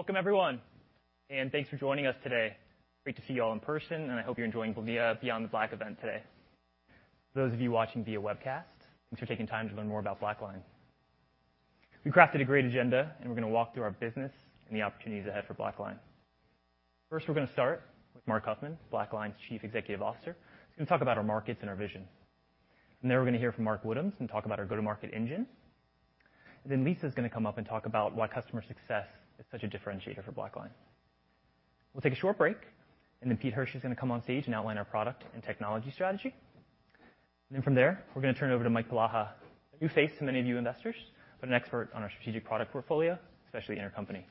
Welcome everyone, and thanks for joining us today. Great to see you all in person, and I hope you're enjoying BeyondTheBlack event today. For those of you watching via webcast, thanks for taking time to learn more about BlackLine. We crafted a great agenda, and we're gonna walk through our business and the opportunities ahead for BlackLine. First, we're gonna start with Marc Huffman, BlackLine's Chief Executive Officer. He's gonna talk about our markets and our vision. From there, we're gonna hear from Mark Woodhams, who'll talk about our go-to-market engine. Lisa is gonna come up and talk about why customer success is such a differentiator for BlackLine. We'll take a short break, and then Pete Hirsch is gonna come on stage and outline our product and technology strategy. Then from there, we're gonna turn it over to Mike Polaha, a new face to many of you investors, but an expert on our strategic product portfolio, especially intercompany.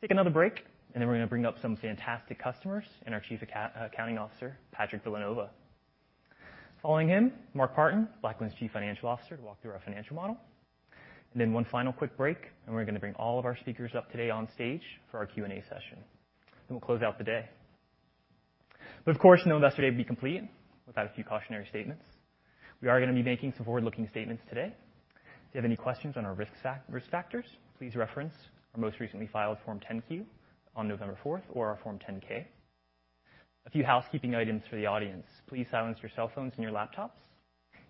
Take another break, and then we're gonna bring up some fantastic customers and our Chief Accounting Officer, Patrick Villanova. Following him, Mark Partin, BlackLine's Chief Financial Officer, to walk through our financial model. Then one final quick break, and we're gonna bring all of our speakers up today on stage for our Q&A session. We'll close out the day. Of course, no Investor Day would be complete without a few cautionary statements. We are gonna be making some forward-looking statements today. If you have any questions on our risk factors, please reference our most recently filed Form 10-Q on November fourth or our Form 10-K. A few housekeeping items for the audience. Please silence your cell phones and your laptops,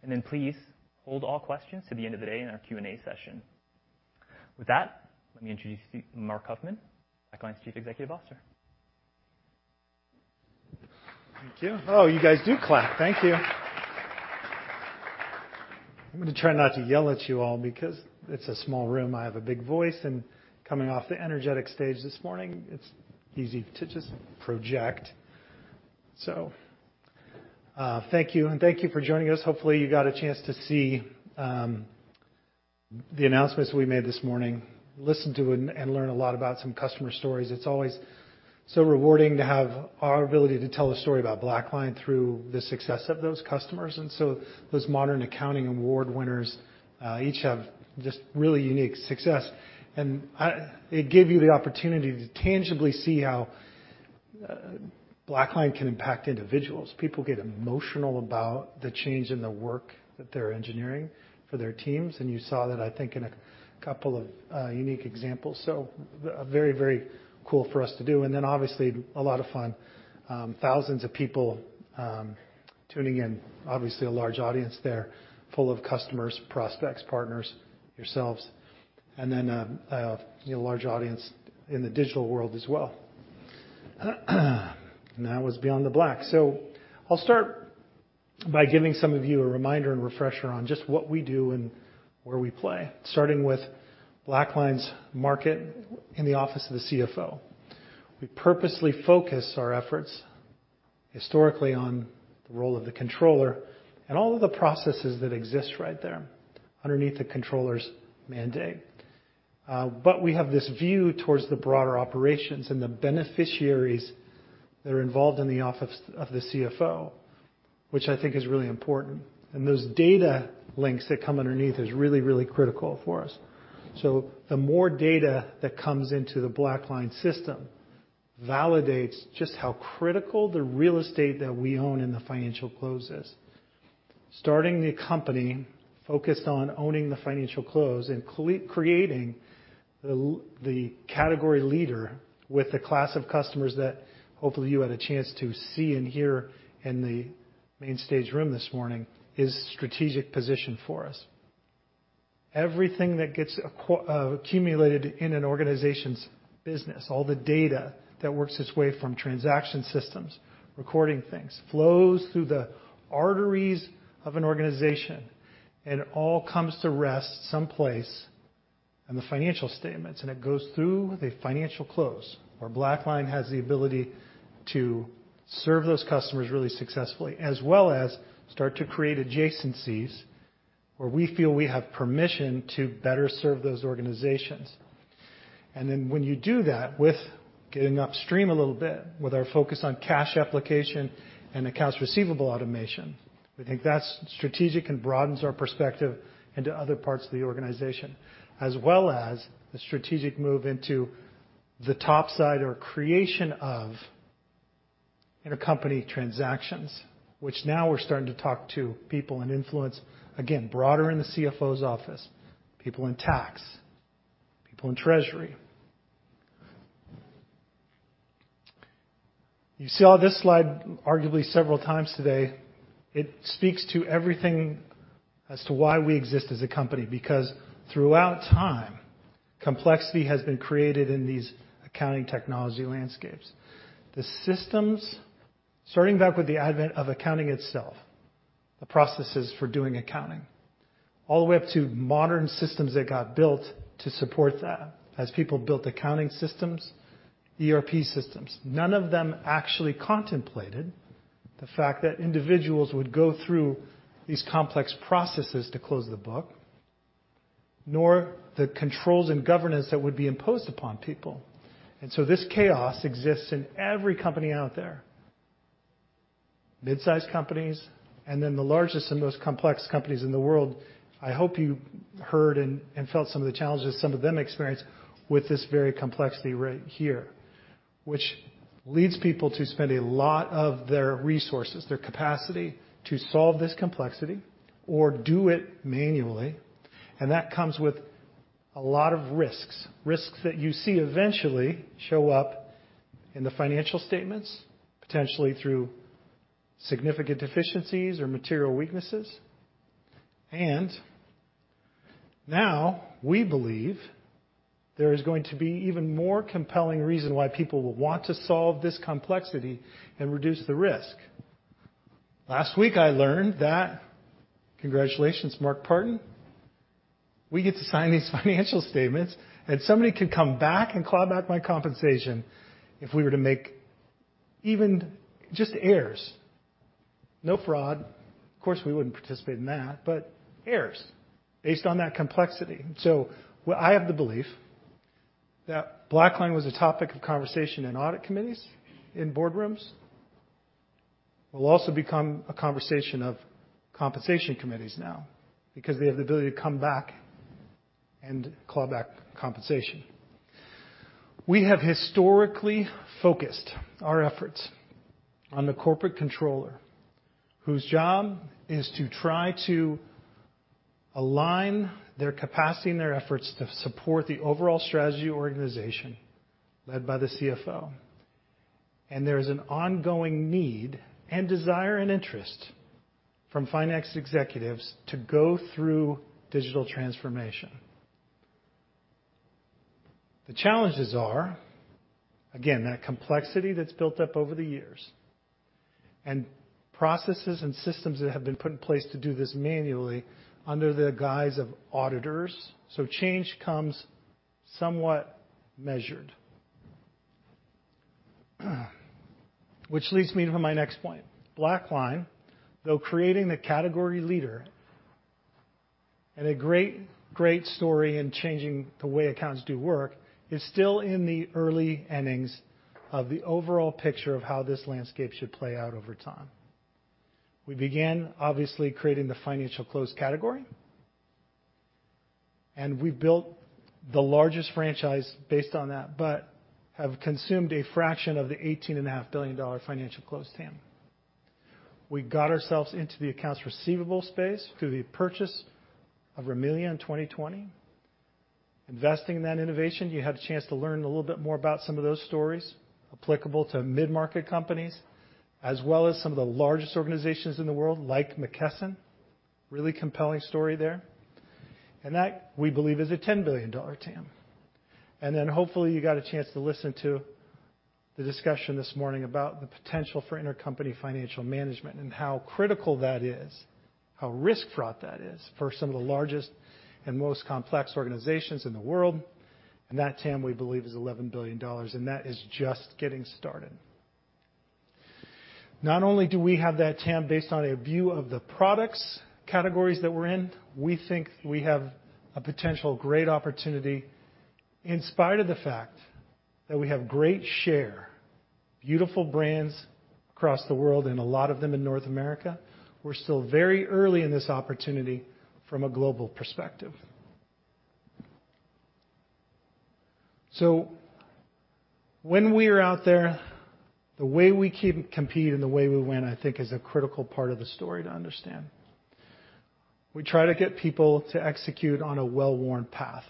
and then please hold all questions to the end of the day in our Q&A session. With that, let me introduce Marc Huffman, BlackLine's Chief Executive Officer. Thank you. Oh, you guys do clap. Thank you. I'm gonna try not to yell at you all because it's a small room. I have a big voice, and coming off the energetic stage this morning, it's easy to just project. Thank you and thank you for joining us. Hopefully, you got a chance to see the announcements we made this morning, listen to and learn a lot about some customer stories. It's always so rewarding to have our ability to tell a story about BlackLine through the success of those customers. Those modern accounting award winners each have just really unique success. It gave you the opportunity to tangibly see how BlackLine can impact individuals. People get emotional about the change in the work that they're engineering for their teams, and you saw that, I think, in a couple of unique examples. Very, very cool for us to do and then obviously a lot of fun. Thousands of people tuning in. Obviously, a large audience there full of customers, prospects, partners, yourselves, and then you know, large audience in the digital world as well. That was BeyondTheBlack. I'll start by giving some of you a reminder and refresher on just what we do and where we play, starting with BlackLine's market in the office of the CFO. We purposely focus our efforts historically on the role of the controller and all of the processes that exist right there underneath the controller's mandate. We have this view towards the broader operations and the beneficiaries that are involved in the office of the CFO, which I think is really important. Those data links that come underneath is really, really critical for us. The more data that comes into the BlackLine system validates just how critical the real estate that we own in the financial close is. Starting the company focused on owning the financial close and creating the category leader with the class of customers that hopefully you had a chance to see and hear in the main stage room this morning, is strategic position for us. Everything that gets accumulated in an organization's business, all the data that works its way from transaction systems, recording things, flows through the arteries of an organization, and it all comes to rest someplace in the financial statements, and it goes through the financial close, where BlackLine has the ability to serve those customers really successfully, as well as start to create adjacencies where we feel we have permission to better serve those organizations. When you do that with getting upstream a little bit with our focus on cash application and accounts receivable automation, we think that's strategic and broadens our perspective into other parts of the organization, as well as the strategic move into the top side or creation of intercompany transactions, which now we're starting to talk to people and influence, again, broader in the CFO's office, people in tax, people in treasury. You saw this slide arguably several times today. It speaks to everything as to why we exist as a company, because throughout time, complexity has been created in these accounting technology landscapes. The systems, starting back with the advent of accounting itself, the processes for doing accounting, all the way up to modern systems that got built to support that. As people built accounting systems, ERP systems, none of them actually contemplated the fact that individuals would go through these complex processes to close the book, nor the controls and governance that would be imposed upon people. This chaos exists in every company out there. Mid-sized companies, and then the largest and most complex companies in the world. I hope you heard and felt some of the challenges some of them experience with this very complexity right here. Which leads people to spend a lot of their resources, their capacity to solve this complexity or do it manually. That comes with a lot of risks that you see eventually show up in the financial statements, potentially through significant deficiencies or material weaknesses. Now we believe there is going to be even more compelling reason why people will want to solve this complexity and reduce the risk. Last week I learned that congratulations, Mark Partin. We get to sign these financial statements and somebody could come back and claw back my compensation if we were to make even just errors. No fraud. Of course, we wouldn't participate in that, but errors based on that complexity. What I have the belief that BlackLine was a topic of conversation in audit committees, in boardrooms, will also become a conversation of compensation committees now because they have the ability to come back and claw back compensation. We have historically focused our efforts on the corporate controller, whose job is to try to align their capacity and their efforts to support the overall strategy organization led by the CFO. There is an ongoing need and desire and interest from finance executives to go through digital transformation. The challenges are, again, that complexity that's built up over the years and processes and systems that have been put in place to do this manually under the guidance of auditors. Change comes somewhat measured. Which leads me to my next point. BlackLine, though creating the category leader and a great story in changing the way accountants do work, is still in the early innings of the overall picture of how this landscape should play out over time. We began obviously creating the financial close category, and we've built the largest franchise based on that, but have consumed a fraction of the $18.5 billion financial close TAM. We got ourselves into the accounts receivable space through the purchase of Rimilia in 2020. Investing in that innovation, you had a chance to learn a little bit more about some of those stories applicable to mid-market companies, as well as some of the largest organizations in the world, like McKesson. Really compelling story there. That, we believe is a $10 billion TAM. Hopefully you got a chance to listen to the discussion this morning about the potential for intercompany financial management and how critical that is, how risk-fraught that is for some of the largest and most complex organizations in the world. That TAM, we believe, is $11 billion, and that is just getting started. Not only do we have that TAM based on a view of the product categories that we're in, we think we have a potential great opportunity in spite of the fact that we have great share, beautiful brands across the world, and a lot of them in North America. We're still very early in this opportunity from a global perspective. When we are out there, the way we compete and the way we win, I think is a critical part of the story to understand. We try to get people to execute on a well-worn path.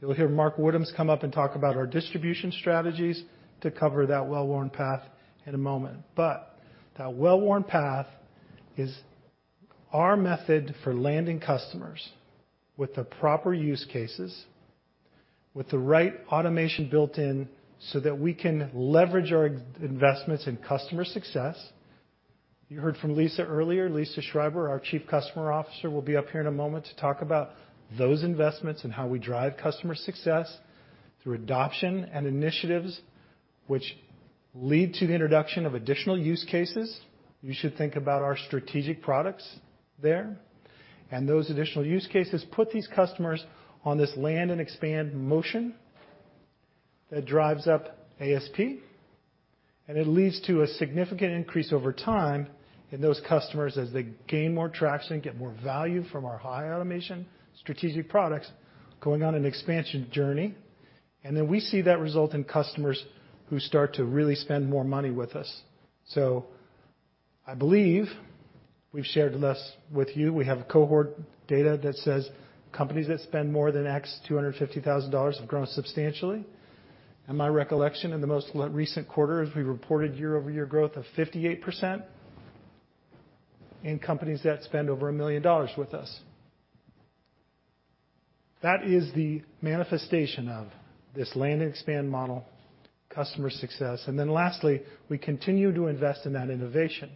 You'll hear Mark Woodhams come up and talk about our distribution strategies to cover that well-worn path in a moment. That well-worn path is our method for landing customers with the proper use cases, with the right automation built in so that we can leverage our existing investments in customer success. You heard from Lisa earlier. Lisa Schreiber, our Chief Customer Officer, will be up here in a moment to talk about those investments and how we drive customer success through adoption and initiatives which lead to the introduction of additional use cases. You should think about our strategic products there. Those additional use cases put these customers on this land and expand motion that drives up ASP, and it leads to a significant increase over time in those customers as they gain more traction, get more value from our high automation strategic products going on an expansion journey. We see that result in customers who start to really spend more money with us. I believe we've shared this with you. We have cohort data that says companies that spend more than $250,000 have grown substantially. My recollection in the most recent quarter is we reported year-over-year growth of 58% in companies that spend over $1 million with us. That is the manifestation of this land and expand model, customer success. Lastly, we continue to invest in that innovation.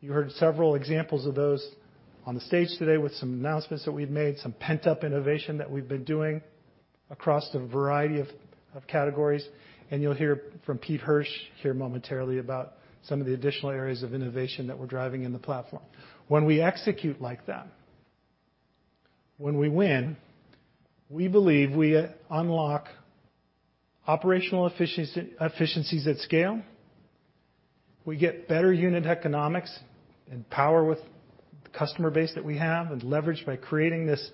You heard several examples of those on the stage today with some announcements that we've made, some pent-up innovation that we've been doing across a variety of categories. You'll hear from Pete Hirsch here momentarily about some of the additional areas of innovation that we're driving in the platform. When we execute like that, when we win, we believe we unlock operational efficiencies at scale. We get better unit economics and empower with the customer base that we have and leverage by creating this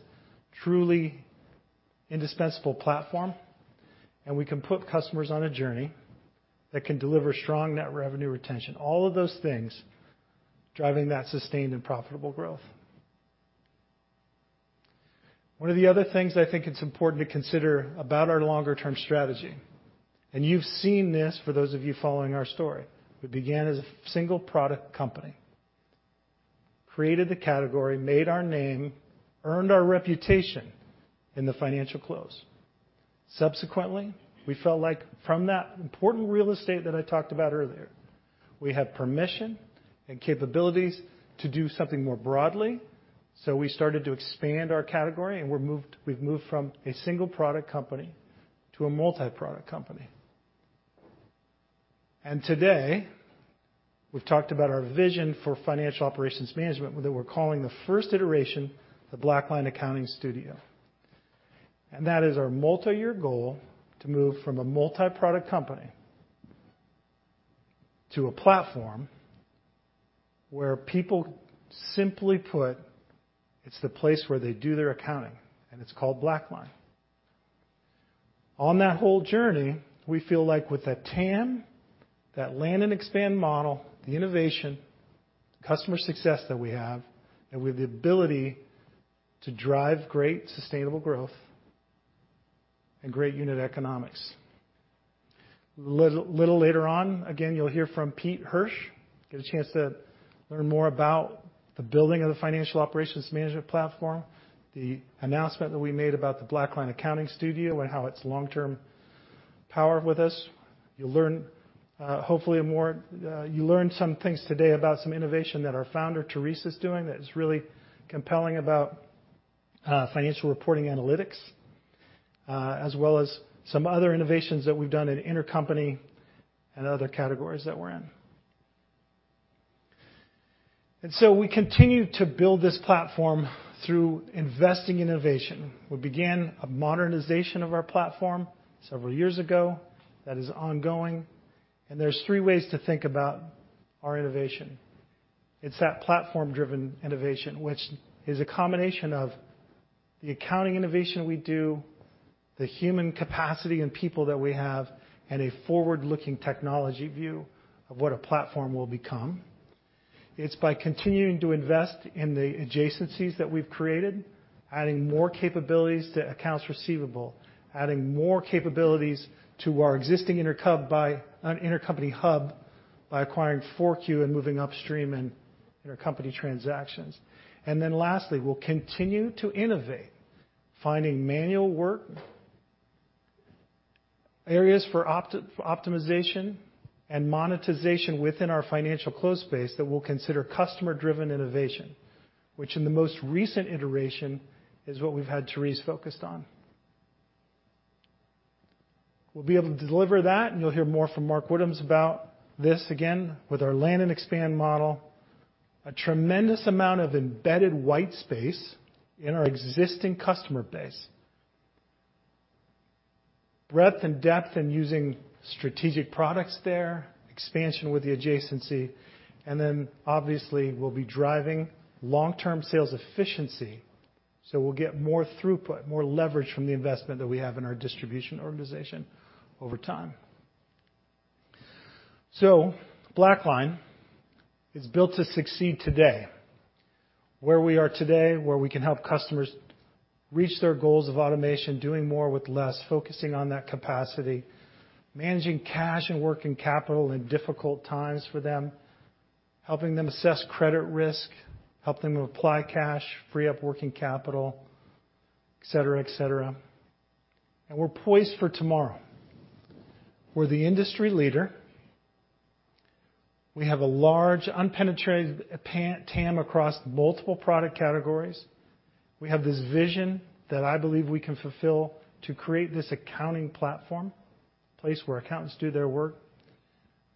truly indispensable platform. We can put customers on a journey that can deliver strong net revenue retention, all of those things driving that sustained and profitable growth. One of the other things I think it's important to consider about our longer-term strategy, and you've seen this for those of you following our story. We began as a single product company, created the category, made our name, earned our reputation in the financial close. Subsequently, we felt like from that important real estate that I talked about earlier, we had permission and capabilities to do something more broadly. We started to expand our category, and we've moved from a single product company to a multi-product company. Today, we've talked about our vision for financial operations management, that we're calling the first iteration, the BlackLine Accounting Studio. That is our multi-year goal to move from a multi-product company to a platform where people simply put, it's the place where they do their accounting, and it's called BlackLine. On that whole journey, we feel like with that TAM, that land and expand model, the innovation, customer success that we have, and with the ability to drive great sustainable growth and great unit economics. A little later on, again, you'll hear from Pete Hirsch, get a chance to learn more about the building of the financial operations management platform, the announcement that we made about the BlackLine Accounting Studio and how it's long-term power with us. You'll learn some things today about some innovation that our founder, Therese, is doing that is really compelling about Financial Reporting Analytics, as well as some other innovations that we've done in intercompany and other categories that we're in. We continue to build this platform through investing innovation. We began a modernization of our platform several years ago that is ongoing, and there's three ways to think about our innovation. It's that platform-driven innovation, which is a combination of the accounting innovation we do, the human capacity and people that we have, and a forward-looking technology view of what a platform will become. It's by continuing to invest in the adjacencies that we've created, adding more capabilities to accounts receivable, adding more capabilities to our existing intercompany hub by acquiring FourQ, and moving upstream in our intercompany transactions. Then lastly, we'll continue to innovate, finding manual work areas for optimization and monetization within our financial close space that we'll consider customer-driven innovation, which in the most recent iteration is what we've had Therese focused on. We'll be able to deliver that, and you'll hear more from Mark Woodhams about this again with our land and expand model. A tremendous amount of embedded white space in our existing customer base. Breadth and depth and using strategic products there, expansion with the adjacency, and then obviously, we'll be driving long-term sales efficiency. We'll get more throughput, more leverage from the investment that we have in our distribution organization over time. BlackLine is built to succeed today. Where we are today, where we can help customers reach their goals of automation, doing more with less, focusing on that capacity, managing cash and working capital in difficult times for them, helping them assess credit risk, help them apply cash, free up working capital, et cetera, et cetera. We're poised for tomorrow. We're the industry leader. We have a large unpenetrated TAM across multiple product categories. We have this vision that I believe we can fulfill to create this accounting platform, place where accountants do their work,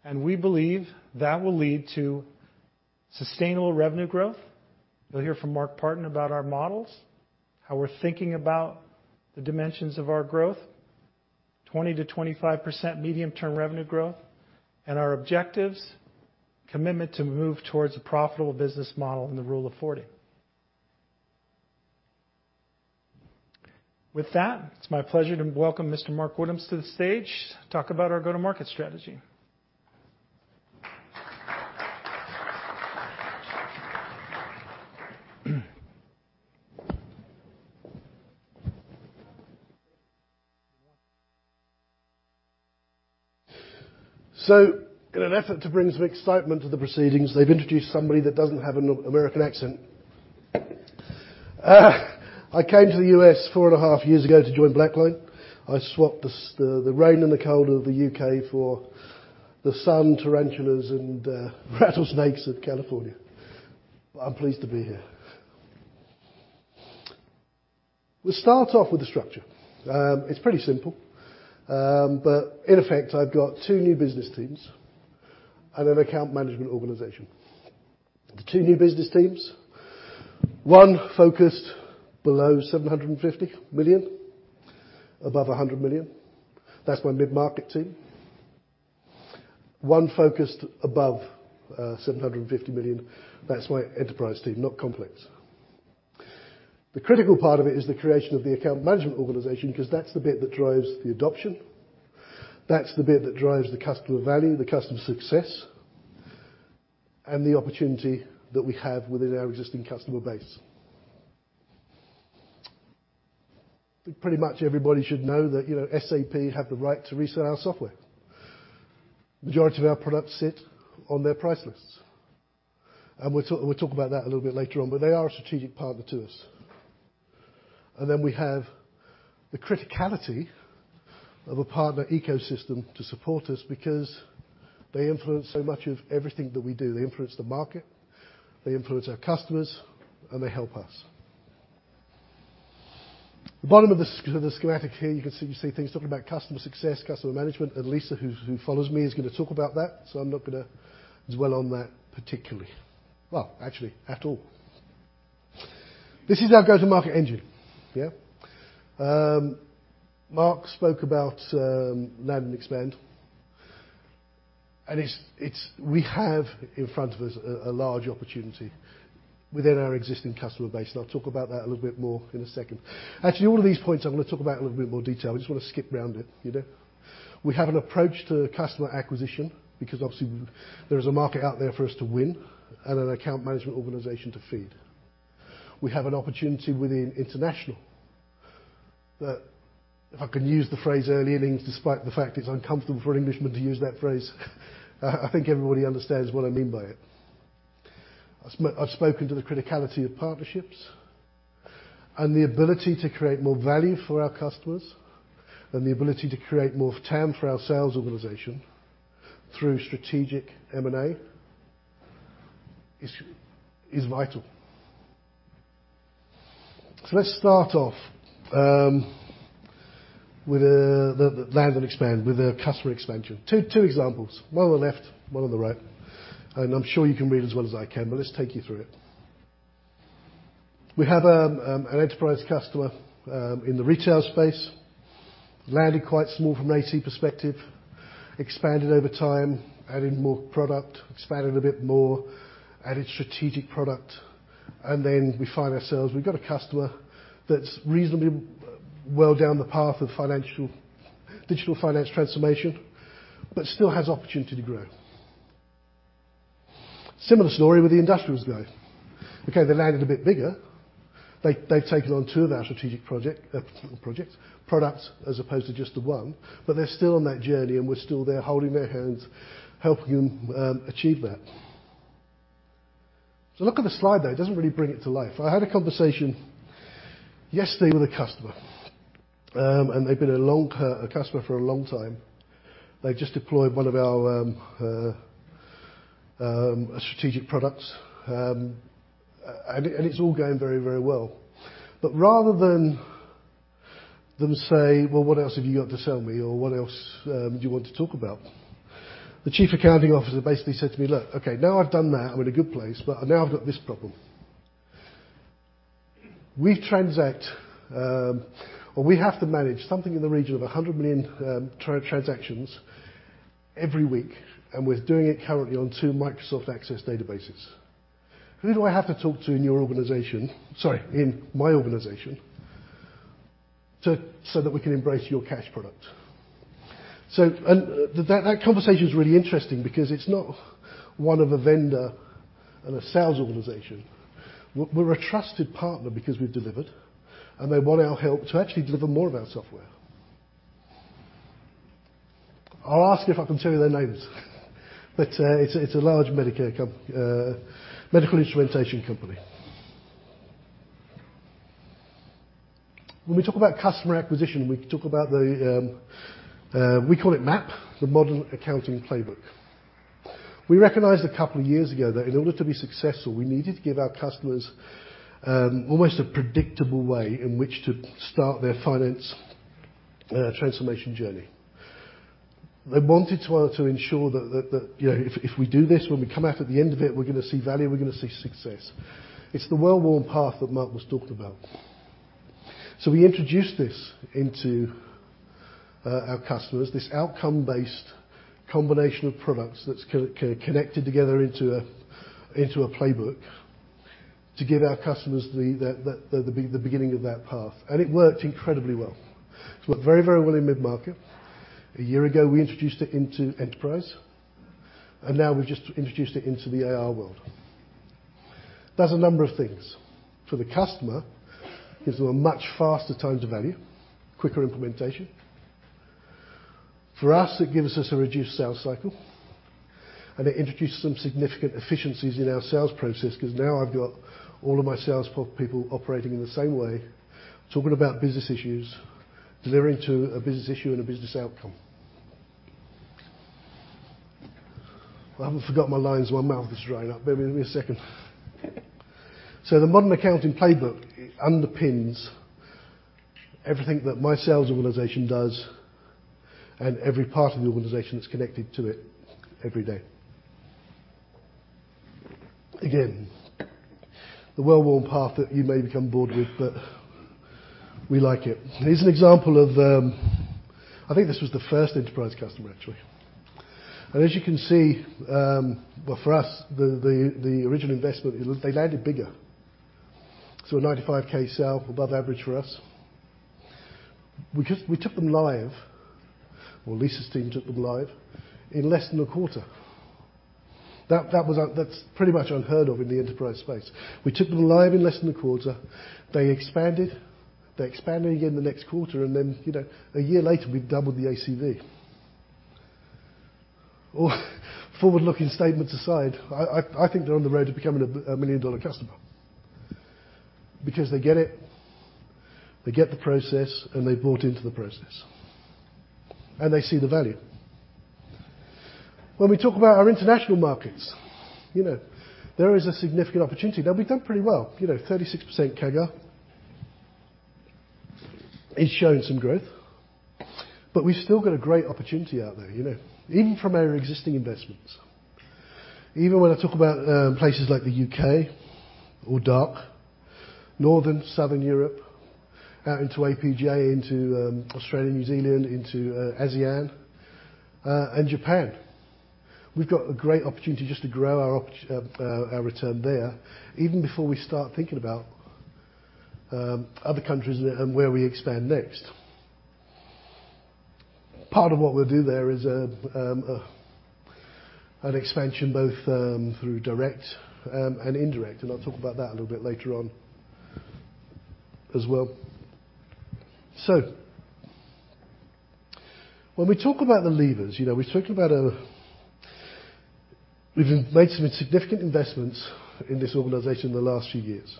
and we believe that will lead to sustainable revenue growth. You'll hear from Mark Partin about our models, how we're thinking about the dimensions of our growth, 20%-25% medium-term revenue growth, and our objectives, commitment to move towards a profitable business model in the Rule of 40. With that, it's my pleasure to welcome Mr. Mark Woodhams to the stage to talk about our go-to-market strategy. In an effort to bring some excitement to the proceedings, they've introduced somebody that doesn't have an American accent. I came to the U.S. four and a half years ago to join BlackLine. I swapped the rain and the cold of the U.K. for the sun, tarantulas, and rattlesnakes of California. I'm pleased to be here. We start off with the structure. It's pretty simple. In effect, I've got two new business teams and an account management organization. The two new business teams. One focused below $750 million, above $100 million. That's my mid-market team. One focused above $750 million. That's my enterprise team, not complex. The critical part of it is the creation of the account management organization because that's the bit that drives the adoption. That's the bit that drives the customer value, the customer success, and the opportunity that we have within our existing customer base. Pretty much everybody should know that, you know, SAP have the right to resell our software. Majority of our products sit on their price lists. We'll talk about that a little bit later on, but they are a strategic partner to us. Then we have the criticality of a partner ecosystem to support us because they influence so much of everything that we do. They influence the market, they influence our customers, and they help us. The bottom of the schematic here, you can see things talking about customer success, customer management, and Lisa, who follows me, is gonna talk about that, so I'm not gonna dwell on that particularly. Well, actually, at all. This is our go-to-market engine. Yeah. Marc spoke about land and expand. It's we have in front of us a large opportunity within our existing customer base, and I'll talk about that a little bit more in a second. Actually, all of these points I'm gonna talk about in a little bit more detail. I just wanna skip round it, you know. We have an approach to customer acquisition because obviously there is a market out there for us to win and an account management organization to feed. We have an opportunity within international that if I can use the phrase early innings, despite the fact it's uncomfortable for an Englishman to use that phrase, I think everybody understands what I mean by it. I've spoken to the criticality of partnerships and the ability to create more value for our customers, and the ability to create more TAM for our sales organization through strategic M&A is vital. Let's start off with the land and expand, with the customer expansion. Two examples, one on the left, one on the right, and I'm sure you can read as well as I can, but let's take you through it. We have an enterprise customer in the retail space, landed quite small from an ACV perspective, expanded over time, adding more product, expanded a bit more, added strategic product, and then we find ourselves. We've got a customer that's reasonably well down the path of digital finance transformation, but still has opportunity to grow. Similar story with the industrials guy. Okay, they landed a bit bigger. They've taken on two of our strategic products as opposed to just the one, but they're still on that journey, and we're still there holding their hands, helping them achieve that. Look at the slide there. It doesn't really bring it to life. I had a conversation yesterday with a customer, and they've been a customer for a long time. They just deployed one of our strategic products, and it's all going very, very well. Rather than them say, "Well, what else have you got to sell me?" Or, "What else do you want to talk about?" The Chief Accounting Officer basically said to me, "Look, okay, now I've done that, I'm in a good place, but now I've got this problem. We transact, or we have to manage something in the region of 100 million transactions every week, and we're doing it currently on two Microsoft Access databases. "Who do I have to talk to in your organization, sorry, in my organization to so that we can embrace your cash product?" That conversation is really interesting because it's not one of a vendor and a sales organization. We're a trusted partner because we've delivered, and they want our help to actually deliver more of our software. I'll ask if I can tell you their names, but it's a large medical instrumentation company. When we talk about customer acquisition, we talk about we call it MAP, the Modern Accounting Playbook. We recognized a couple of years ago that in order to be successful, we needed to give our customers almost a predictable way in which to start their finance transformation journey. They wanted to ensure that, you know, if we do this, when we come out at the end of it, we're gonna see value, we're gonna see success. It's the well-worn path that Marc was talking about. We introduced this into our customers, this outcome-based combination of products that's connected together into a playbook to give our customers the beginning of that path, and it worked incredibly well. It's worked very well in mid-market. A year ago, we introduced it into enterprise, and now we've just introduced it into the AR world. It does a number of things. For the customer, gives them a much faster time to value, quicker implementation. For us, it gives us a reduced sales cycle, and it introduces some significant efficiencies in our sales process because now I've got all of my salespeople operating in the same way, talking about business issues, delivering to a business issue and a business outcome. Well, I haven't forgot my lines, my mouth is drying up. Bear with me a second. The Modern Accounting Playbook underpins everything that my sales organization does and every part of the organization is connected to it every day. Again, the well-worn path that you may become bored with, but we like it. Here's an example of, I think this was the first enterprise customer actually. As you can see, well, for us, the original investment, they landed bigger. A $95K sale, above average for us. We took them live, or Lisa's team took them live in less than a quarter. That was unheard of in the enterprise space. We took them live in less than a quarter. They expanded again the next quarter, and then, you know, a year later, we've doubled the ACV. Forward-looking statements aside, I think they're on the road to becoming a million-dollar customer because they get it, they get the process, and they've bought into the process, and they see the value. When we talk about our international markets, you know, there is a significant opportunity. Now we've done pretty well, you know, 36% CAGR is showing some growth, but we've still got a great opportunity out there, you know. Even from our existing investments, even when I talk about places like the U.K. or DACH, Northern, Southern Europe, out into APJ, into Australia, New Zealand, into ASEAN and Japan. We've got a great opportunity just to grow our return there even before we start thinking about other countries and where we expand next. Part of what we'll do there is an expansion both through direct and indirect, and I'll talk about that a little bit later on as well. When we talk about the levers, you know, we've talked about we've made some significant investments in this organization in the last few years.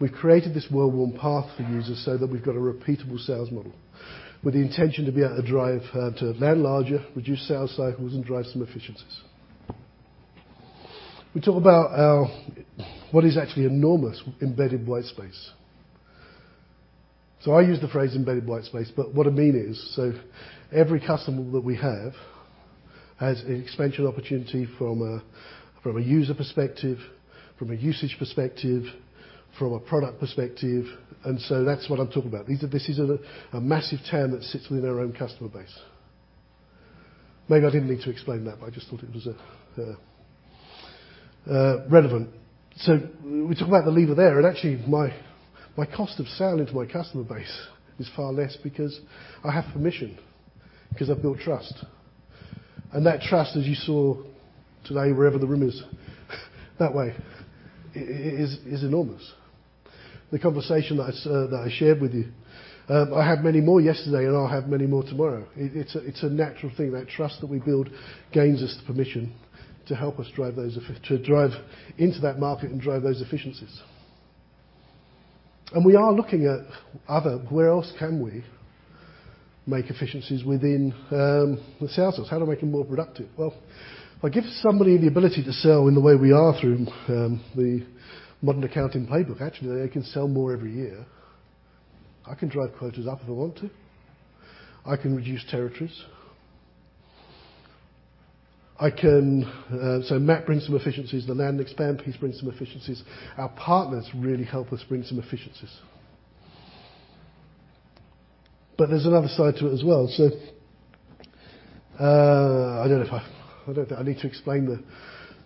We've created this well-worn path for users so that we've got a repeatable sales model with the intention to be able to drive to land larger, reduce sales cycles, and drive some efficiencies. We talk about our what is actually enormous embedded white space. I use the phrase embedded white space, but what I mean is, every customer that we have has an expansion opportunity from a user perspective, from a usage perspective, from a product perspective, and so that's what I'm talking about. This is a massive TAM that sits within our own customer base. Maybe I didn't need to explain that, but I just thought it was relevant. We talk about the lever there, and actually my cost of selling to my customer base is far less because I have permission, because I've built trust. That trust, as you saw today, wherever the room is that way, is enormous. The conversation that I shared with you, I had many more yesterday, and I'll have many more tomorrow. It's a natural thing. That trust that we build gains us the permission to help us drive those efficiencies into that market and drive those efficiencies. We are looking at other. Where else can we make efficiencies within the sales force? How do I make them more productive? Well, if I give somebody the ability to sell in the way we are through the Modern Accounting Playbook, actually, they can sell more every year. I can drive quotas up if I want to. I can reduce territories. I can. MAP brings some efficiencies. The land and expand piece brings some efficiencies. Our partners really help us bring some efficiencies. There's another side to it as well. I don't think I need to explain the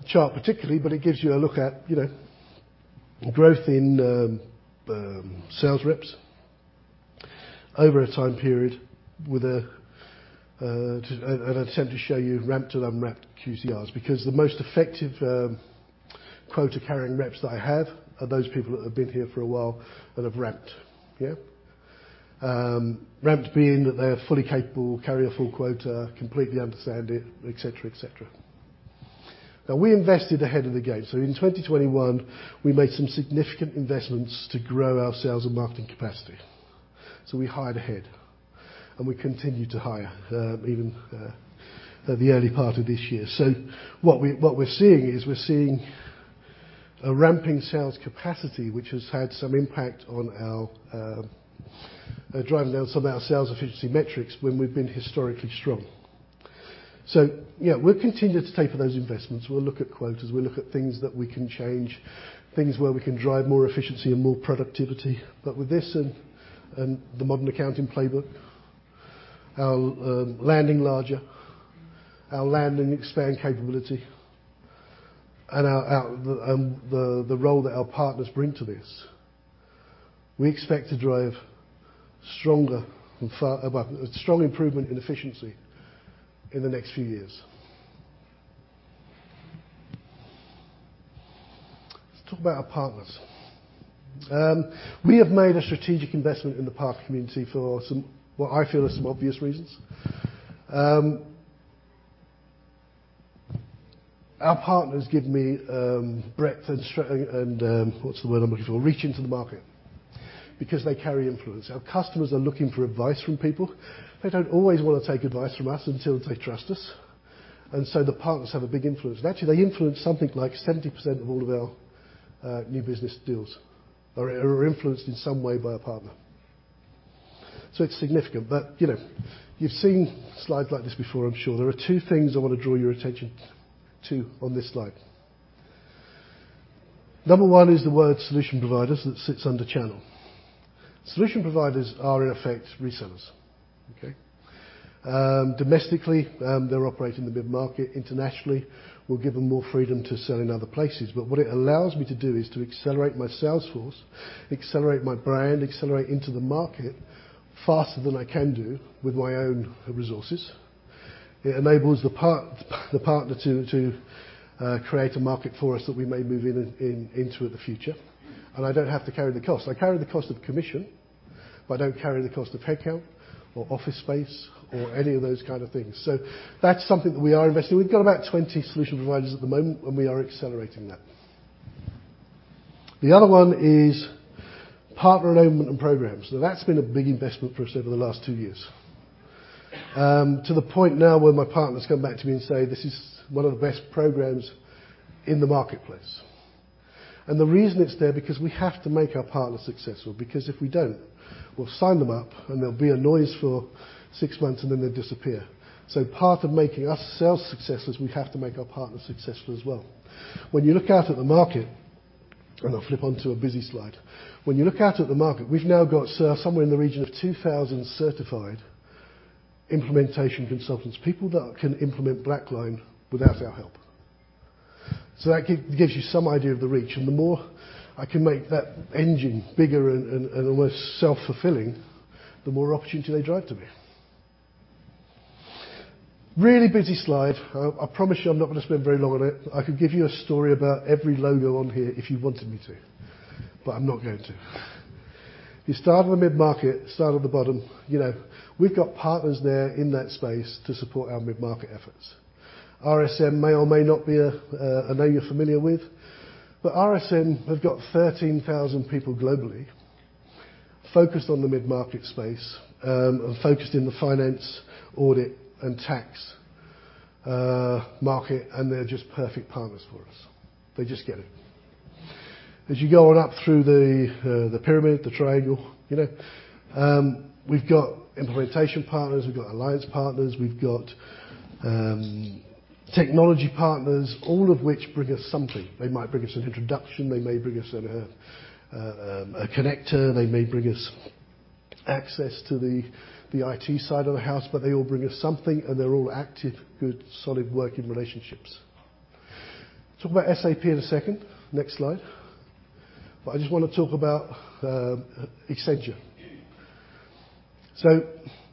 chart particularly, but it gives you a look at, you know, growth in sales reps over a time period with an attempt to show you ramped and unramped QCRs because the most effective quota-carrying reps that I have are those people that have been here for a while and have ramped. Ramped being that they're fully capable, carry a full quota, completely understand it, et cetera, et cetera. Now we invested ahead of the game. In 2021, we made some significant investments to grow our sales and marketing capacity. We hired ahead, and we continued to hire even at the early part of this year. What we're seeing is a ramping sales capacity which has had some impact on our driving down some of our sales efficiency metrics when we've been historically strong. Yeah, we'll continue to taper those investments. We'll look at quotas. We'll look at things that we can change, things where we can drive more efficiency and more productivity. With this and the Modern Accounting Playbook, our landing larger, our land and expand capability, and the role that our partners bring to this, we expect to drive stronger, well, a strong improvement in efficiency in the next few years. Let's talk about our partners. We have made a strategic investment in the partner community for some, what I feel are some obvious reasons. Our partners give me breadth and reach into the market because they carry influence. Our customers are looking for advice from people. They don't always want to take advice from us until they trust us. The partners have a big influence. Actually, they influence something like 70% of all of our new business deals are influenced in some way by a partner. It's significant. You know, you've seen slides like this before, I'm sure. There are two things I wanna draw your attention to on this slide. Number one is the word solution providers that sits under channel. Solution providers are, in effect, resellers. Okay? Domestically, they operate in the mid-market. Internationally, we'll give them more freedom to sell in other places. What it allows me to do is to accelerate my sales force, accelerate my brand, accelerate into the market faster than I can do with my own resources. It enables the partner to create a market for us that we may move into the future, and I don't have to carry the cost. I carry the cost of commission, but I don't carry the cost of headcount or office space or any of those kind of things. That's something that we are investing. We've got about 20 solution providers at the moment, and we are accelerating that. The other one is partner enablement and programs. That's been a big investment for us over the last two years. To the point now where my partners come back to me and say, "This is one of the best programs in the marketplace." The reason it's there, because we have to make our partners successful because if we don't, we'll sign them up and there'll be a noise for six months, and then they disappear. So part of making us sales successes, we have to make our partners successful as well. When you look out at the market. I'll flip onto a busy slide. When you look out at the market, we've now got somewhere in the region of 2,000 certified implementation consultants, people that can implement BlackLine without our help. So that gives you some idea of the reach. The more I can make that engine bigger and almost self-fulfilling, the more opportunity they drive to me. Really busy slide. I promise you I'm not gonna spend very long on it. I could give you a story about every logo on here if you wanted me to, but I'm not going to. You start with mid-market, start at the bottom. You know, we've got partners there in that space to support our mid-market efforts. RSM may or may not be a name you're familiar with, but RSM have got 13,000 people globally focused on the mid-market space, focused in the finance, audit, and tax market, and they're just perfect partners for us. They just get it. As you go on up through the pyramid, the triangle, you know, we've got implementation partners, we've got alliance partners, we've got technology partners, all of which bring us something. They might bring us an introduction, they may bring us in a a connector, they may bring us access to the IT side of the house, but they all bring us something, and they're all active, good, solid working relationships. Talk about SAP in a second. Next slide. I just wanna talk about Accenture.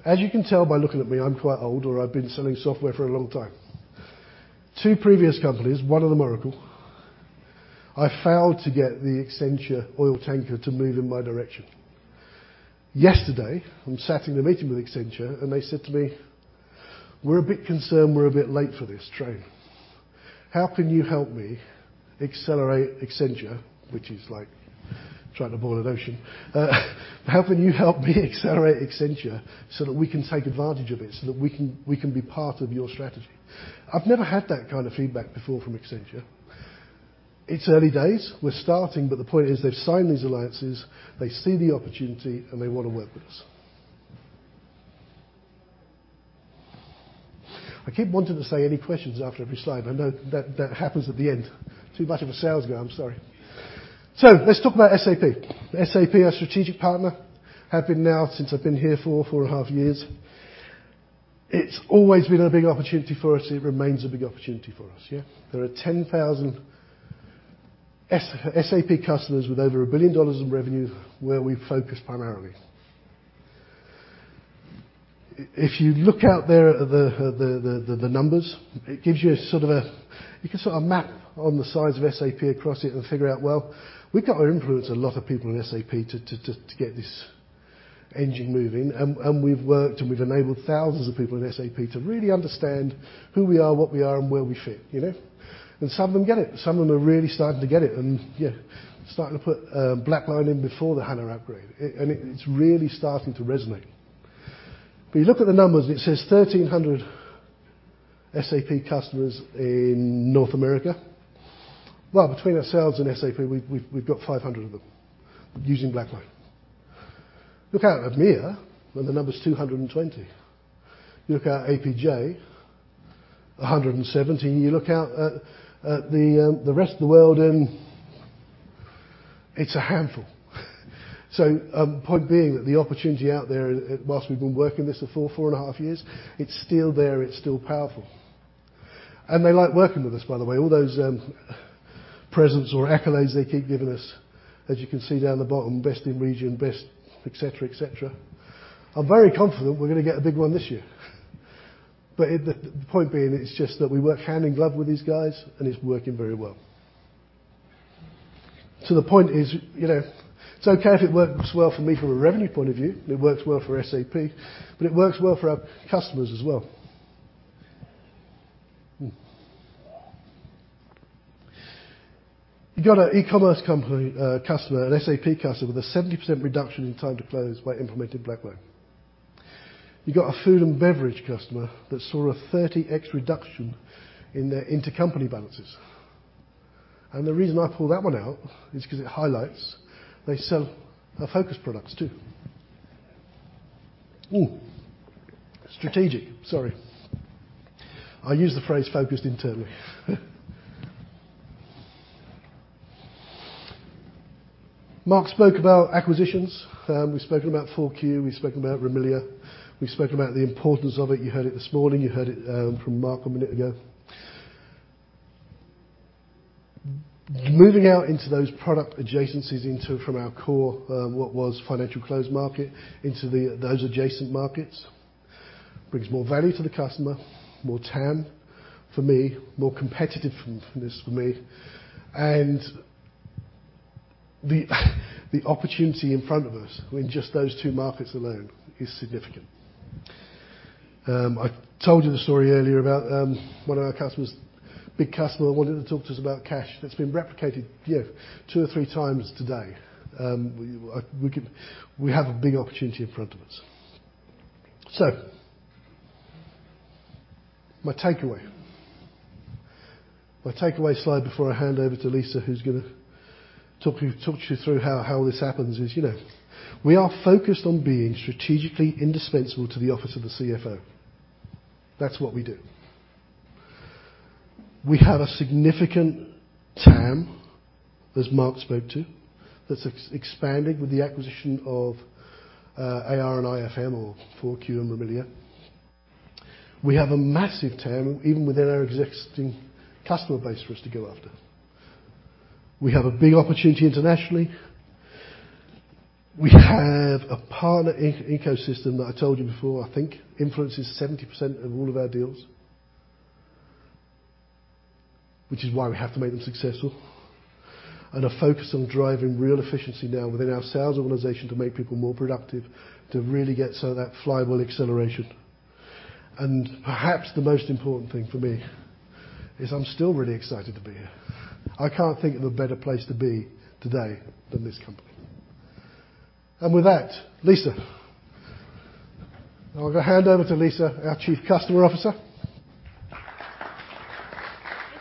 As you can tell by looking at me, I'm quite old, or I've been selling software for a long time. Two previous companies, one of them Oracle, I failed to get the Accenture oil tanker to move in my direction. Yesterday, I'm sat in a meeting with Accenture, and they said to me, "We're a bit concerned we're a bit late for this train. How can you help me accelerate Accenture?" Which is like trying to boil an ocean. How can you help me accelerate Accenture so that we can take advantage of it, so that we can be part of your strategy?" I've never had that kind of feedback before from Accenture. It's early days. We're starting, but the point is they've signed these alliances, they see the opportunity, and they wanna work with us. I keep wanting to say any questions after every slide. I know that happens at the end. Too much of a sales guy, I'm sorry. Let's talk about SAP. SAP, our strategic partner, have been now since I've been here for four and a half years. It's always been a big opportunity for us. It remains a big opportunity for us. Yeah? There are 10,000 SAP customers with over $1 billion in revenue where we focus primarily. If you look out there at the numbers, it gives you sort of a. You can sort of map on the size of SAP across it and figure out, well, we've got to influence a lot of people in SAP to get this engine moving. We've worked, and we've enabled thousands of people in SAP to really understand who we are, what we are, and where we fit, you know? Some of them get it. Some of them are really starting to get it and, yeah, starting to put BlackLine in before the HANA upgrade. It's really starting to resonate. You look at the numbers, and it says 1,300 SAP customers in North America. Well, between ourselves and SAP, we've got 500 of them using BlackLine. Look out at EMEA, and the number's 220. You look out APJ, 170. You look out at the rest of the world, and it's a handful. Point being that the opportunity out there, while we've been working this for 4.5 Years, it's still there, it's still powerful. They like working with us, by the way. All those presents or accolades they keep giving us, as you can see down the bottom, best in region, best, et cetera, et cetera. I'm very confident we're gonna get a big one this year. The point being is just that we work hand in glove with these guys, and it's working very well. The point is, you know, it's okay if it works well for me from a revenue point of view, and it works well for SAP, but it works well for our customers as well. You got an e-commerce company, customer, an SAP customer with a 70% reduction in time to close by implementing BlackLine. You got a food and beverage customer that saw a 30x reduction in their intercompany balances. And the reason I pull that one out is 'cause it highlights they sell our focus products too. Strategic. Sorry. I use the phrase focused internally. Marc spoke about acquisitions. We spoke about FourQ,. We spoke about Rimilia. We spoke about the importance of it. You heard it this morning. You heard it from Marc a minute ago. Moving out into those product adjacencies from our core, what was financial close market into those adjacent markets brings more value to the customer, more TAM for me, more competitiveness for me. The opportunity in front of us in just those two markets alone is significant. I told you the story earlier about one of our big customers wanted to talk to us about cash. That's been replicated, you know, 2x or 3x today. We have a big opportunity in front of us. My takeaway. My takeaway slide before I hand over to Lisa, who's gonna talk to you through how this happens is, you know, we are focused on being strategically indispensable to the office of the CFO. That's what we do. We have a significant TAM, as Mark spoke to, that's expanding with the acquisition of AR and IFM or FourQ, and Rimilia. We have a massive TAM even within our existing customer base for us to go after. We have a big opportunity internationally. We have a partner ecosystem that I told you before, I think influences 70% of all of our deals. Which is why we have to make them successful. A focus on driving real efficiency now within our sales organization to make people more productive, to really get some of that flywheel acceleration. Perhaps the most important thing for me is I'm still really excited to be here. I can't think of a better place to be today than this company. With that, Lisa. I'll hand over to Lisa, our Chief Customer Officer. Thank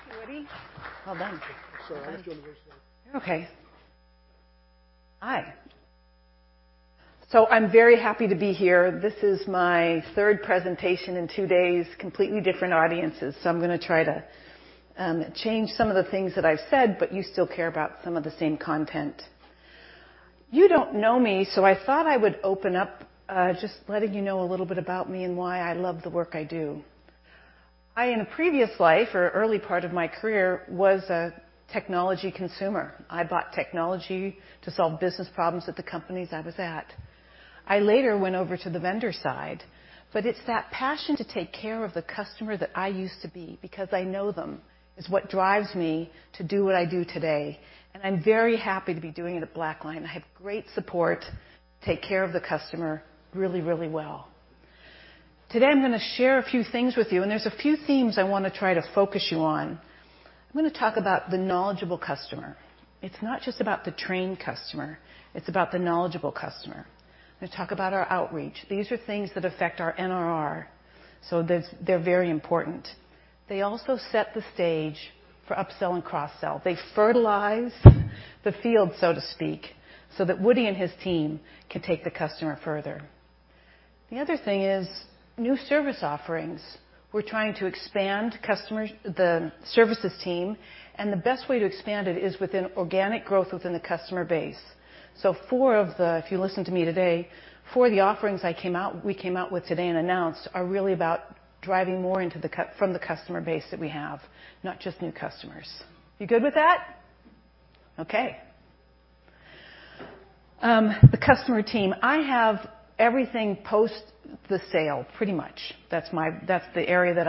you, Woody. Oh, thank you. Sorry. I just wanna make sure. Okay. Hi. I'm very happy to be here. This is my third presentation in two days, completely different audiences. I'm gonna try to change some of the things that I've said, but you still care about some of the same content. You don't know me, so I thought I would open up just letting you know a little bit about me and why I love the work I do. In a previous life or early part of my career, I was a technology consumer. I bought technology to solve business problems at the companies I was at. I later went over to the vendor side, but it's that passion to take care of the customer that I used to be because I know them, is what drives me to do what I do today. I'm very happy to be doing it at BlackLine. I have great support, take care of the customer really, really well. Today, I'm gonna share a few things with you, and there's a few themes I wanna try to focus you on. I'm gonna talk about the knowledgeable customer. It's not just about the trained customer, it's about the knowledgeable customer. I'm gonna talk about our outreach. These are things that affect our NRR, so that's, they're very important. They also set the stage for upsell and cross-sell. They fertilize the field, so to speak, so that Woody and his team can take the customer further. The other thing is new service offerings. We're trying to expand customers, the services team, and the best way to expand it is within organic growth within the customer base. If you listened to me today, four of the offerings we came out with today and announced are really about driving more from the customer base that we have, not just new customers. You good with that? Okay. The customer team. I have everything post the sale, pretty much. That's the area that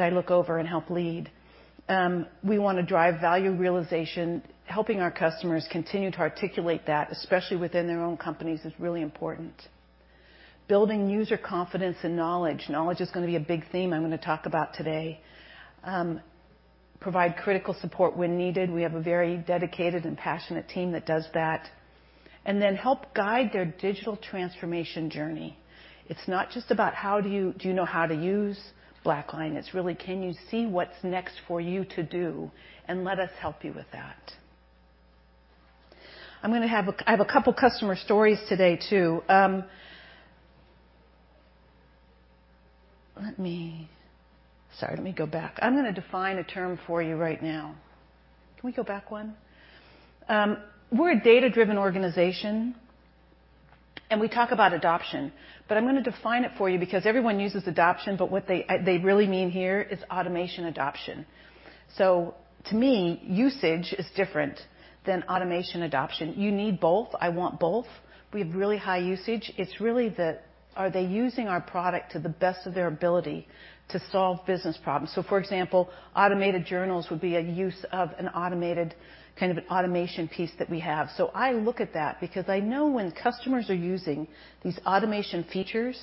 I look over and help lead. We wanna drive value realization. Helping our customers continue to articulate that, especially within their own companies, is really important. Building user confidence and knowledge. Knowledge is gonna be a big theme I'm gonna talk about today. Provide critical support when needed. We have a very dedicated and passionate team that does that. Help guide their digital transformation journey. It's not just about how do you know how to use BlackLine? It's really, can you see what's next for you to do, and let us help you with that. I have a couple customer stories today too. Sorry, let me go back. I'm gonna define a term for you right now. Can we go back one? We're a data-driven organization, and we talk about adoption, but I'm gonna define it for you because everyone uses adoption, but what they really mean here is automation adoption. So to me, usage is different than automation adoption. You need both. I want both. We have really high usage. It's really, are they using our product to the best of their ability to solve business problems? For example, automated journals would be a use of an automated kind of an automation piece that we have. I look at that because I know when customers are using these automation features,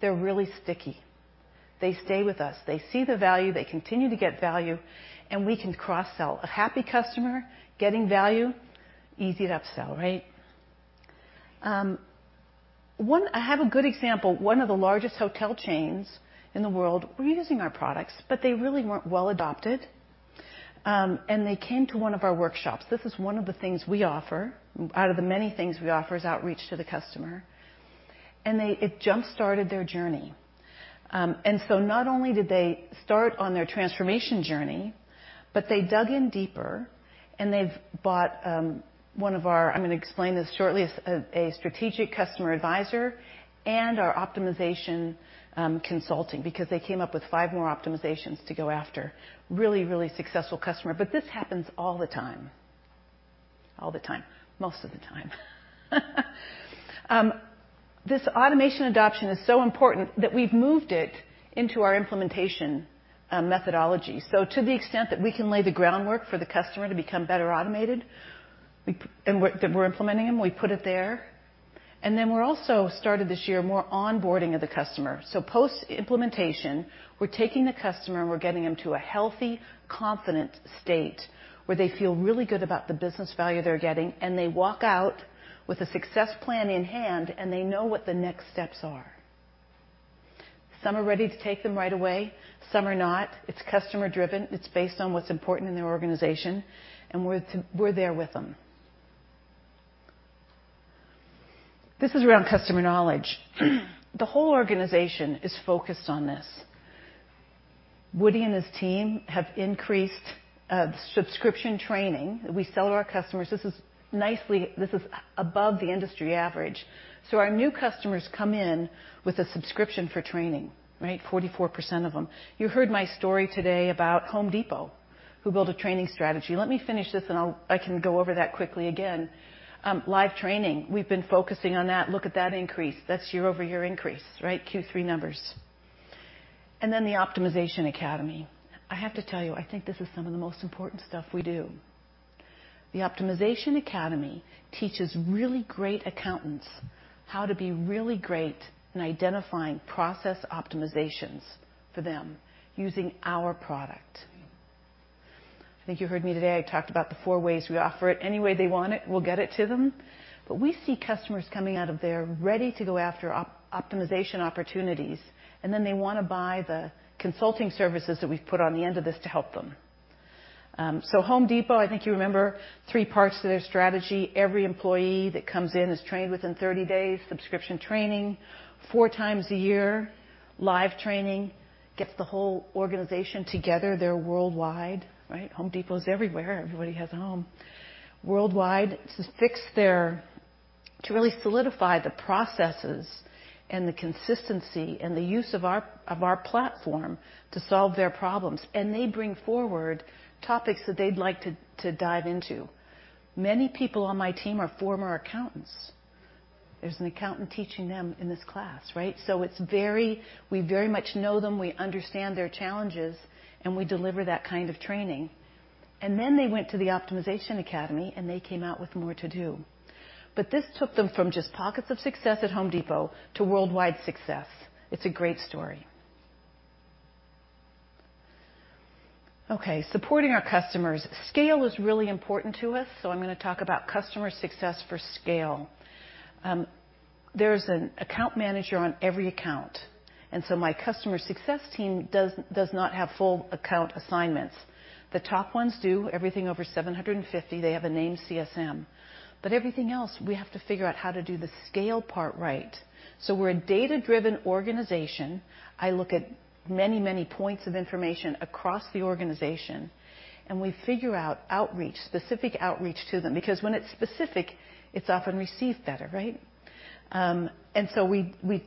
they're really sticky. They stay with us. They see the value, they continue to get value, and we can cross-sell. A happy customer getting value, easy to upsell, right? I have a good example. One of the largest hotel chains in the world were using our products, but they really weren't well adopted. They came to one of our workshops. This is one of the things we offer out of the many things we offer as outreach to the customer. They it jump-started their journey. Not only did they start on their transformation journey, but they dug in deeper and they've bought one of our. I'm gonna explain this shortly, as a strategic customer advisor and our optimization consulting because they came up with five more optimizations to go after. Really successful customer. This happens all the time. Most of the time. This automation adoption is so important that we've moved it into our implementation methodology. To the extent that we can lay the groundwork for the customer to become better automated, when we're implementing them, we put it there. We also started this year more onboarding of the customer. Post-implementation, we're taking the customer, and we're getting them to a healthy, confident state where they feel really good about the business value they're getting, and they walk out with a success plan in hand, and they know what the next steps are. Some are ready to take them right away, some are not. It's customer-driven. It's based on what's important in their organization, and we're there with them. This is around customer knowledge. The whole organization is focused on this. Woody and his team have increased subscription training that we sell to our customers. This is above the industry average. Our new customers come in with a subscription for training, right? 44% of them. You heard my story today about Home Depot, who built a training strategy. Let me finish this, and I can go over that quickly again. Live training. We've been focusing on that. Look at that increase. That's year-over-year increase, right? Q3 numbers. Then the Optimization Academy. I have to tell you, I think this is some of the most important stuff we do. The Optimization Academy teaches really great accountants how to be really great in identifying process optimizations for them using our product. I think you heard me today, I talked about the four ways we offer it. Any way they want it, we'll get it to them. But we see customers coming out of there ready to go after optimization opportunities, and then they wanna buy the consulting services that we've put on the end of this to help them. Home Depot, I think you remember three parts to their strategy. Every employee that comes in is trained within 30 days. Subscription training. Four times a year, live training gets the whole organization together. They're worldwide, right? Home Depot is everywhere. Everybody has a home. Worldwide, to really solidify the processes and the consistency and the use of our platform to solve their problems. They bring forward topics that they'd like to dive into. Many people on my team are former accountants. There's an accountant teaching them in this class, right? We very much know them, we understand their challenges, and we deliver that kind of training. They went to the Optimization Academy, and they came out with more to do. This took them from just pockets of success at Home Depot to worldwide success. It's a great story. Okay, supporting our customers. Scale is really important to us, so I'm gonna talk about customer success for scale. There's an account manager on every account, and my customer success team does not have full account assignments. The top ones do. Everything over 750, they have a named CSM. Everything else, we have to figure out how to do the scale part right. We're a data-driven organization. I look at many points of information across the organization, and we figure out outreach, specific outreach to them, because when it's specific, it's often received better, right?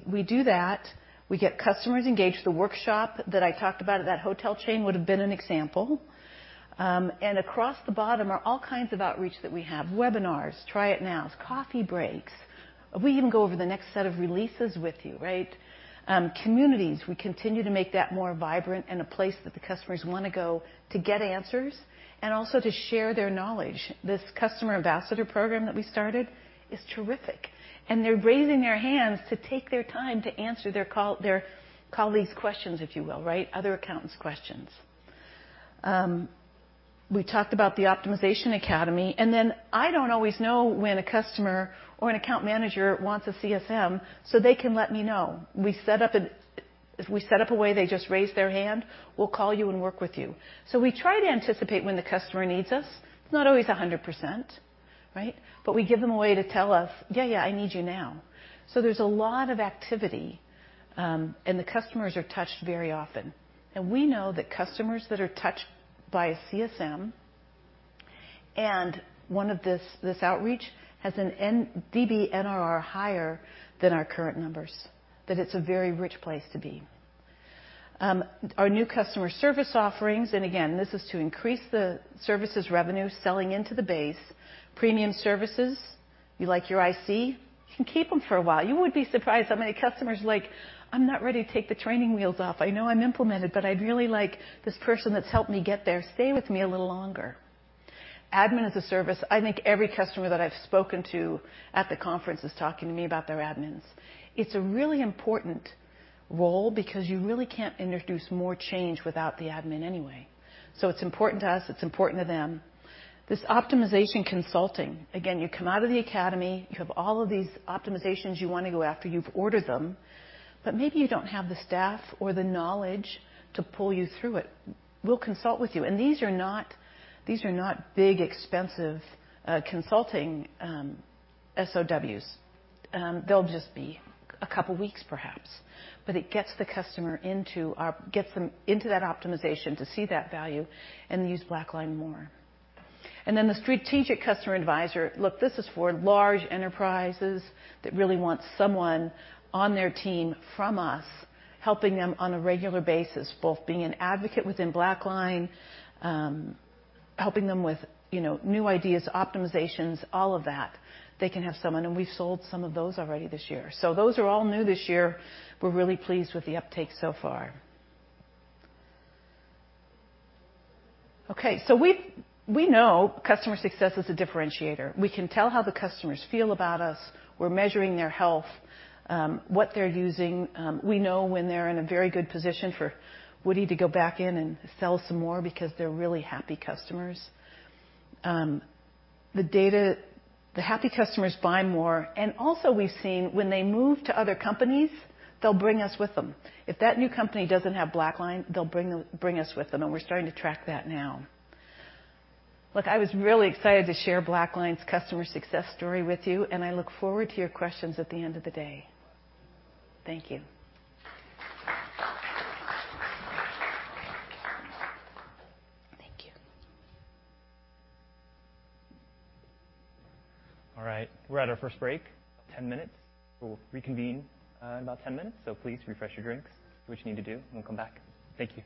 We do that. We get customers engaged. The workshop that I talked about at that hotel chain would have been an example. Across the bottom are all kinds of outreach that we have. Webinars, try it nows, coffee breaks. We even go over the next set of releases with you, right? Communities, we continue to make that more vibrant and a place that the customers wanna go to get answers and also to share their knowledge. This customer ambassador program that we started is terrific. They're raising their hands to take their time to answer their colleagues' questions, if you will, right? Other accountants' questions. We talked about the Optimization Academy. I don't always know when a customer or an account manager wants a CSM, so they can let me know. We set up a way they just raise their hand. We'll call you and work with you. We try to anticipate when the customer needs us. It's not always 100%, right? We give them a way to tell us, "Yeah, yeah, I need you now." There's a lot of activity, and the customers are touched very often. We know that customers that are touched by a CSM and one of this outreach has a DBNRR higher than our current numbers, that it's a very rich place to be. Our new customer service offerings, and again, this is to increase the services revenue selling into the base. Premium services. You like your IC, you can keep them for a while. You would be surprised how many customers are like, "I'm not ready to take the training wheels off. I know I'm implemented, but I'd really like this person that's helped me get there, stay with me a little longer." Admin as a service, I think every customer that I've spoken to at the conference is talking to me about their admins. It's a really important role because you really can't introduce more change without the admin anyway. It's important to us. It's important to them. This optimization consulting, again, you come out of the academy, you have all of these optimizations you wanna go after, you've ordered them, but maybe you don't have the staff or the knowledge to pull you through it. We'll consult with you. These are not big, expensive, consulting, SOWs. They'll just be a couple weeks perhaps, but it gets them into that optimization to see that value and use BlackLine more. Then the strategic customer advisor. Look, this is for large enterprises that really want someone on their team from us helping them on a regular basis, both being an advocate within BlackLine, helping them with, you know, new ideas, optimizations, all of that. They can have someone, and we've sold some of those already this year. Those are all new this year. We're really pleased with the uptake so far. We know customer success is a differentiator. We can tell how the customers feel about us. We're measuring their health, what they're using. We know when they're in a very good position for Woody to go back in and sell some more because they're really happy customers. The happy customers buy more, and also we've seen when they move to other companies, they'll bring us with them. If that new company doesn't have BlackLine, they'll bring us with them, and we're starting to track that now. Look, I was really excited to share BlackLine's customer success story with you, and I look forward to your questions at the end of the day. Thank you. Thank you. All right, we're at our first break. 10 minutes. We'll reconvene in about 10 minutes, so please refresh your drinks. Do what you need to do, and we'll come back. Thank you.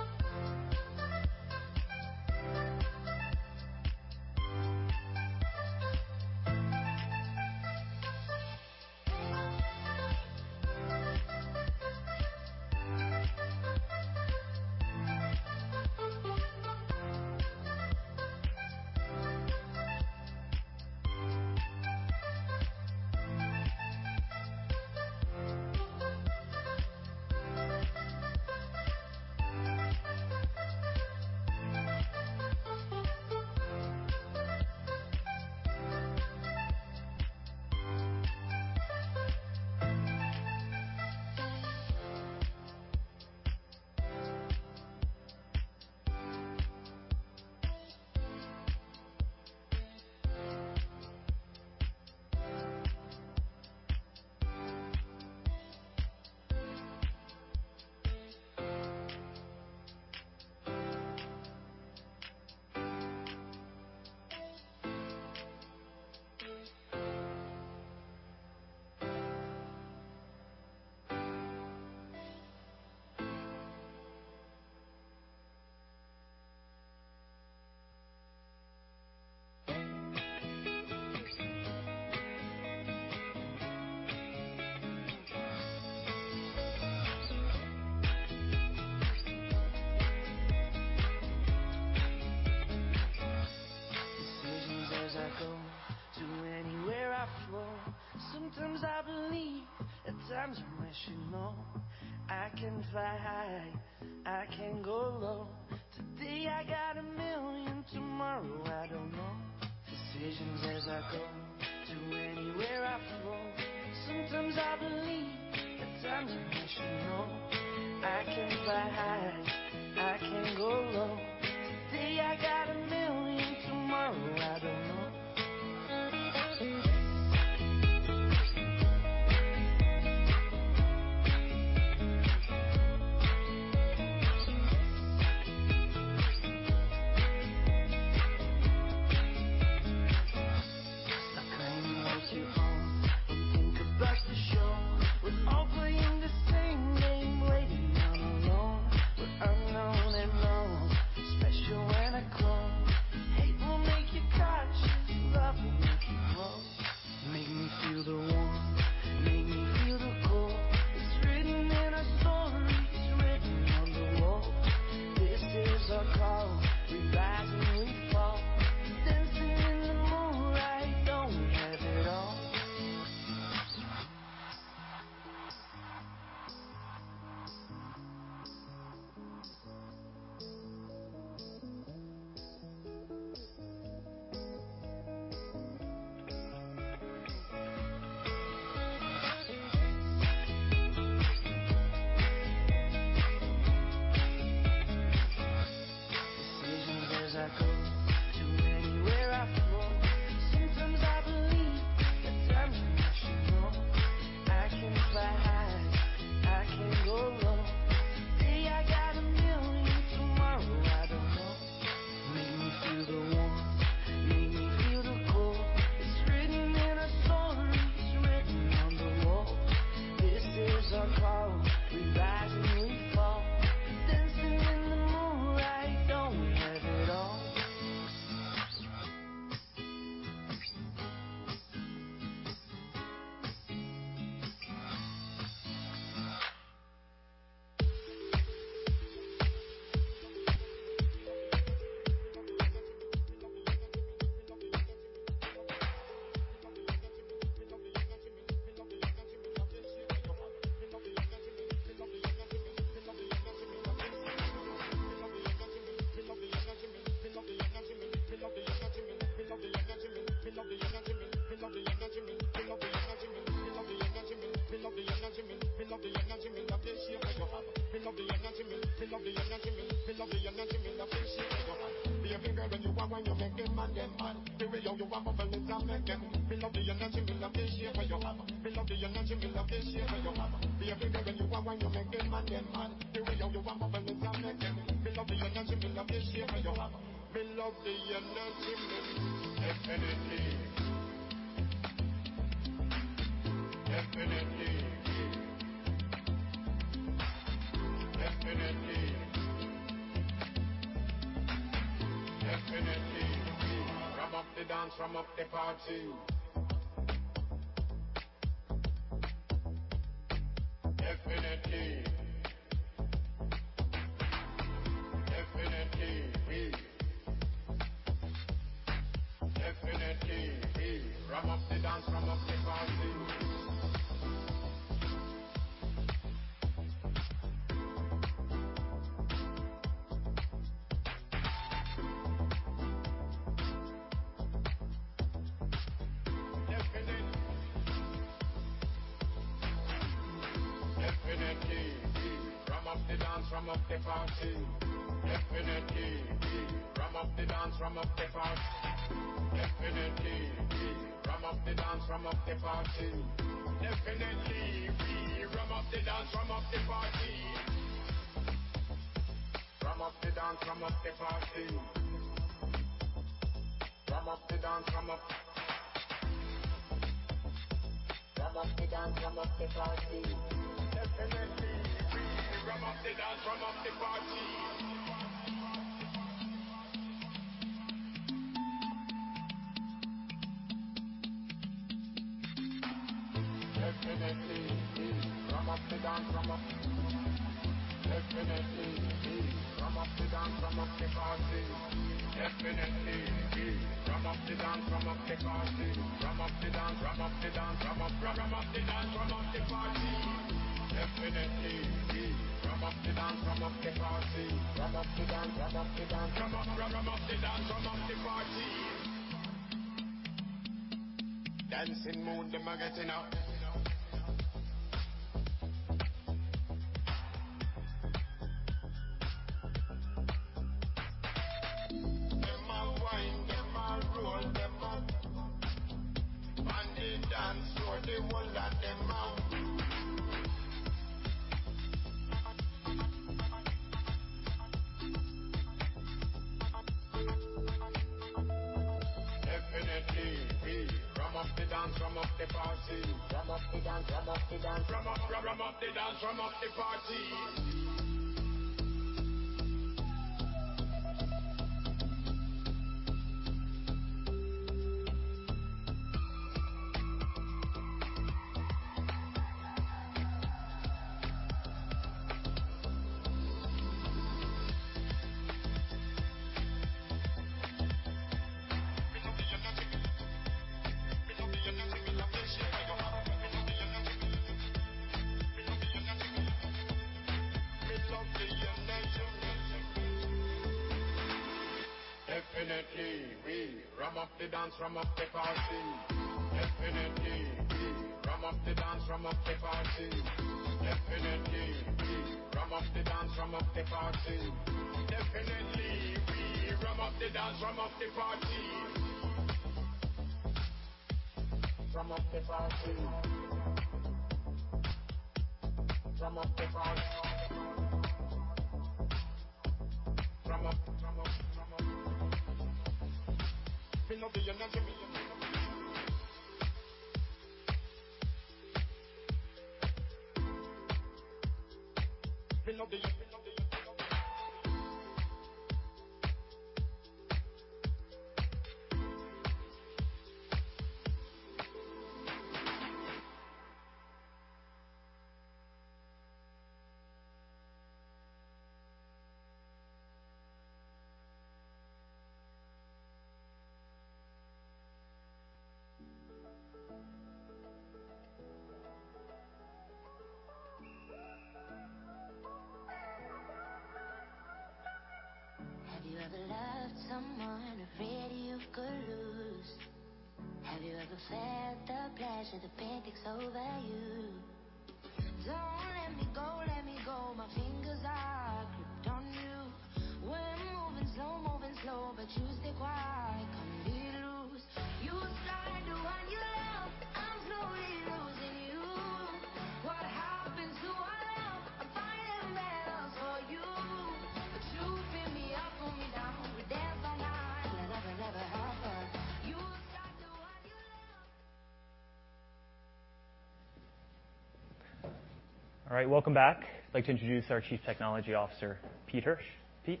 All right, welcome back. I'd like to introduce our Chief Technology Officer, Pete Hirsch. Pete.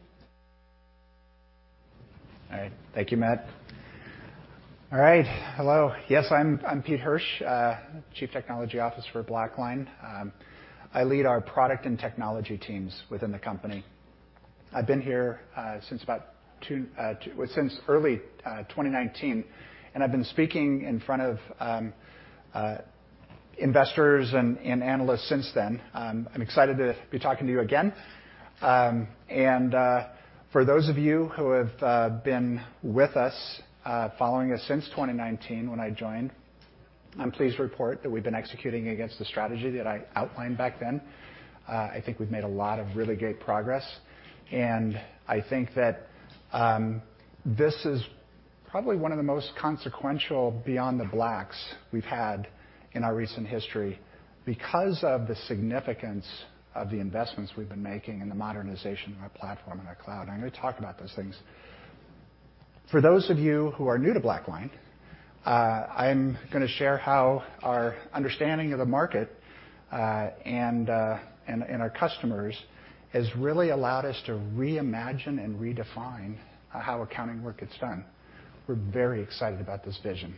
All right. Thank you, Matt. All right. Hello. Yes, I'm Pete Hirsch, Chief Technology Officer for BlackLine. I lead our product and technology teams within the company. I've been here since about two. Well, since early 2019, and I've been speaking in front of investors and analysts since then. I'm excited to be talking to you again. For those of you who have been with us, following us since 2019 when I joined, I'm pleased to report that we've been executing against the strategy that I outlined back then. I think we've made a lot of really great progress, and I think that this is probably one of the most consequential BeyondTheBlacks we've had in our recent history because of the significance of the investments we've been making in the modernization of our platform and our cloud. I'm gonna talk about those things. For those of you who are new to BlackLine, I'm gonna share how our understanding of the market and our customers has really allowed us to reimagine and redefine how accounting work gets done. We're very excited about this vision.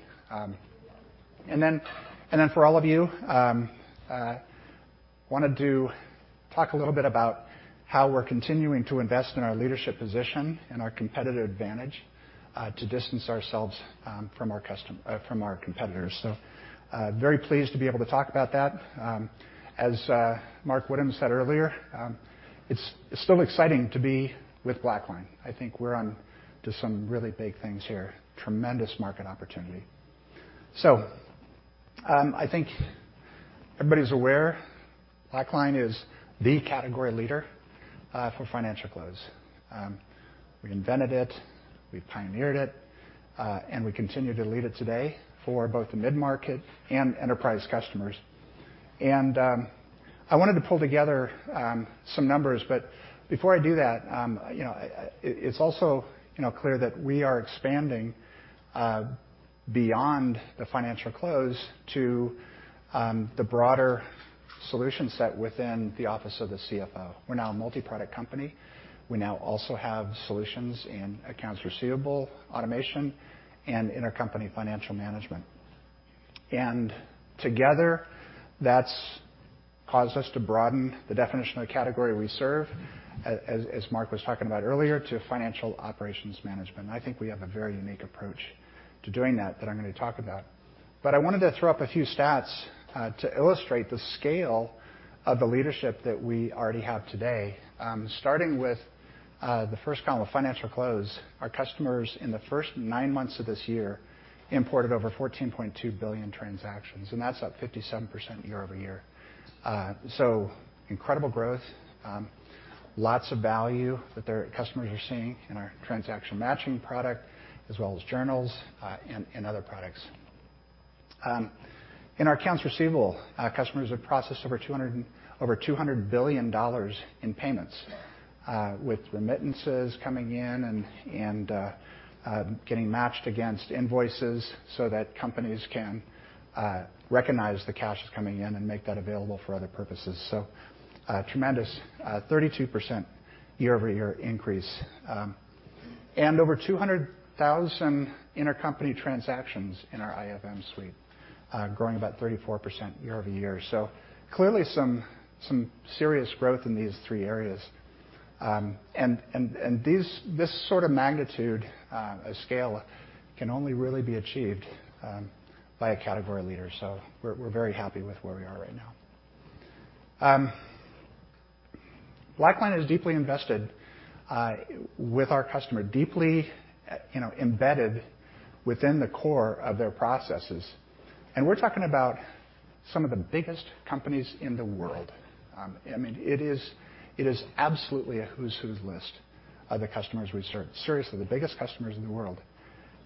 And then for all of you, I wanted to talk a little bit about how we're continuing to invest in our leadership position and our competitive advantage to distance ourselves from our competitors. Very pleased to be able to talk about that. As Mark Woodhams said earlier, it's still exciting to be with BlackLine. I think we're on to some really big things here. Tremendous market opportunity. I think everybody's aware BlackLine is the category leader for financial close. We invented it, we pioneered it, and we continue to lead it today for both the mid-market and enterprise customers. I wanted to pull together some numbers, but before I do that, you know, it's also, you know, clear that we are expanding beyond the financial close to the broader solution set within the office of the CFO. We're now a multi-product company. We now also have solutions in accounts receivable automation and intercompany financial management. Together, that's caused us to broaden the definition of the category we serve, as Mark was talking about earlier, to financial operations management. I think we have a very unique approach to doing that I'm gonna talk about. I wanted to throw up a few stats to illustrate the scale of the leadership that we already have today. Starting with the first column of financial close. Our customers in the first nine months of this year imported over 14.2 billion transactions, and that's up 57% year-over-year. So incredible growth. Lots of value that their customers are seeing in our transaction matching product as well as journals and other products. In our accounts receivable, customers have processed over $200 billion in payments, with remittances coming in and getting matched against invoices so that companies can recognize the cash that's coming in and make that available for other purposes. Tremendous 32% year-over-year increase. Over 200,000 intercompany transactions in our IFM suite, growing about 34% year-over-year. Clearly some serious growth in these three areas. This sort of magnitude, scale can only really be achieved by a category leader. We're very happy with where we are right now. BlackLine is deeply invested with our customer, deeply, you know, embedded within the core of their processes. We're talking about some of the biggest companies in the world. I mean, it is absolutely a who's who list of the customers we serve. Seriously, the biggest customers in the world.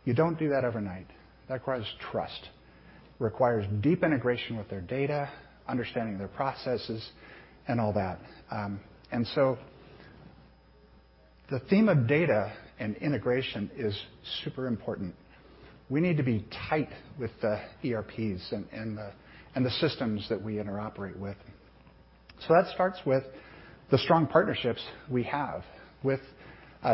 You don't do that overnight. That requires trust. It requires deep integration with their data, understanding their processes and all that. The theme of data and integration is super important. We need to be tight with the ERPs and the systems that we interoperate with. That starts with the strong partnerships we have with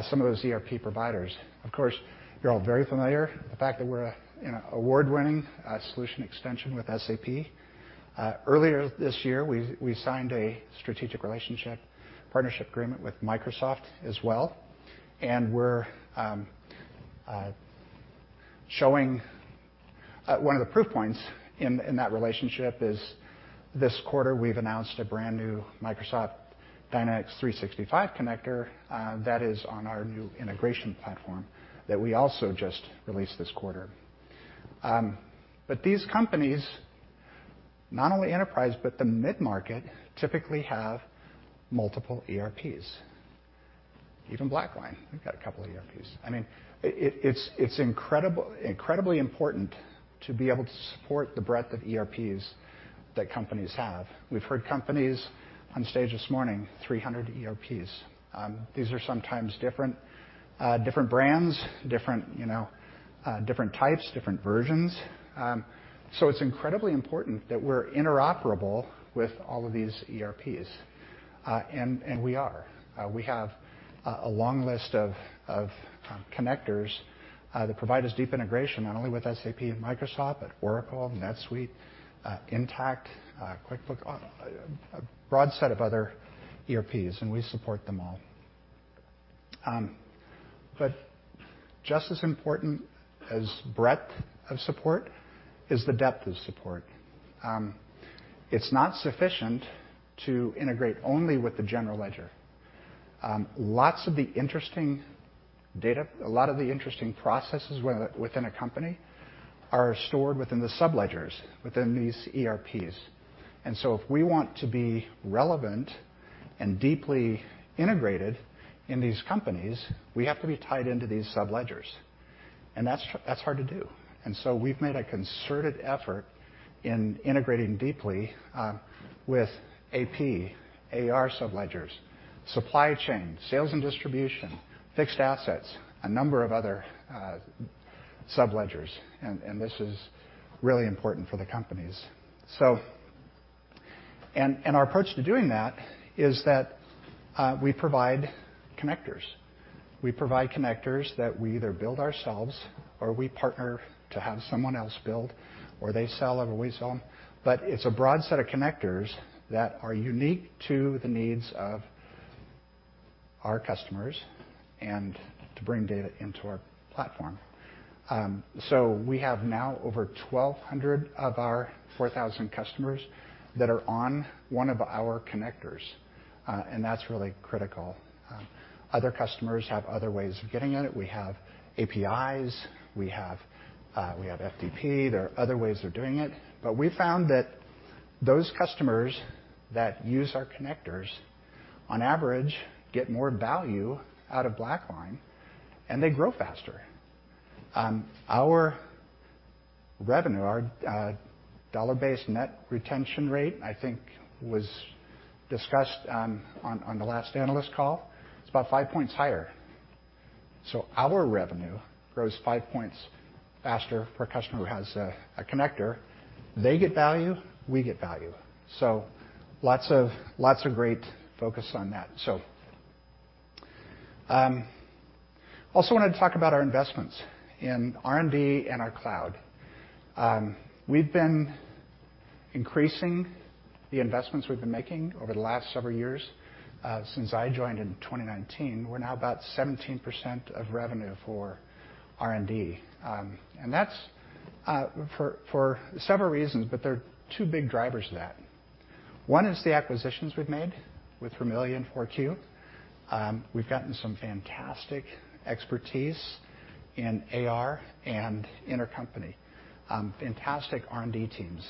some of those ERP providers. Of course, you're all very familiar with the fact that we're a you know, award-winning solution extension with SAP. Earlier this year, we signed a strategic relationship partnership agreement with Microsoft as well. We're showing. One of the proof points in that relationship is this quarter we've announced a brand new Microsoft Dynamics 365 connector that is on our new integration platform that we also just released this quarter. These companies, not only enterprise but the mid-market, typically have multiple ERPs. Even BlackLine, we've got a couple of ERPs. It's incredibly important to be able to support the breadth of ERPs that companies have. We've heard companies on stage this morning, 300 ERPs. These are sometimes different brands, different you know different types, different versions. It's incredibly important that we're interoperable with all of these ERPs. We are. We have a long list of connectors that provide us deep integration, not only with SAP and Microsoft, but Oracle, NetSuite, Intacct, QuickBooks, a broad set of other ERPs, and we support them all. Just as important as breadth of support is the depth of support. It's not sufficient to integrate only with the general ledger. Lots of the interesting data, a lot of the interesting processes within a company are stored within the subledgers, within these ERPs. If we want to be relevant and deeply integrated in these companies, we have to be tied into these subledgers. That's hard to do. We've made a concerted effort in integrating deeply with AP, AR subledgers, supply chain, sales and distribution, fixed assets, a number of other subledgers. This is really important for the companies. Our approach to doing that is that we provide connectors that we either build ourselves, or we partner to have someone else build, or they sell them, or we sell them. It's a broad set of connectors that are unique to the needs of our customers and to bring data into our platform. We have now over 1,200 of our 4,000 customers that are on one of our connectors, and that's really critical. Other customers have other ways of getting at it. We have APIs. We have FTP. There are other ways of doing it. We found that those customers that use our connectors on average get more value out of BlackLine, and they grow faster. Our dollar-based net retention rate, I think was discussed on the last analyst call. It's about five points higher. Our revenue grows five points faster for a customer who has a connector. They get value, we get value. Lots of great focus on that. Also wanted to talk about our investments in R&D and our cloud. We've been increasing the investments we've been making over the last several years. Since I joined in 2019, we're now about 17% of revenue for R&D. That's for several reasons, but there are two big drivers to that. One is the acquisitions we've made with Rimilia, FourQ,. We've gotten some fantastic expertise in AR and intercompany. Fantastic R&D teams.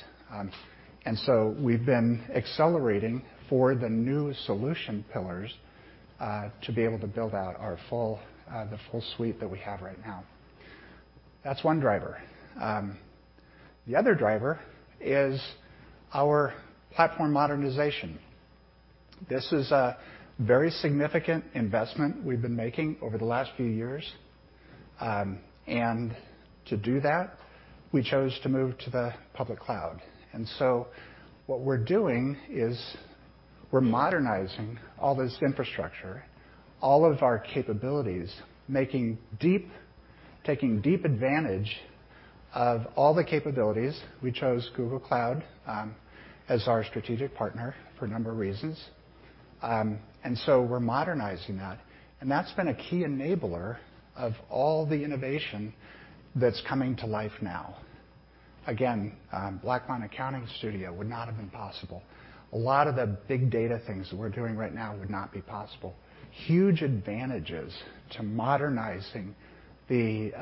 We've been accelerating for the new solution pillars to be able to build out our full suite that we have right now. That's one driver. The other driver is our platform modernization. This is a very significant investment we've been making over the last few years. To do that, we chose to move to the public cloud. What we're doing is we're modernizing all this infrastructure, all of our capabilities, taking deep advantage of all the capabilities. We chose Google Cloud as our strategic partner for a number of reasons. We're modernizing that. That's been a key enabler of all the innovation that's coming to life now. Again, BlackLine Accounting Studio would not have been possible. A lot of the big data things that we're doing right now would not be possible. Huge advantages to modernizing the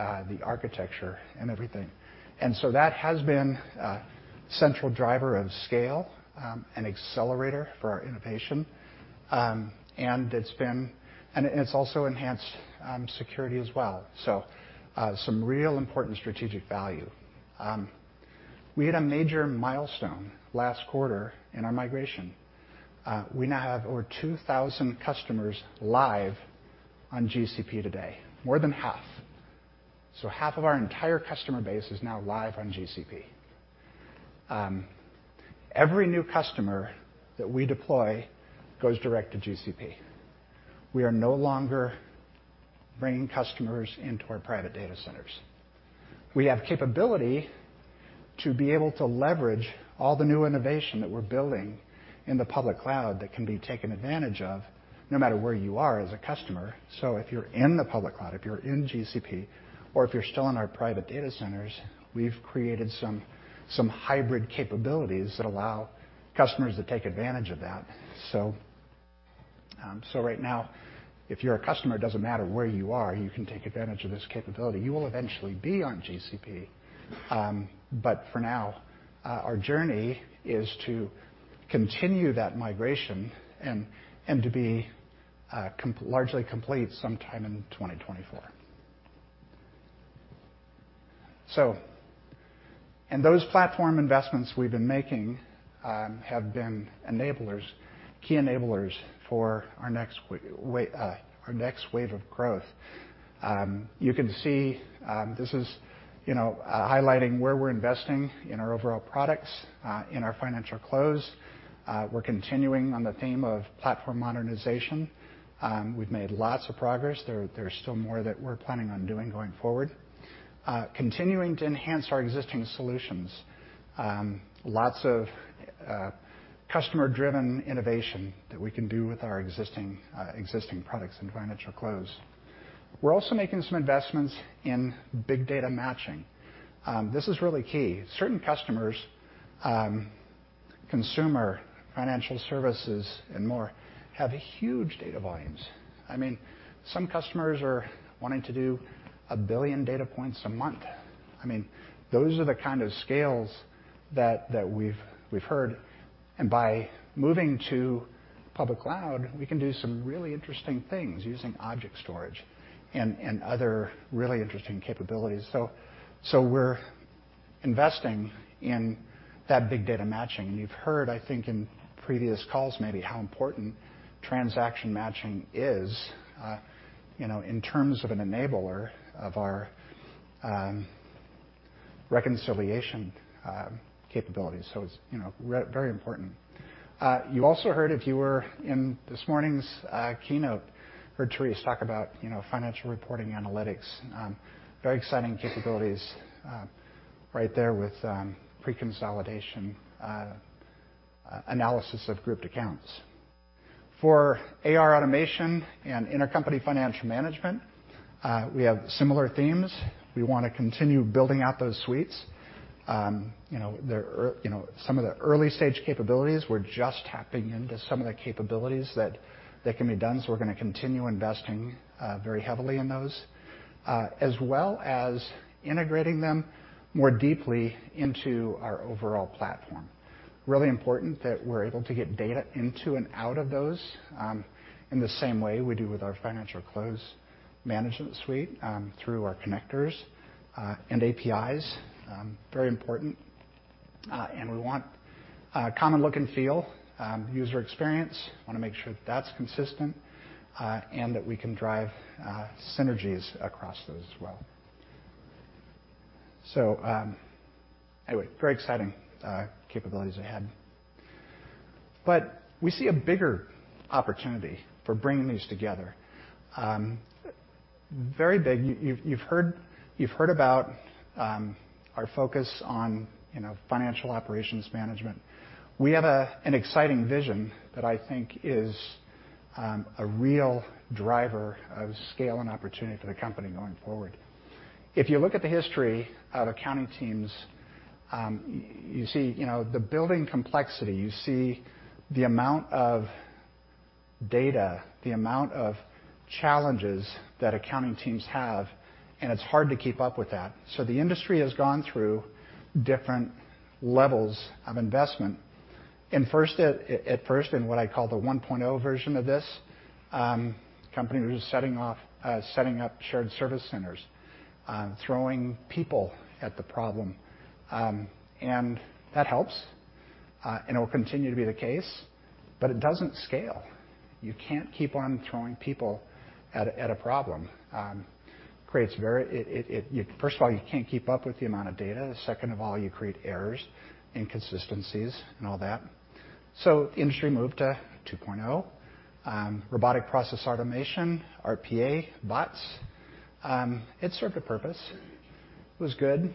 architecture and everything. That has been a central driver of scale, an accelerator for our innovation. It's also enhanced security as well. Some real important strategic value. We had a major milestone last quarter in our migration. We now have over 2,000 customers live on GCP today, more than half. Half of our entire customer base is now live on GCP. Every new customer that we deploy goes direct to GCP. We are no longer bringing customers into our private data centers. We have capability to be able to leverage all the new innovation that we're building in the public cloud that can be taken advantage of no matter where you are as a customer. If you're in the public cloud, if you're in GCP, or if you're still in our private data centers, we've created some hybrid capabilities that allow customers to take advantage of that. Right now, if you're a customer, it doesn't matter where you are, you can take advantage of this capability. You will eventually be on GCP. For now, our journey is to continue that migration and to be largely complete sometime in 2024. Those platform investments we've been making have been enablers, key enablers for our next wave of growth. You can see, this is, you know, highlighting where we're investing in our overall products, in our financial close. We're continuing on the theme of platform modernization. We've made lots of progress. There's still more that we're planning on doing going forward. Continuing to enhance our existing solutions. Lots of customer-driven innovation that we can do with our existing products in financial close. We're also making some investments in big data matching. This is really key. Certain customers, consumer financial services and more, have huge data volumes. I mean, some customers are wanting to do 1 billion data points a month. I mean, those are the kind of scales that we've heard. By moving to public cloud, we can do some really interesting things using object storage and other really interesting capabilities. We're investing in that big data matching. You've heard, I think, in previous calls maybe how important Transaction Matching is in terms of an enabler of our reconciliation capabilities. It's very important. You also heard if you were in this morning's keynote heard Therese talk about Financial Reporting Analytics. Very exciting capabilities right there with pre-consolidation analysis of grouped accounts. For AR Automation and Intercompany Financial Management we have similar themes. We wanna continue building out those suites. Some of the early-stage capabilities, we're just tapping into some of the capabilities that can be done, so we're gonna continue investing very heavily in those as well as integrating them more deeply into our overall platform. Really important that we're able to get data into and out of those, in the same way we do with our financial close management suite, through our connectors, and APIs. Very important. We want a common look and feel, user experience. Wanna make sure that's consistent, and that we can drive synergies across those as well. Anyway, very exciting capabilities ahead. We see a bigger opportunity for bringing these together. Very big. You've heard about our focus on, you know, financial operations management. We have an exciting vision that I think is a real driver of scale and opportunity for the company going forward. If you look at the history of accounting teams, you see, you know, the building complexity, you see the amount of data, the amount of challenges that accounting teams have, and it's hard to keep up with that. The industry has gone through different levels of investment. At first, in what I call the 1.0 version of this, companies were just setting up shared service centers, throwing people at the problem. That helps, and it will continue to be the case, but it doesn't scale. You can't keep on throwing people at a problem. First of all, you can't keep up with the amount of data. Second of all, you create errors, inconsistencies and all that. The industry moved to 2.0, robotic process automation, RPA, bots. It served a purpose. It was good.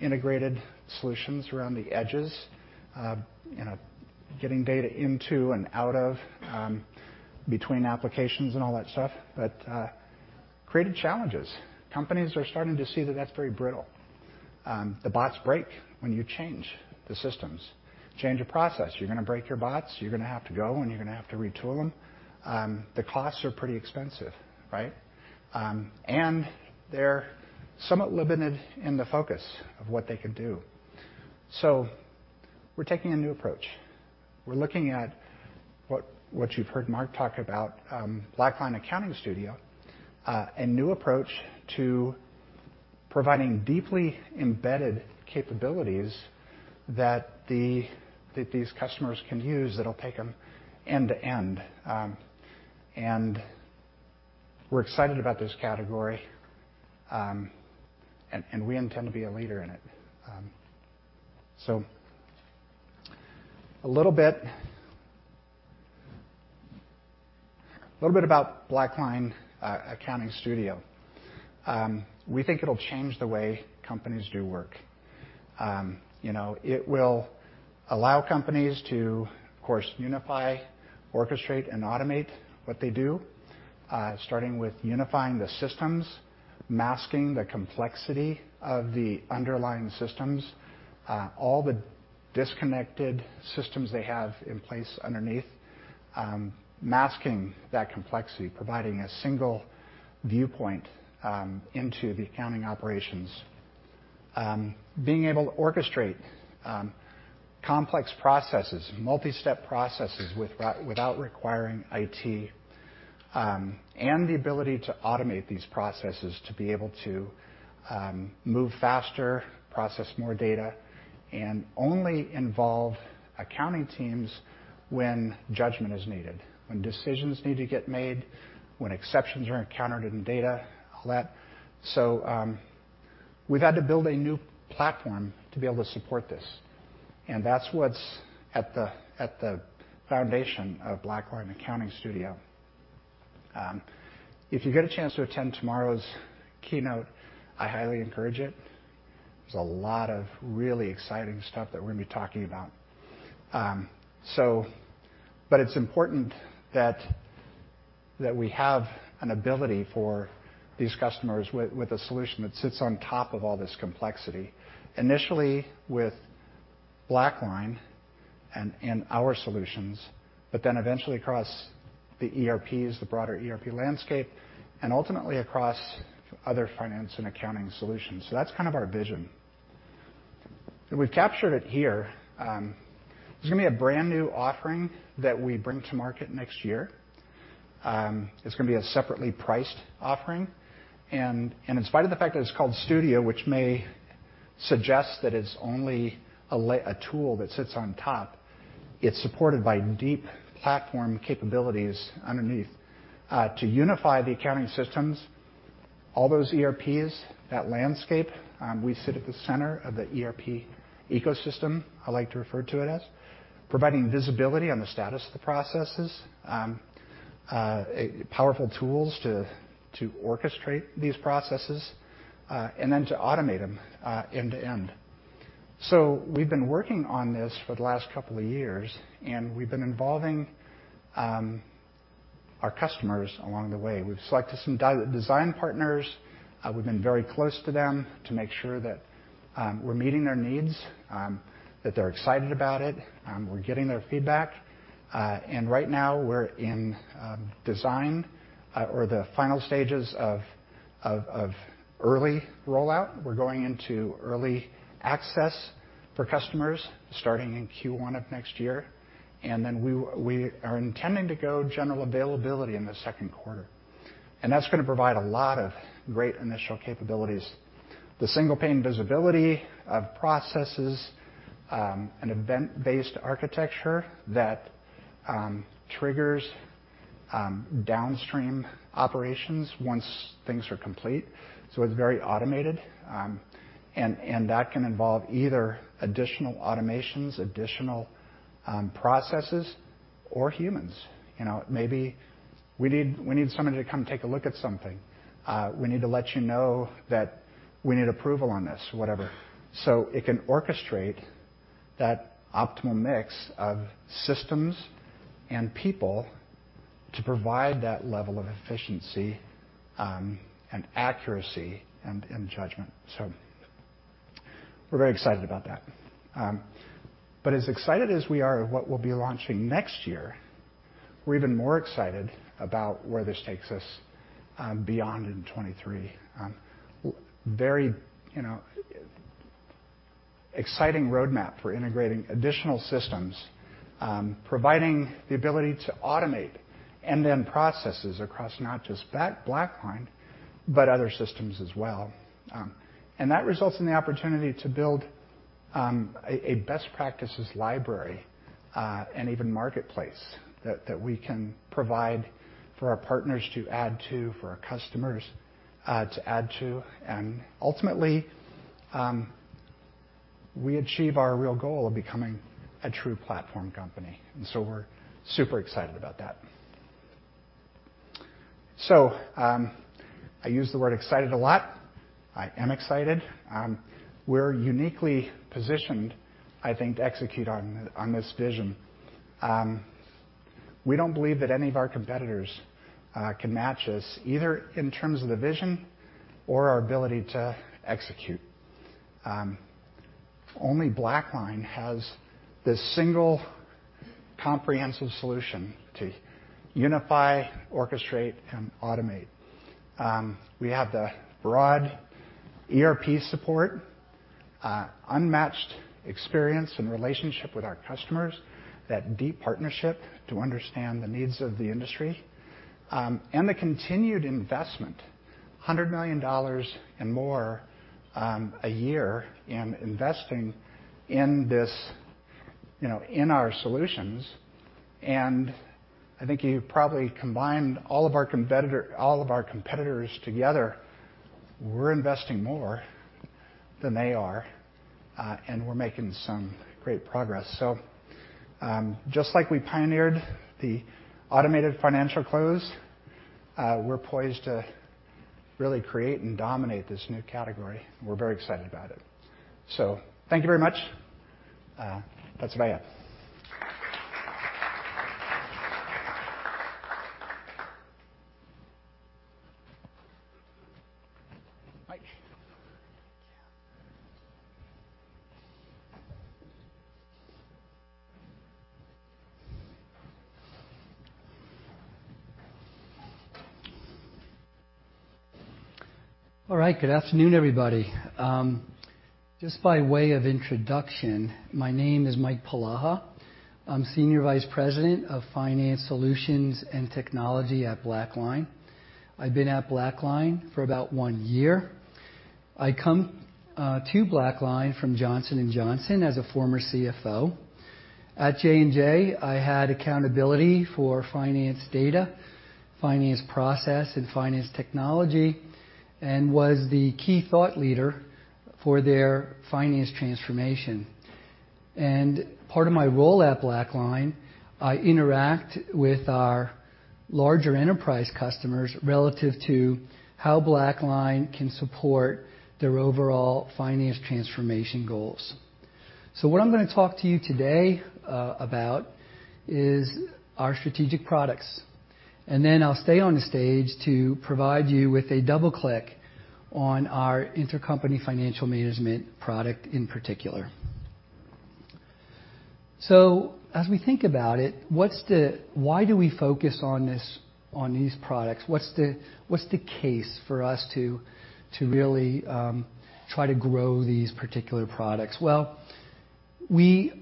Integrated solutions around the edges, you know, getting data into and out of between applications and all that stuff, but created challenges. Companies are starting to see that that's very brittle. The bots break when you change the systems. Change a process, you're gonna break your bots, you're gonna have to go, and you're gonna have to retool them. The costs are pretty expensive, right? They're somewhat limited in the focus of what they can do. We're taking a new approach. We're looking at what you've heard Mark talk about, BlackLine Accounting Studio, a new approach to providing deeply embedded capabilities that these customers can use that'll take them end to end. We're excited about this category, and we intend to be a leader in it. A little bit about BlackLine Accounting Studio. We think it'll change the way companies do work. You know, it will allow companies to, of course, unify, orchestrate, and automate what they do, starting with unifying the systems, masking the complexity of the underlying systems, all the disconnected systems they have in place underneath, masking that complexity, providing a single viewpoint into the accounting operations. Being able to orchestrate complex processes, multi-step processes without requiring IT, and the ability to automate these processes to be able to move faster, process more data, and only involve accounting teams when judgment is needed, when decisions need to get made, when exceptions are encountered in data, all that. We've had to build a new platform to be able to support this, and that's what's at the foundation of BlackLine Accounting Studio. If you get a chance to attend tomorrow's keynote, I highly encourage it. There's a lot of really exciting stuff that we're gonna be talking about. It's important that we have an ability for these customers with a solution that sits on top of all this complexity. Initially with BlackLine and our solutions, but then eventually across the ERPs, the broader ERP landscape, and ultimately across other finance and accounting solutions. That's kind of our vision. We've captured it here. There's gonna be a brand new offering that we bring to market next year. It's gonna be a separately priced offering. In spite of the fact that it's called Studio, which may suggest that it's only a tool that sits on top, it's supported by deep platform capabilities underneath to unify the accounting systems, all those ERPs, that landscape. We sit at the center of the ERP ecosystem, I like to refer to it as. Providing visibility on the status of the processes, powerful tools to orchestrate these processes, and then to automate them end to end. We've been working on this for the last couple of years, and we've been involving our customers along the way. We've selected some design partners. We've been very close to them to make sure that we're meeting their needs, that they're excited about it. We're getting their feedback. Right now we're in design or the final stages of early rollout. We're going into early access for customers starting in Q1 of next year. We are intending to go general availability in the second quarter. That's gonna provide a lot of great initial capabilities. The single pane visibility of processes, an event-based architecture that triggers downstream operations once things are complete. It's very automated. That can involve either additional automations, additional processes or humans. You know, it may be we need somebody to come take a look at something. We need to let you know that we need approval on this, whatever. It can orchestrate that optimal mix of systems and people to provide that level of efficiency, and accuracy and judgment. We're very excited about that. As excited as we are about what we'll be launching next year, we're even more excited about where this takes us beyond in 2023. Very, you know, exciting roadmap for integrating additional systems, providing the ability to automate end-to-end processes across not just BlackLine, but other systems as well. That results in the opportunity to build a best practices library and even marketplace that we can provide for our partners to add to, for our customers to add to. Ultimately, we achieve our real goal of becoming a true platform company. We're super excited about that. I use the word excited a lot. I am excited. We're uniquely positioned, I think, to execute on this vision. We don't believe that any of our competitors can match us either in terms of the vision or our ability to execute. Only BlackLine has this single comprehensive solution to unify, orchestrate, and automate. We have the broad ERP support, unmatched experience and relationship with our customers, that deep partnership to understand the needs of the industry, and the continued investment, $100 million and more, a year in investing in this, you know, in our solutions. I think if you probably combined all of our competitors together, we're investing more than they are, and we're making some great progress. Just like we pioneered the automated financial close, we're poised to really create and dominate this new category. We're very excited about it. Thank you very much. That's what I have. Hi. Thank you. All right. Good afternoon, everybody. Just by way of introduction, my name is Mike Polaha. I'm Senior Vice President of Finance Solutions and Technology at BlackLine. I've been at BlackLine for about one year. I come to BlackLine from Johnson & Johnson as a former CFO. At J&J, I had accountability for finance data, finance process, and finance technology, and was the key thought leader for their finance transformation. Part of my role at BlackLine, I interact with our larger enterprise customers relative to how BlackLine can support their overall finance transformation goals. What I'm gonna talk to you today about is our strategic products, and then I'll stay on the stage to provide you with a double-click on our intercompany financial management product in particular. As we think about it, why do we focus on these products? What's the case for us to really try to grow these particular products? Well, we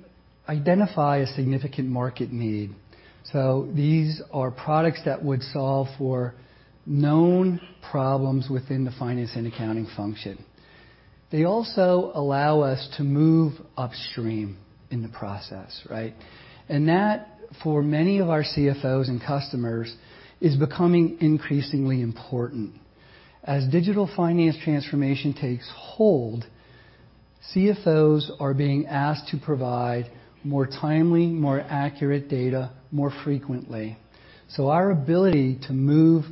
identify a significant market need. These are products that would solve for known problems within the finance and accounting function. They also allow us to move upstream in the process, right? That, for many of our CFOs and customers, is becoming increasingly important. As digital finance transformation takes hold, CFOs are being asked to provide more timely, more accurate data more frequently. Our ability to move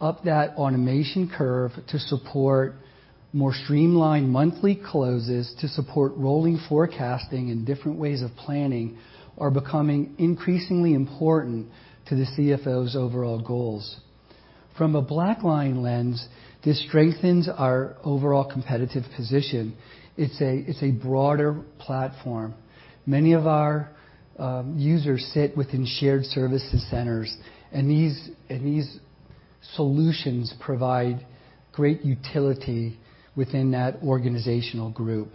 up that automation curve to support more streamlined monthly closes, to support rolling forecasting and different ways of planning, is becoming increasingly important to the CFO's overall goals. From a BlackLine lens, this strengthens our overall competitive position. It's a broader platform. Many of our users sit within shared services centers, and these solutions provide great utility within that organizational group.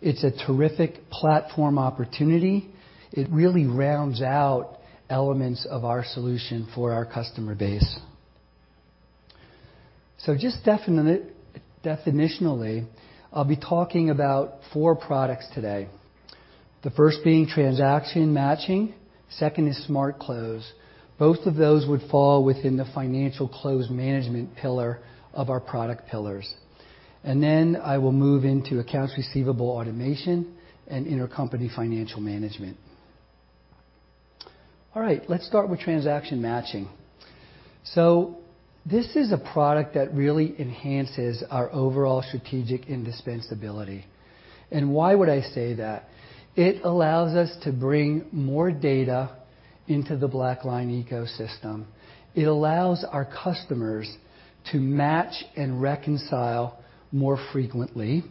It's a terrific platform opportunity. It really rounds out elements of our solution for our customer base. Just definitionally, I'll be talking about four products today. The first being Transaction Matching, second is Smart Close. Both of those would fall within the financial close management pillar of our product pillars. Then I will move into Accounts Receivable Automation and Intercompany Financial Management. All right, let's start with Transaction Matching. This is a product that really enhances our overall strategic indispensability. Why would I say that? It allows us to bring more data into the BlackLine ecosystem. It allows our customers to match and reconcile more frequently,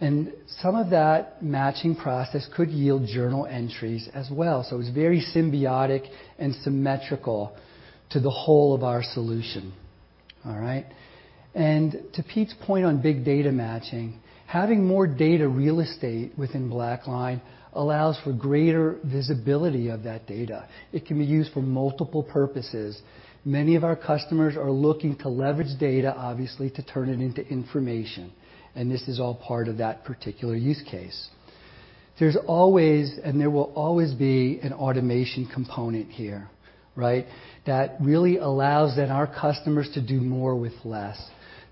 and some of that matching process could yield journal entries as well. It's very symbiotic and symmetrical to the whole of our solution. All right? To Pete's point on big data matching, having more data real estate within BlackLine allows for greater visibility of that data. It can be used for multiple purposes. Many of our customers are looking to leverage data, obviously, to turn it into information, and this is all part of that particular use case. There's always, and there will always be an automation component here, right? That really allows then our customers to do more with less.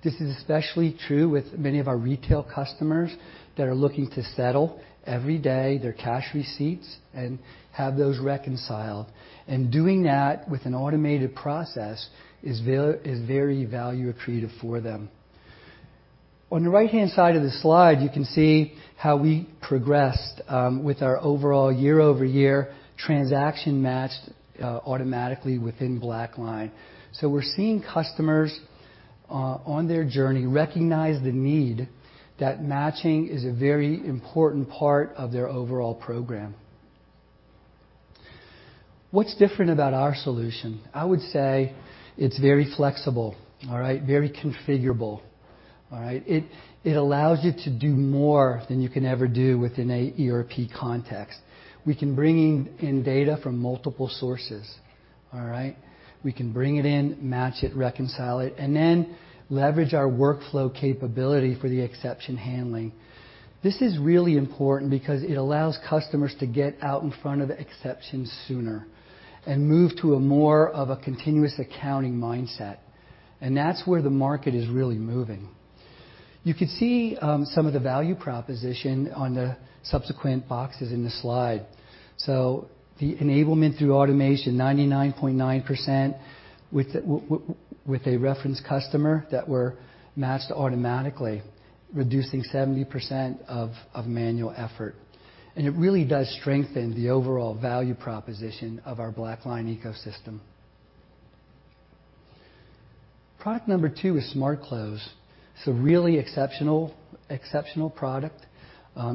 This is especially true with many of our retail customers that are looking to settle every day their cash receipts and have those reconciled. Doing that with an automated process is very value accretive for them. On the right-hand side of the slide, you can see how we progressed with our overall year-over-year transaction matched automatically within BlackLine. We're seeing customers on their journey recognize the need that matching is a very important part of their overall program. What's different about our solution? I would say it's very flexible, all right, very configurable. All right? It allows you to do more than you can ever do within a ERP context. We can bring in data from multiple sources. All right? We can bring it in, match it, reconcile it, and then leverage our workflow capability for the exception handling. This is really important because it allows customers to get out in front of exceptions sooner and move to a more of a continuous accounting mindset, and that's where the market is really moving. You can see some of the value proposition on the subsequent boxes in the slide. The enablement through automation, 99.9% with a reference customer that were matched automatically, reducing 70% of manual effort. It really does strengthen the overall value proposition of our BlackLine ecosystem. Product number two is Smart Close. It's a really exceptional product.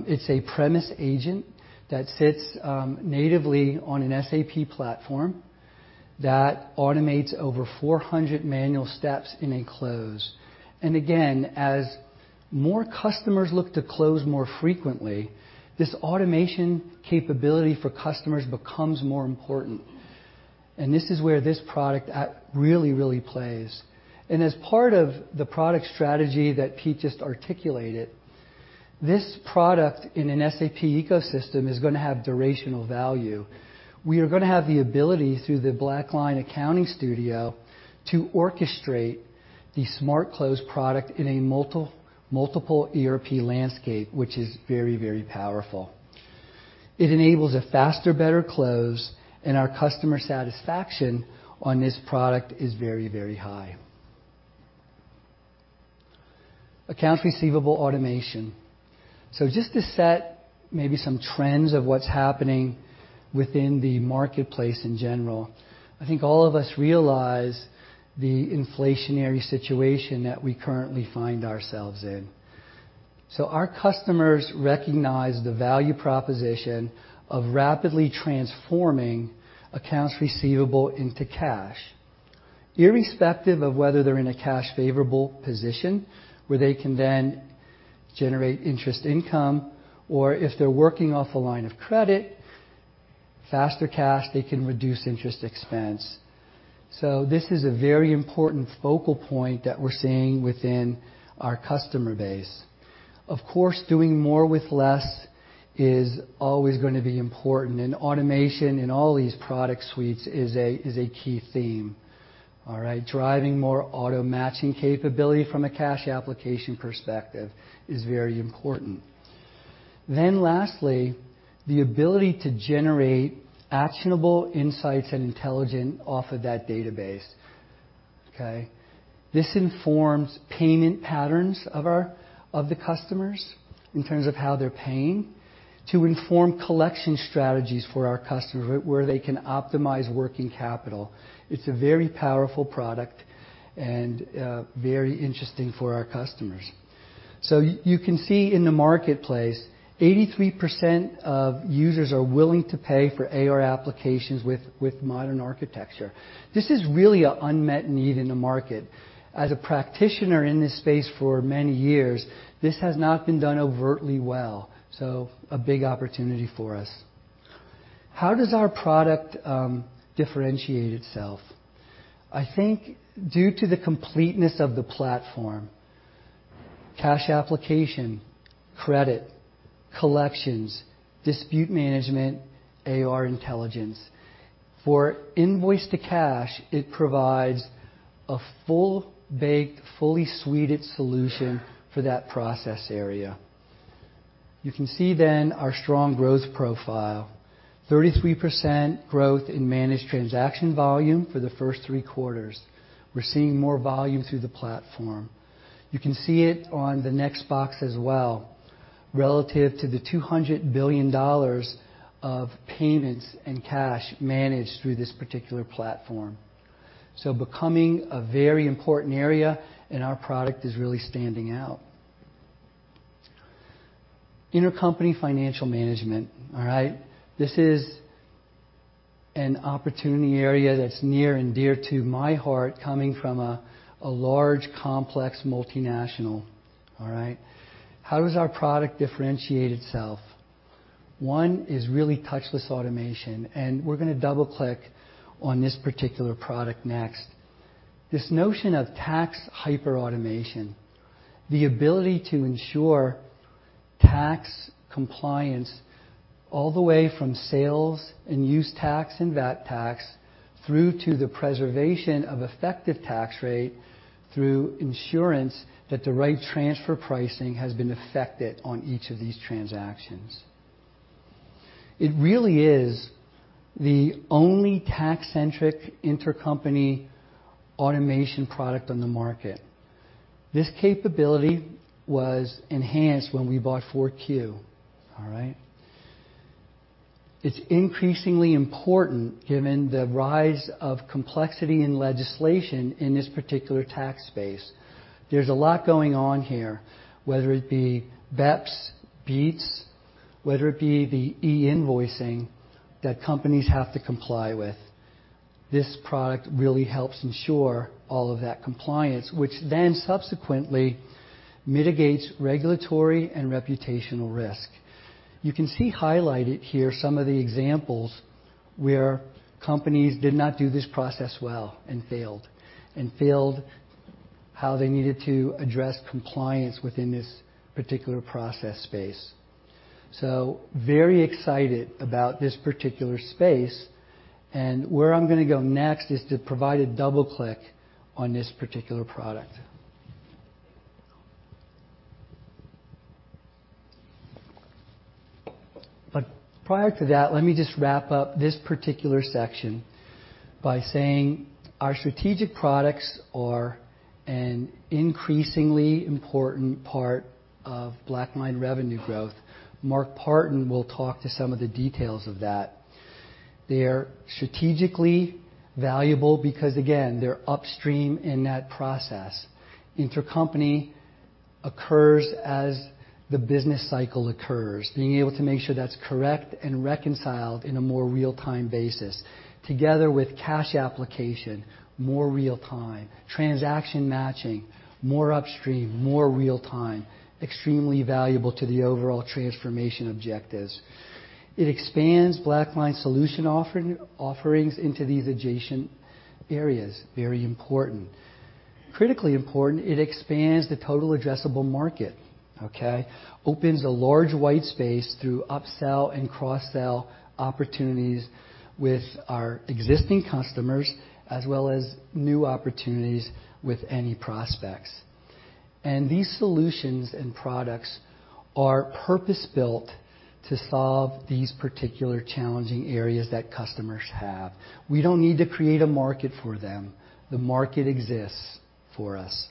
It's a premise agent that sits natively on an SAP platform that automates over 400 manual steps in a close. Again, as more customers look to close more frequently, this automation capability for customers becomes more important. This is where this product really plays. As part of the product strategy that Pete just articulated, this product in an SAP ecosystem is gonna have durational value. We are gonna have the ability through the BlackLine Accounting Studio to orchestrate the Smart Close product in a multiple ERP landscape, which is very, very powerful. It enables a faster, better close, and our customer satisfaction on this product is very, very high. Accounts Receivable Automation. Just to set maybe some trends of what's happening within the marketplace in general, I think all of us realize the inflationary situation that we currently find ourselves in. Our customers recognize the value proposition of rapidly transforming accounts receivable into cash, irrespective of whether they're in a cash favorable position, where they can then generate interest income, or if they're working off a line of credit, faster cash, they can reduce interest expense. This is a very important focal point that we're seeing within our customer base. Of course, doing more with less is always gonna be important, and automation in all these product suites is a key theme. All right. Driving more auto-matching capability from a cash application perspective is very important. Then lastly, the ability to generate actionable insights and intelligence from that database. Okay. This informs payment patterns of the customers in terms of how they're paying to inform collection strategies for our customers where they can optimize working capital. It's a very powerful product and very interesting for our customers. You can see in the marketplace, 83% of users are willing to pay for AR applications with modern architecture. This is really an unmet need in the market. As a practitioner in this space for many years, this has not been done overtly well, so a big opportunity for us. How does our product differentiate itself? I think due to the completeness of the platform, cash application, credit, collections, dispute management, AR intelligence. For invoice to cash, it provides a fully baked, full suite solution for that process area. You can see then our strong growth profile, 33% growth in managed transaction volume for the first three quarters. We're seeing more volume through the platform. You can see it on the next box as well, relative to the $200 billion of payments and cash managed through this particular platform. Becoming a very important area, and our product is really standing out. Intercompany financial management. All right? This is an opportunity area that's near and dear to my heart coming from a large, complex multinational. All right? How does our product differentiate itself? One is really touchless automation, and we're gonna double-click on this particular product next. This notion of tax hyperautomation, the ability to ensure tax compliance all the way from sales and use tax and VAT tax through to the preservation of effective tax rate through ensuring that the right transfer pricing has been effected on each of these transactions. It really is the only tax-centric intercompany automation product on the market. This capability was enhanced when we bought FourQ,. All right. It's increasingly important given the rise of complexity in legislation in this particular tax space. There's a lot going on here, whether it be BEPS, BEAT, whether it be the e-invoicing that companies have to comply with. This product really helps ensure all of that compliance, which then subsequently mitigates regulatory and reputational risk. You can see highlighted here some of the examples where companies did not do this process well and failed how they needed to address compliance within this particular process space. Very excited about this particular space, and where I'm gonna go next is to provide a double-click on this particular product. Prior to that, let me just wrap up this particular section by saying our strategic products are an increasingly important part of BlackLine revenue growth. Mark Parton will talk to some of the details of that. They're strategically valuable because, again, they're upstream in that process. Intercompany occurs as the business cycle occurs, being able to make sure that's correct and reconciled in a more real-time basis, together with cash application, more real time, transaction matching, more upstream, more real time, extremely valuable to the overall transformation objectives. It expands BlackLine solution offering, offerings into these adjacent areas, very important. Critically important, it expands the total addressable market, okay? Opens a large white space through upsell and cross-sell opportunities with our existing customers as well as new opportunities with any prospects. These solutions and products are purpose-built to solve these particular challenging areas that customers have. We don't need to create a market for them. The market exists for us.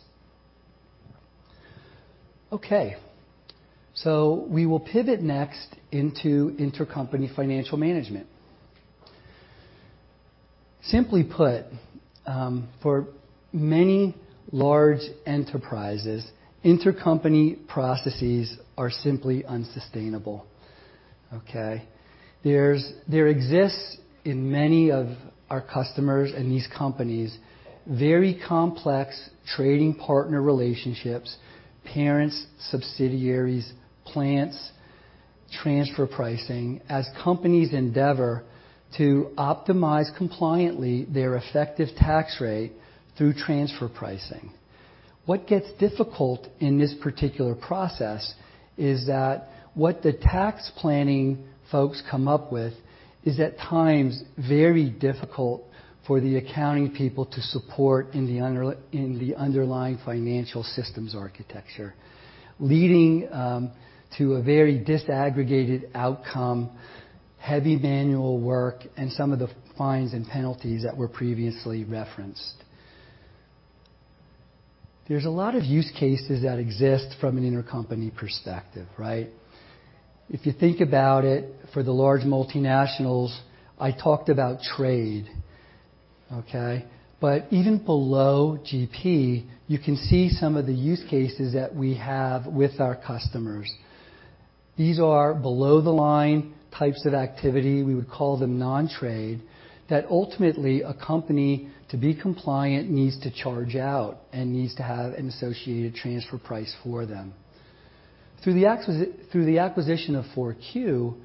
Okay. We will pivot next into intercompany financial management. Simply put, for many large enterprises, intercompany processes are simply unsustainable, okay? There exists in many of our customers and these companies, very complex trading partner relationships, parents, subsidiaries, plants, transfer pricing, as companies endeavor to optimize compliantly their effective tax rate through transfer pricing. What gets difficult in this particular process is that what the tax planning folks come up with is at times very difficult for the accounting people to support in the underlying financial systems architecture, leading to a very disaggregated outcome, heavy manual work and some of the fines and penalties that were previously referenced. There's a lot of use cases that exist from an intercompany perspective, right? If you think about it, for the large multinationals, I talked about trade, okay? But even below GP, you can see some of the use cases that we have with our customers. These are below the line types of activity, we would call them nontrade, that ultimately a company, to be compliant, needs to charge out and needs to have an associated transfer price for them. Through the acquisition of FourQ,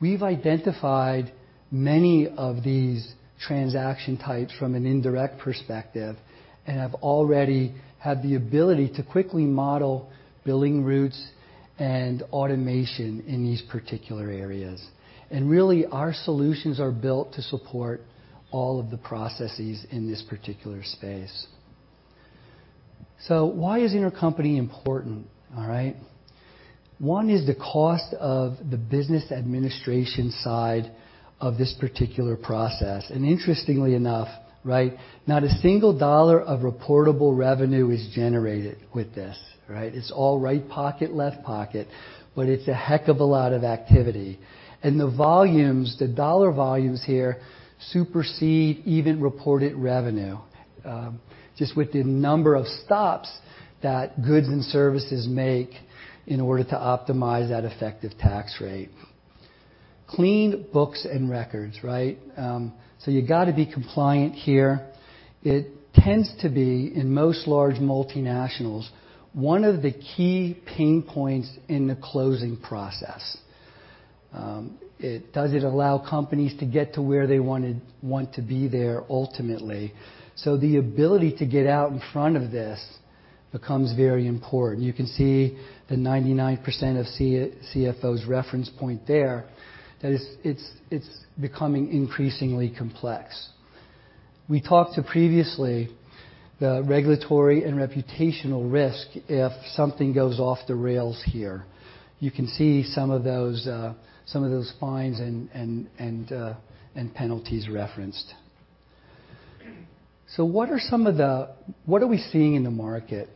we've identified many of these transaction types from an indirect perspective and have already had the ability to quickly model billing routes and automation in these particular areas. Really, our solutions are built to support all of the processes in this particular space. Why is intercompany important? All right. One is the cost of the business administration side of this particular process. Interestingly enough, right, not a single dollar of reportable revenue is generated with this, right? It's all right pocket, left pocket, but it's a heck of a lot of activity. The volumes, the dollar volumes here supersede even reported revenue, just with the number of stops that goods and services make in order to optimize that effective tax rate. Clean books and records, right? You got to be compliant here. It tends to be, in most large multinationals, one of the key pain points in the closing process. Does it allow companies to get to where they want to be there ultimately. The ability to get out in front of this becomes very important. You can see the 99% of CFOs reference point there. That is, it's becoming increasingly complex. We talked about previously the regulatory and reputational risk if something goes off the rails here. You can see some of those fines and penalties referenced. What are we seeing in the market?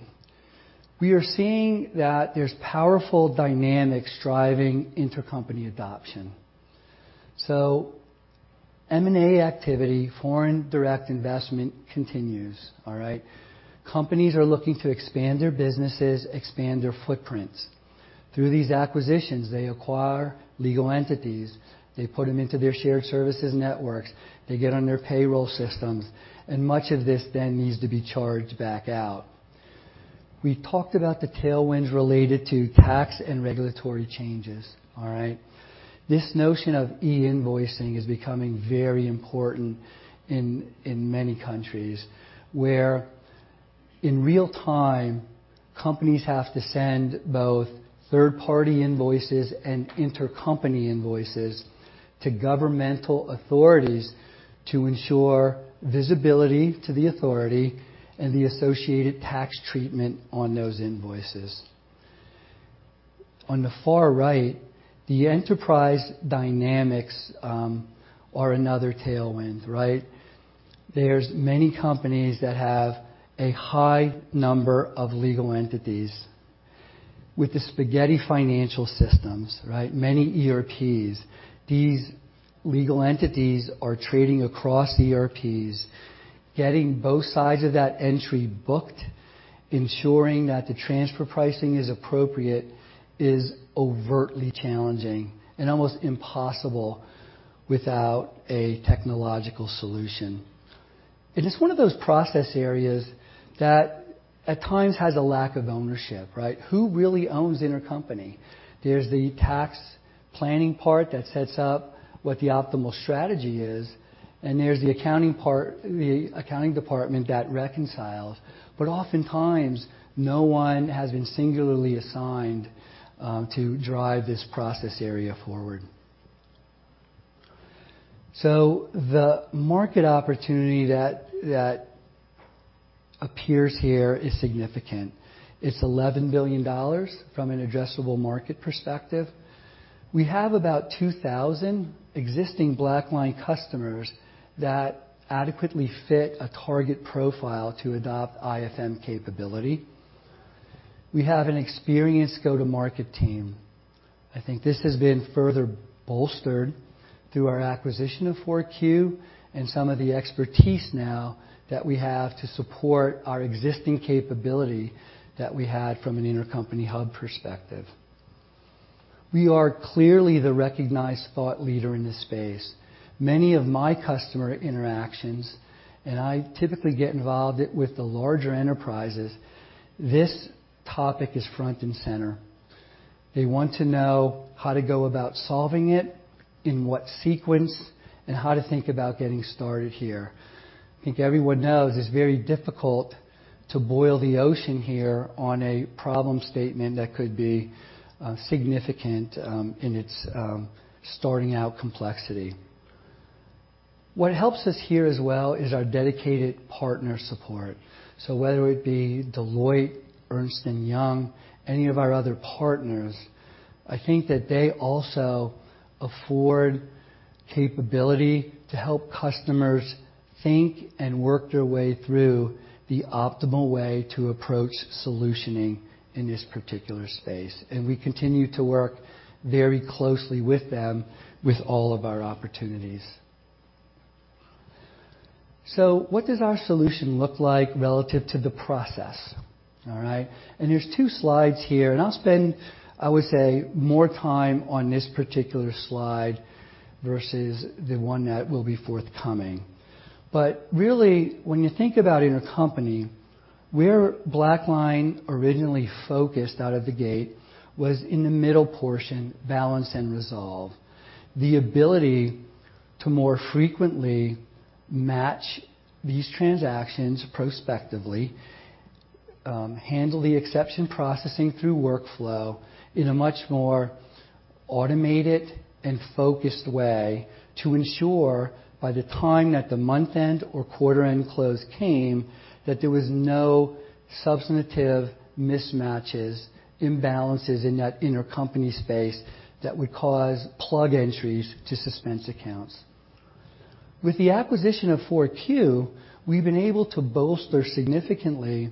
We are seeing that there's powerful dynamics driving intercompany adoption. M&A activity, foreign direct investment continues, all right? Companies are looking to expand their businesses, expand their footprints. Through these acquisitions, they acquire legal entities, they put them into their shared services networks, they get on their payroll systems, and much of this then needs to be charged back out. We talked about the tailwinds related to tax and regulatory changes, all right? This notion of e-invoicing is becoming very important in many countries, where in real time, companies have to send both third-party invoices and intercompany invoices to governmental authorities to ensure visibility to the authority and the associated tax treatment on those invoices. On the far right, the enterprise dynamics are another tailwind, right? There's many companies that have a high number of legal entities. With the spaghetti financial systems, right, many ERPs, these legal entities are trading across ERPs, getting both sides of that entry booked, ensuring that the transfer pricing is appropriate is overtly challenging and almost impossible without a technological solution. It is one of those process areas that at times has a lack of ownership, right? Who really owns intercompany? There's the tax planning part that sets up what the optimal strategy is, and there's the accounting part, the accounting department that reconciles. Oftentimes, no one has been singularly assigned to drive this process area forward. The market opportunity that appears here is significant. It's $11 billion from an addressable market perspective. We have about 2,000 existing BlackLine customers that adequately fit a target profile to adopt IFM capability. We have an experienced go-to-market team. I think this has been further bolstered through our acquisition of FourQ and some of the expertise now that we have to support our existing capability that we had from an intercompany hub perspective. We are clearly the recognized thought leader in this space. Many of my customer interactions, and I typically get involved with the larger enterprises, this topic is front and center. They want to know how to go about solving it, in what sequence, and how to think about getting started here. I think everyone knows it's very difficult to boil the ocean here on a problem statement that could be significant in its starting out complexity. What helps us here as well is our dedicated partner support. Whether it be Deloitte, Ernst & Young, any of our other partners, I think that they also afford capability to help customers think and work their way through the optimal way to approach solutioning in this particular space. We continue to work very closely with them with all of our opportunities. What does our solution look like relative to the process? All right. There's two slides here, and I'll spend, I would say, more time on this particular slide versus the one that will be forthcoming. Really, when you think about intercompany, where BlackLine originally focused out of the gate was in the middle portion, balance, and resolve. The ability to more frequently match these transactions prospectively, handle the exception processing through workflow in a much more automated and focused way to ensure by the time that the month-end or quarter-end close came, that there was no substantive mismatches, imbalances in that intercompany space that would cause plug entries to suspense accounts. With the acquisition of FourQ, we've been able to bolster significantly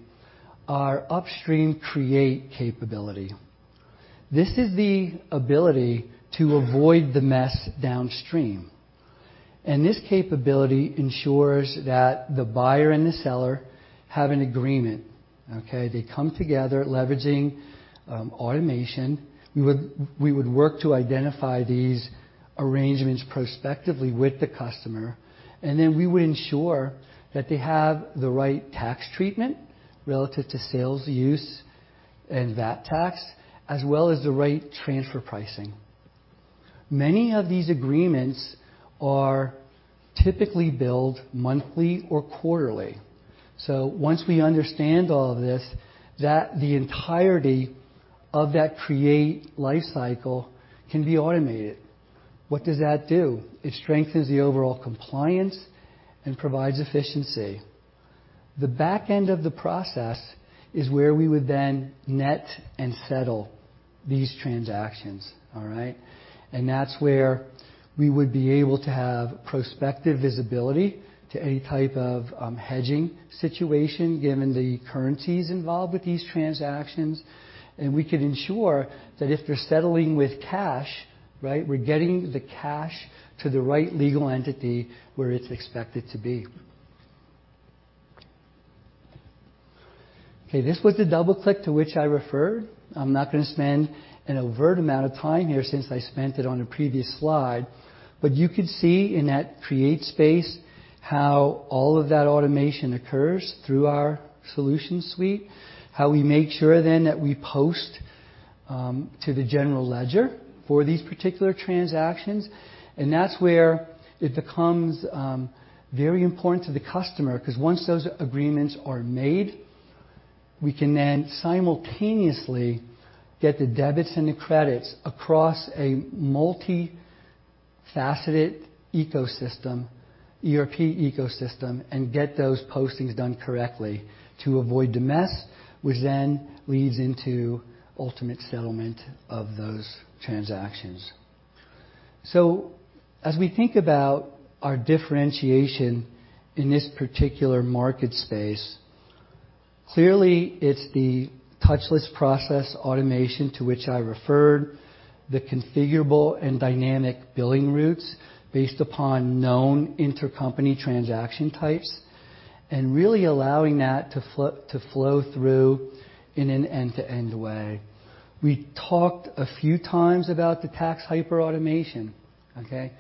our upstream create capability. This is the ability to avoid the mess downstream. This capability ensures that the buyer and the seller have an agreement, okay? They come together leveraging, automation. We would work to identify these arrangements prospectively with the customer, and then we would ensure that they have the right tax treatment relative to sales, use, and VAT, as well as the right transfer pricing. Many of these agreements are typically billed monthly or quarterly. Once we understand all of this, that the entirety of that contract lifecycle can be automated. What does that do? It strengthens the overall compliance and provides efficiency. The back end of the process is where we would then net and settle these transactions. All right. That's where we would be able to have prospective visibility to any type of hedging situation, given the currencies involved with these transactions. We could ensure that if they're settling with cash, right, we're getting the cash to the right legal entity where it's expected to be. Okay, this was the double click to which I referred. I'm not gonna spend an overt amount of time here since I spent it on a previous slide. You could see in that create space how all of that automation occurs through our solution suite, how we make sure then that we post to the general ledger for these particular transactions, and that's where it becomes very important to the customer 'cause once those agreements are made, we can then simultaneously get the debits and the credits across a multi-faceted ecosystem, ERP ecosystem, and get those postings done correctly to avoid the mess, which then leads into ultimate settlement of those transactions. As we think about our differentiation in this particular market space, clearly it's the touchless process automation to which I referred, the configurable and dynamic billing routes based upon known intercompany transaction types, and really allowing that to flow through in an end-to-end way. We talked a few times about the tax hyperautomation, okay?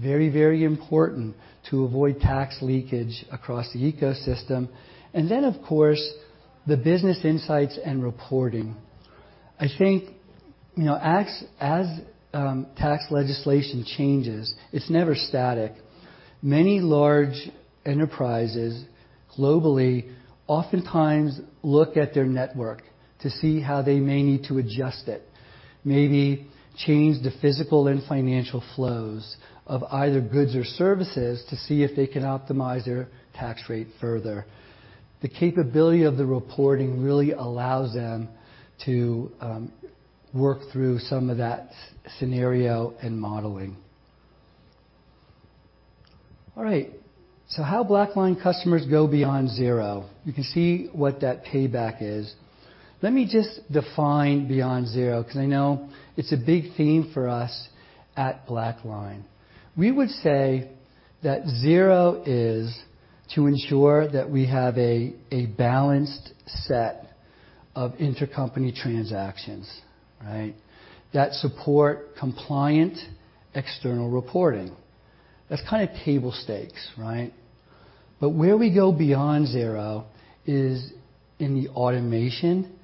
Very, very important to avoid tax leakage across the ecosystem. Then, of course, the business insights and reporting. I think, you know, as tax legislation changes, it's never static. Many large enterprises globally oftentimes look at their network to see how they may need to adjust it, maybe change the physical and financial flows of either goods or services to see if they can optimize their tax rate further. The capability of the reporting really allows them to work through some of that scenario and modeling. All right. How BlackLine customers go beyond zero. You can see what that payback is. Let me just define beyond zero, because I know it's a big theme for us at BlackLine. We would say that zero is to ensure that we have a balanced set of intercompany transactions, right? That support compliant external reporting. That's kind of table stakes, right? But where we go beyond zero is in the automation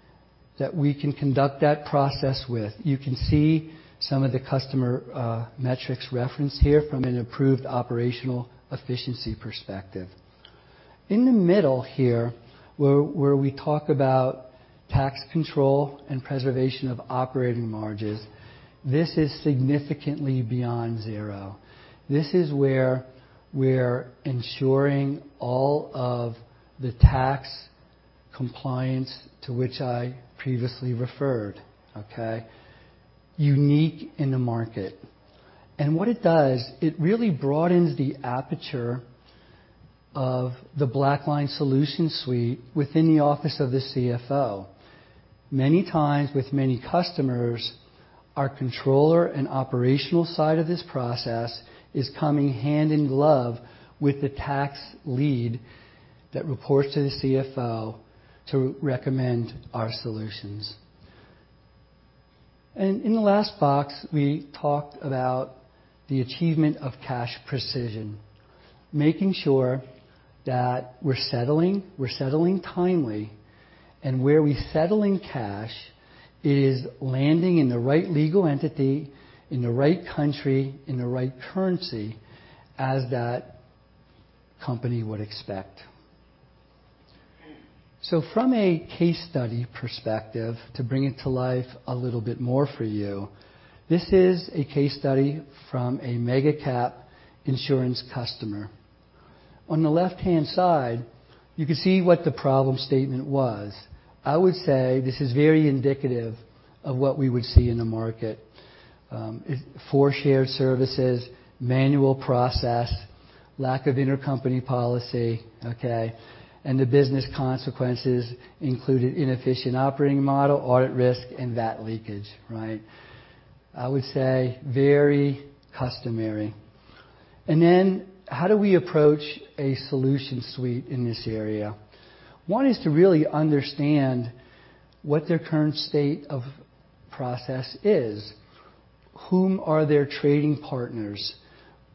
that we can conduct that process with. You can see some of the customer metrics referenced here from an improved operational efficiency perspective. In the middle here, where we talk about tax control and preservation of operating margins, this is significantly beyond zero. This is where we're ensuring all of the tax compliance to which I previously referred, okay? Unique in the market. What it does, it really broadens the aperture of the BlackLine solution suite within the office of the CFO. Many times with many customers, our controller and operational side of this process is coming hand in glove with the tax lead that reports to the CFO to recommend our solutions. In the last box, we talked about the achievement of cash precision, making sure that we're settling timely, and where we settle in cash is landing in the right legal entity, in the right country, in the right currency as that company would expect. From a case study perspective, to bring it to life a little bit more for you, this is a case study from a mega cap insurance customer. On the left-hand side, you can see what the problem statement was. I would say this is very indicative of what we would see in the market. Four shared services, manual process, lack of intercompany policy, okay, and the business consequences included inefficient operating model, audit risk, and VAT leakage, right? I would say very customary. How do we approach a solution suite in this area? One is to really understand what their current state of process is. Whom are their trading partners?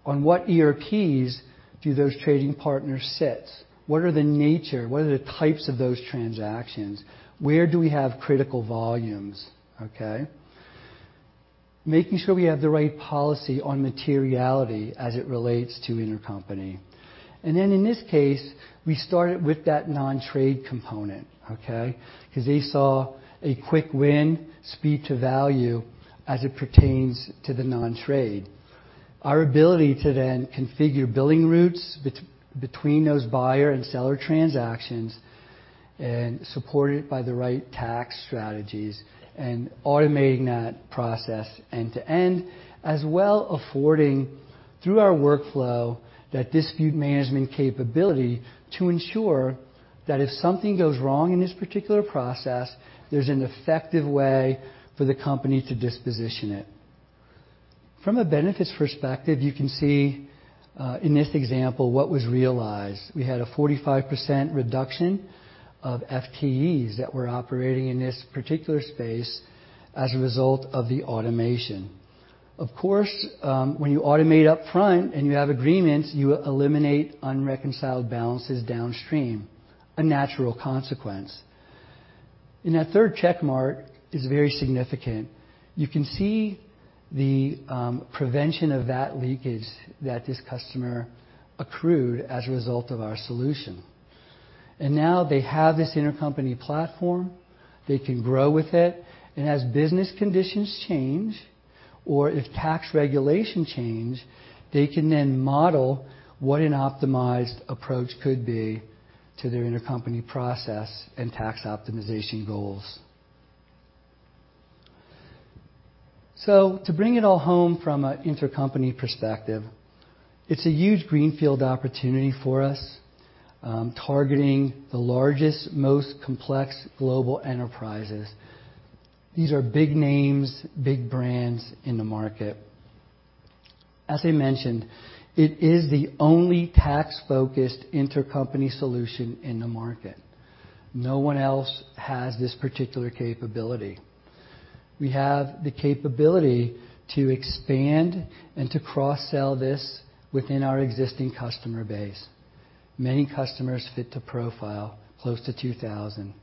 On what ERPs do those trading partners sit? What are the nature? What are the types of those transactions? Where do we have critical volumes? Okay? Making sure we have the right policy on materiality as it relates to intercompany. In this case, we started with that nontrade component, okay? 'Cause they saw a quick win speed to value as it pertains to the nontrade. Our ability to then configure billing routes between those buyer and seller transactions and support it by the right tax strategies and automating that process end to end, as well affording, through our workflow, that dispute management capability to ensure that if something goes wrong in this particular process, there's an effective way for the company to disposition it. From a benefits perspective, you can see in this example what was realized. We had a 45% reduction of FTEs that were operating in this particular space as a result of the automation. Of course, when you automate up front and you have agreements, you eliminate unreconciled balances downstream, a natural consequence. That third check mark is very significant. You can see the prevention of that leakage that this customer accrued as a result of our solution. Now they have this intercompany platform. They can grow with it. As business conditions change or if tax regulation change, they can then model what an optimized approach could be to their intercompany process and tax optimization goals. To bring it all home from an intercompany perspective, it's a huge greenfield opportunity for us, targeting the largest, most complex global enterprises. These are big names, big brands in the market. As I mentioned, it is the only tax-focused intercompany solution in the market. No one else has this particular capability. We have the capability to expand and to cross-sell this within our existing customer base. Many customers fit the profile, close to 2,000.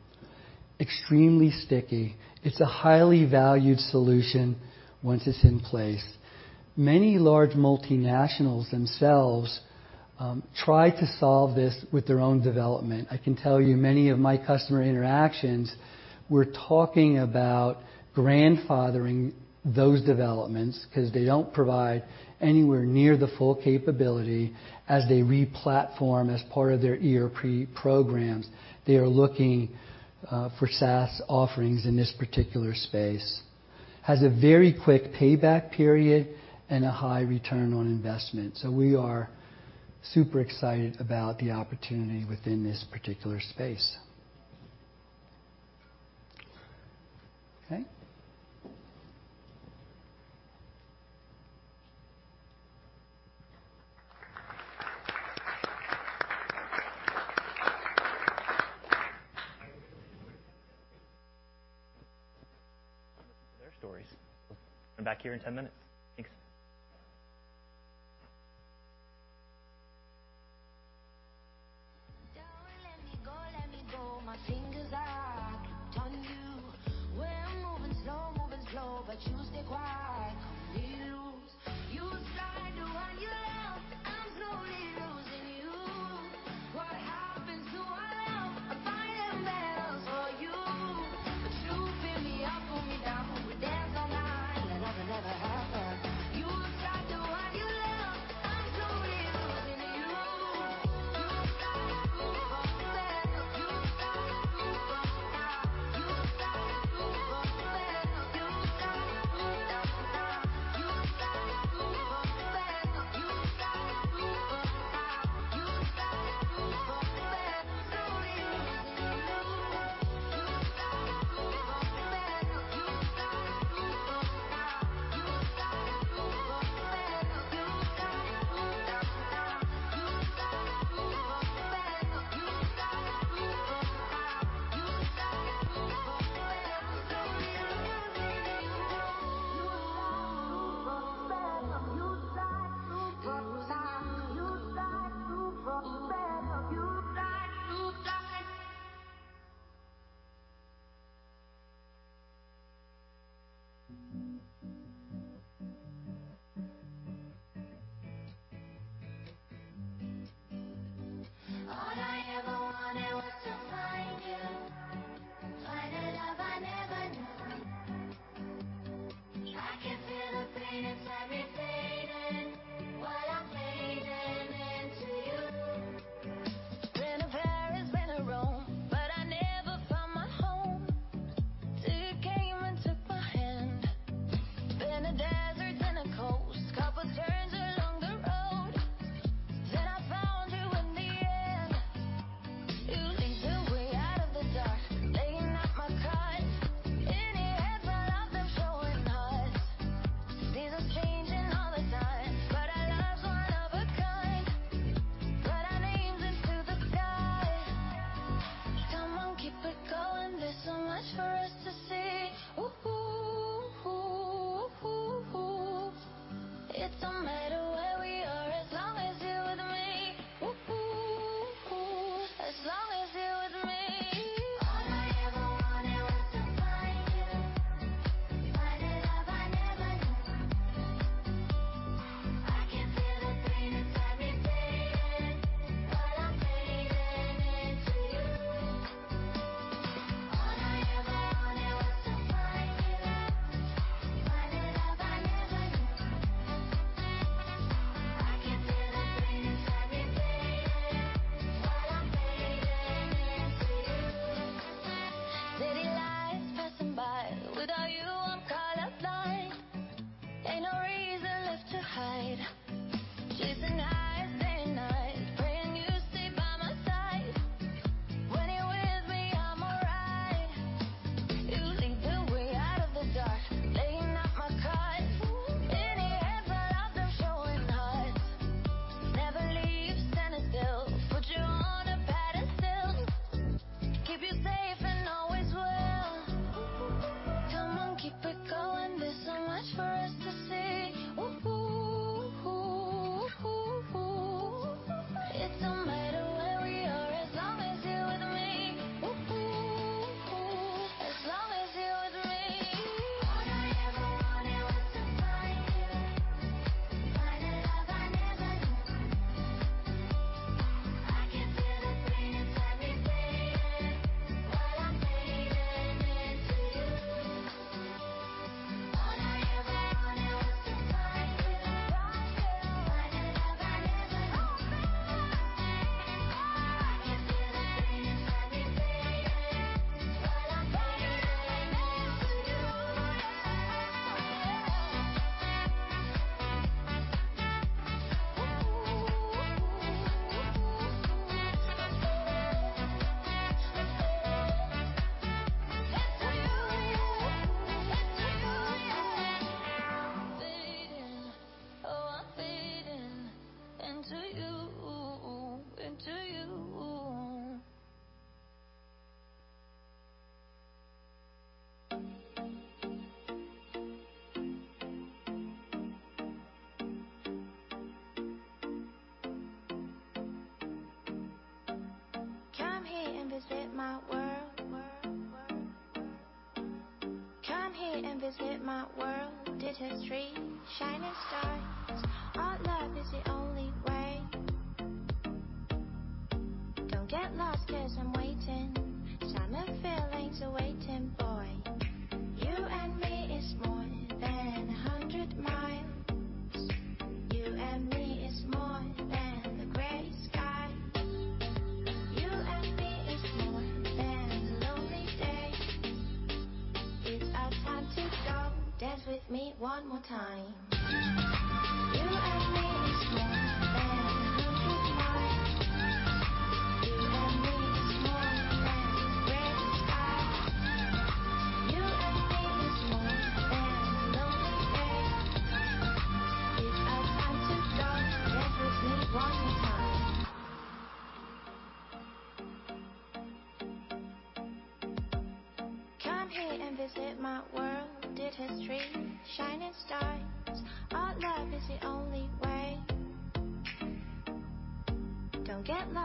Extremely sticky. It's a highly valued solution once it's in place. Many large multinationals themselves try to solve this with their own development. I can tell you many of my customer interactions were talking about grandfathering those developments 'cause they don't provide anywhere near the full capability as they re-platform as part of their ERP programs. They are looking for SaaS offerings in this particular space. Has a very quick payback period and a high return on investment. We are super excited about the opportunity within this particular space. Okay. Listen to their stories. Be back here in 10 minutes. Thanks. Good to go?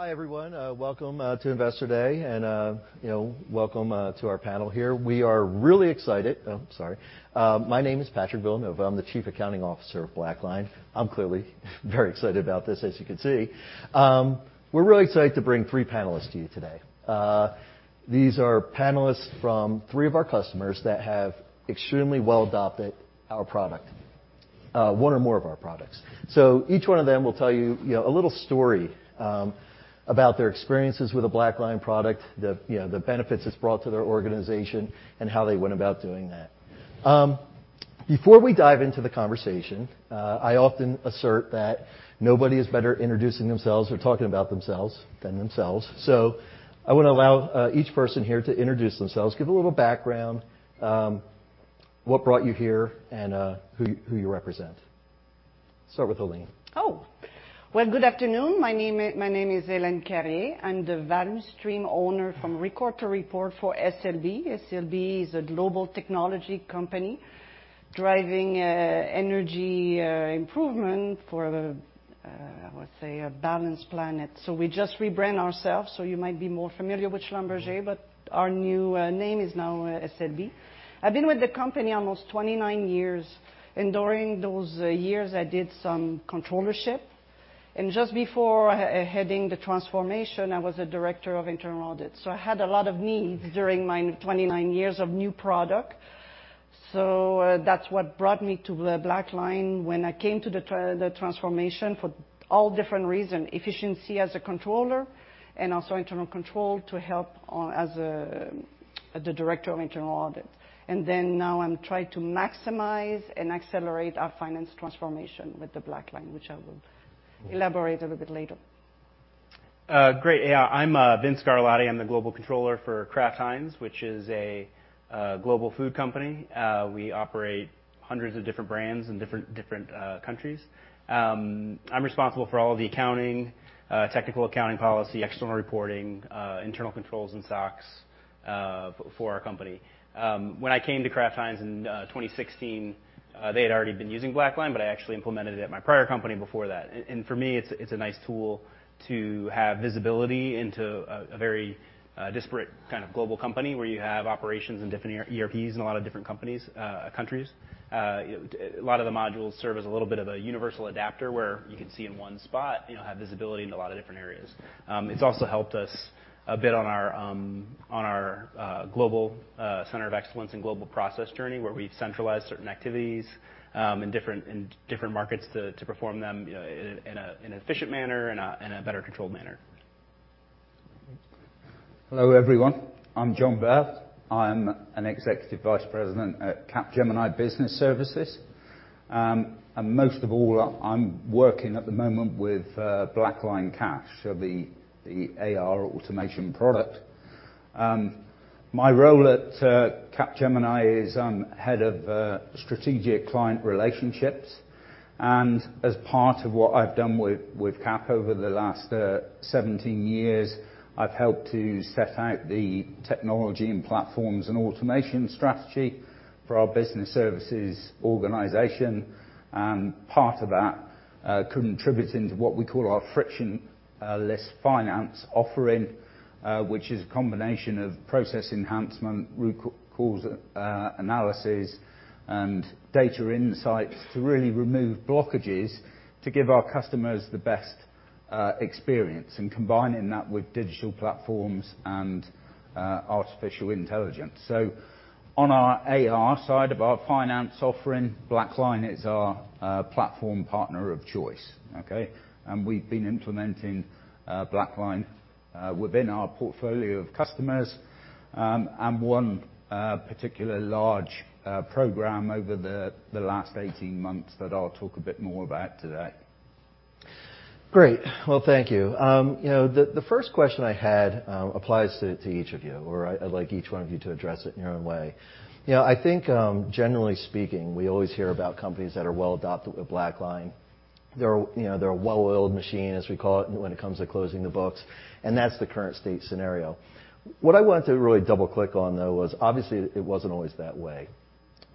Hi, everyone. Welcome to Investor Day, and you know, welcome to our panel here. We are really excited. Oh, sorry. My name is Patrick Villanova. I'm the Chief Accounting Officer of BlackLine. I'm clearly very excited about this, as you can see. We're really excited to bring three panelists to you today. These are panelists from three of our customers that have extremely well adopted our product, one or more of our products. So each one of them will tell you know, a little story about their experiences with the BlackLine product, the you know, the benefits it's brought to their organization, and how they went about doing that. Before we dive into the conversation, I often assert that nobody is better at introducing themselves or talking about themselves than themselves. I wanna allow each person here to introduce themselves, give a little background, what brought you here and who you represent. Start with Helene. Well, good afternoon. My name is Helene Carrier. I'm the value stream owner from Record to Report for SLB. SLB is a global technology company driving energy improvement for the, let's say a balanced planet. We just rebrand ourselves, so you might be more familiar with Schlumberger, but our new name is now SLB. I've been with the company almost 29 years, and during those years, I did some controllership. Just before heading the transformation, I was a director of internal audit. I had a lot of needs during my 29 years of new product. That's what brought me to the BlackLine when I came to the transformation for all different reason, efficiency as a controller and also internal control to help on as a, the director of internal audit. Now I'm trying to maximize and accelerate our finance transformation with the BlackLine, which I will elaborate a little bit later. Great. Yeah. I'm Vince Garlati. I'm the global controller for Kraft Heinz, which is a global food company. We operate hundreds of different brands in different countries. I'm responsible for all the accounting, technical accounting policy, external reporting, internal controls and SOX, for our company. When I came to Kraft Heinz in 2016, they had already been using BlackLine, but I actually implemented it at my prior company before that. And for me, it's a nice tool to have visibility into a very disparate kind of global company where you have operations in different ERPs in a lot of different companies, countries. A lot of the modules serve as a little bit of a universal adapter where you can see in one spot, you know, have visibility in a lot of different areas. It's also helped us a bit on our global center of excellence and global process journey, where we've centralized certain activities in different markets to perform them, you know, in an efficient manner and a better controlled manner. Hello, everyone. I'm John Burt. I'm an executive vice president at Capgemini Business Services. And most of all, I'm working at the moment with BlackLine Cash, the AR automation product. My role at Capgemini is I'm head of strategic client relationships. As part of what I've done with Cap over the last 17 years, I've helped to set out the technology and platforms and automation strategy for our business services organization. Part of that contributes into what we call our Frictionless Finance offering, which is a combination of process enhancement, root cause analysis, and data insights to really remove blockages to give our customers the best experience, and combining that with digital platforms and artificial intelligence. On our AR side of our finance offering, BlackLine is our platform partner of choice, okay? We've been implementing BlackLine within our portfolio of customers, and one particular large program over the last 18 months that I'll talk a bit more about today. Great. Well, thank you. You know, the first question I had applies to each of you, or I'd like each one of you to address it in your own way. You know, I think, generally speaking, we always hear about companies that are well adopted with BlackLine. They're, you know, a well-oiled machine, as we call it, when it comes to closing the books, and that's the current state scenario. What I wanted to really double-click on, though, was obviously it wasn't always that way.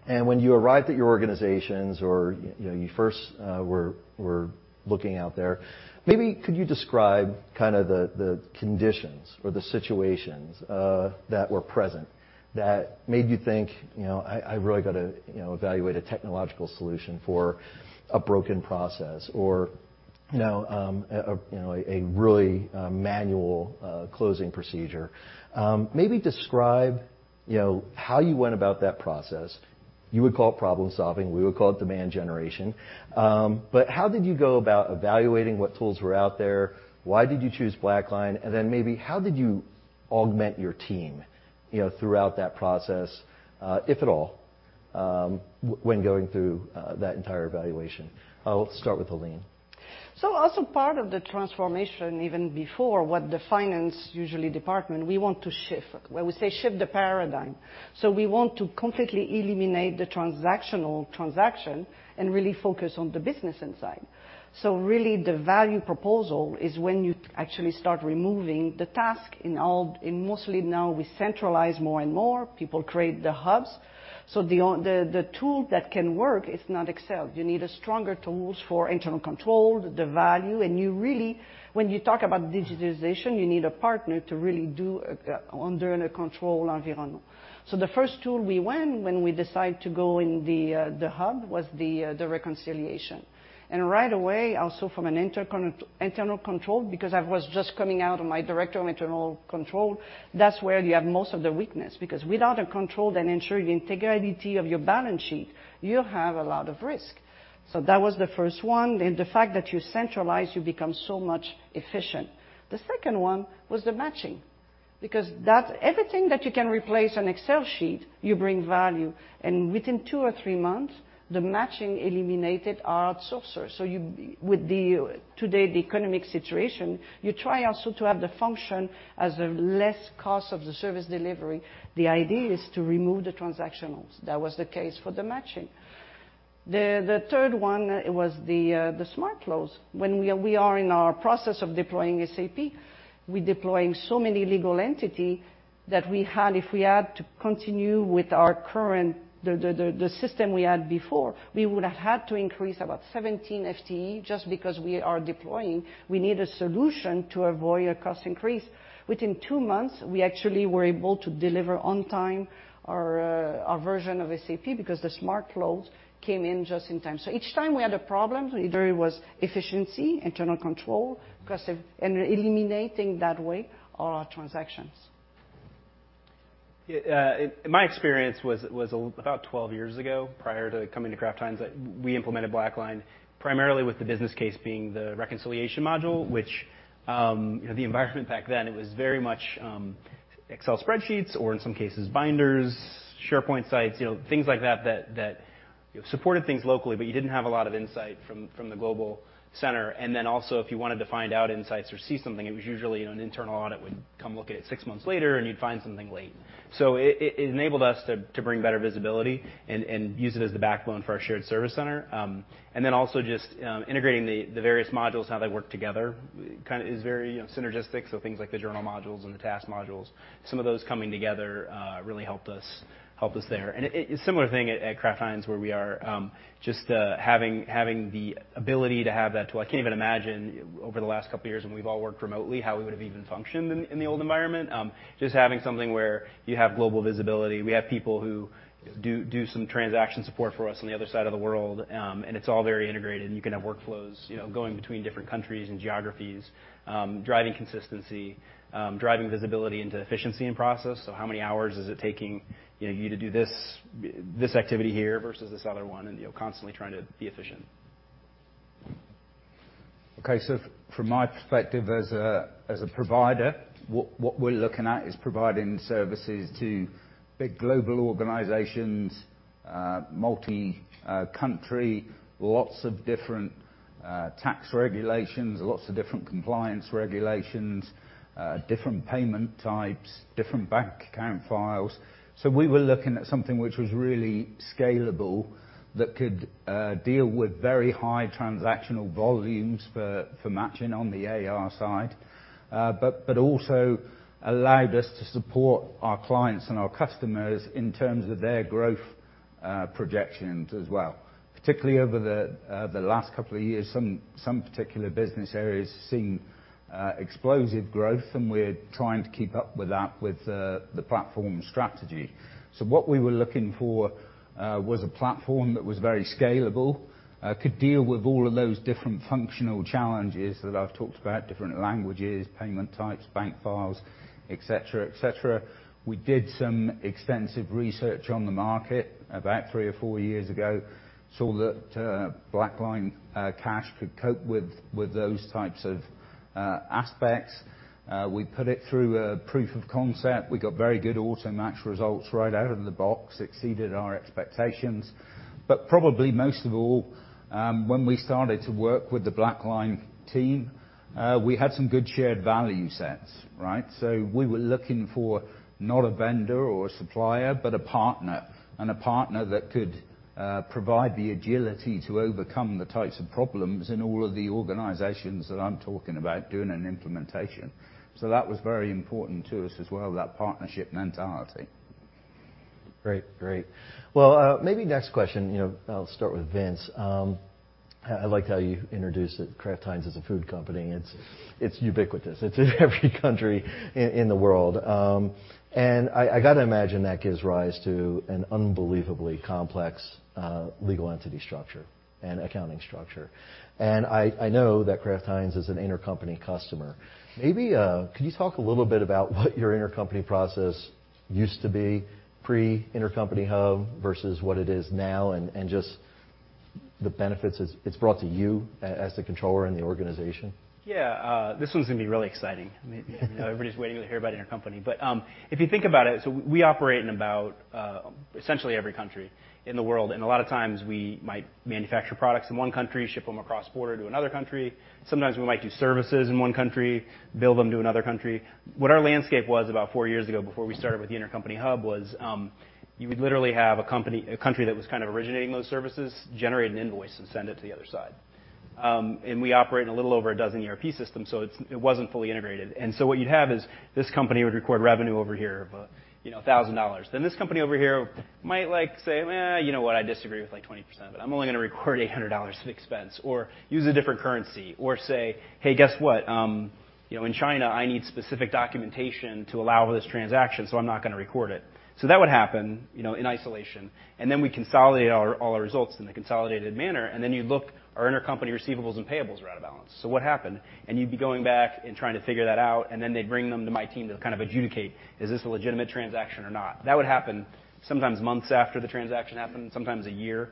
When you arrived at your organizations, or you know, you first were looking out there, maybe could you describe kind of the conditions or the situations that were present that made you think, you know, I really got to evaluate a technological solution for a broken process or, you know, a really manual closing procedure. Maybe describe, you know, how you went about that process. You would call it problem-solving, we would call it demand generation. But how did you go about evaluating what tools were out there? Why did you choose BlackLine? And then maybe how did you augment your team, you know, throughout that process, if at all, when going through that entire evaluation? I'll start with Helene. Also part of the transformation, even before what the finance usually department we want to shift. When we say shift the paradigm, we want to completely eliminate the transactional transaction and really focus on the business insight. Really the value proposition is when you actually start removing the task in all and mostly now we centralize more and more, people create the hubs. The tool that can work is not Excel. You need stronger tools for internal control, the value. You really, when you talk about digitization, you need a partner to really do in a controlled environment. The first tool we went when we decide to go in the hub was the reconciliation. Right away, also from an internal control, because I was just coming out of my director of internal control. That's where you have most of the weakness, because without a control that ensure the integrity of your balance sheet, you have a lot of risk. That was the first one. The fact that you centralize, you become so much efficient. The second one was the matching, because that's everything that you can replace an Excel sheet, you bring value. Within two or three months, the matching eliminated our outsourcer. With today's economic situation, you try also to have the function as a less cost of the service delivery. The idea is to remove the transactionals. That was the case for the matching. The third one was the Smart Close. When we are in our process of deploying SAP, we are deploying so many legal entity that if we had to continue with our current system we had before, we would have had to increase about 17 FTE just because we are deploying. We need a solution to avoid a cost increase. Within two months, we actually were able to deliver on time our version of SAP because the Smart Close came in just in time. Each time we had a problem, either it was efficiency, internal control, cost, and eliminating that way all our transactions. My experience was about 12 years ago, prior to coming to Kraft Heinz, that we implemented BlackLine primarily with the business case being the reconciliation module, which, the environment back then, it was very much, Excel spreadsheets, or in some cases, binders, SharePoint sites, you know, things like that supported things locally, but you didn't have a lot of insight from the global center. If you wanted to find out insights or see something, it was usually an internal audit would come look at it six months later and you'd find something late. It enabled us to bring better visibility and use it as the backbone for our shared service center. also just integrating the various modules, how they work together kind of is very, you know, synergistic. Things like the journal modules and the task modules, some of those coming together really helped us there. It's a similar thing at Kraft Heinz where we are just having the ability to have that tool. I can't even imagine over the last couple of years when we've all worked remotely, how we would have even functioned in the old environment. Just having something where you have global visibility. We have people who do some transaction support for us on the other side of the world. It's all very integrated, and you can have workflows, you know, going between different countries and geographies, driving consistency, driving visibility into efficiency and process. How many hours is it taking, you know, you to do this activity here versus this other one and, you know, constantly trying to be efficient? From my perspective as a provider, we're looking at is providing services to big global organizations, multi-country, lots of different tax regulations, lots of different compliance regulations, different payment types, different bank account files. We were looking at something which was really scalable that could deal with very high transactional volumes for matching on the AR side, but also allowed us to support our clients and our customers in terms of their growth projections as well. Particularly over the last couple of years, some particular business areas have seen explosive growth, and we're trying to keep up with that with the platform strategy. What we were looking for was a platform that was very scalable, could deal with all of those different functional challenges that I've talked about, different languages, payment types, bank files, et cetera, et cetera. We did some extensive research on the market about three or four years ago, saw that BlackLine Cash could cope with those types of aspects. We put it through a proof of concept. We got very good auto-match results right out of the box, exceeded our expectations. But probably most of all, when we started to work with the BlackLine team, we had some good shared value sets, right? We were looking for not a vendor or a supplier, but a partner, and a partner that could Provide the agility to overcome the types of problems in all of the organizations that I'm talking about doing an implementation. That was very important to us as well, that partnership mentality. Great, great. Well, maybe next question, you know, I'll start with Vince. I liked how you introduced that Kraft Heinz is a food company. It's ubiquitous. It's in every country in the world. I gotta imagine that gives rise to an unbelievably complex legal entity structure and accounting structure. I know that Kraft Heinz is an intercompany customer. Maybe could you talk a little bit about what your intercompany process used to be pre-Intercompany Hub versus what it is now and just the benefits it's brought to you as the controller in the organization? Yeah. This one's gonna be really exciting. I mean, you know, everybody's waiting to hear about intercompany. If you think about it, we operate in about, essentially every country in the world, and a lot of times we might manufacture products in one country, ship them across border to another country. Sometimes we might do services in one country, bill them to another country. What our landscape was about four years ago before we started with the Intercompany Hub was, you would literally have a country that was kind of originating those services, generate an invoice, and send it to the other side. We operate in a little over a dozen ERP systems. It wasn't fully integrated. What you'd have is this company would record revenue over here of, you know, $1,000. This company over here might, like, say, "Eh, you know what? I disagree with, like, 20% of it. I'm only gonna record $800 of expense," or use a different currency or say, "Hey, guess what? You know, in China, I need specific documentation to allow this transaction, so I'm not gonna record it." That would happen, you know, in isolation, and then we consolidate all our results in a consolidated manner, and then you'd look, our intercompany receivables and payables are out of balance. What happened? You'd be going back and trying to figure that out, and then they'd bring them to my team to kind of adjudicate, is this a legitimate transaction or not? That would happen sometimes months after the transaction happened, sometimes a year,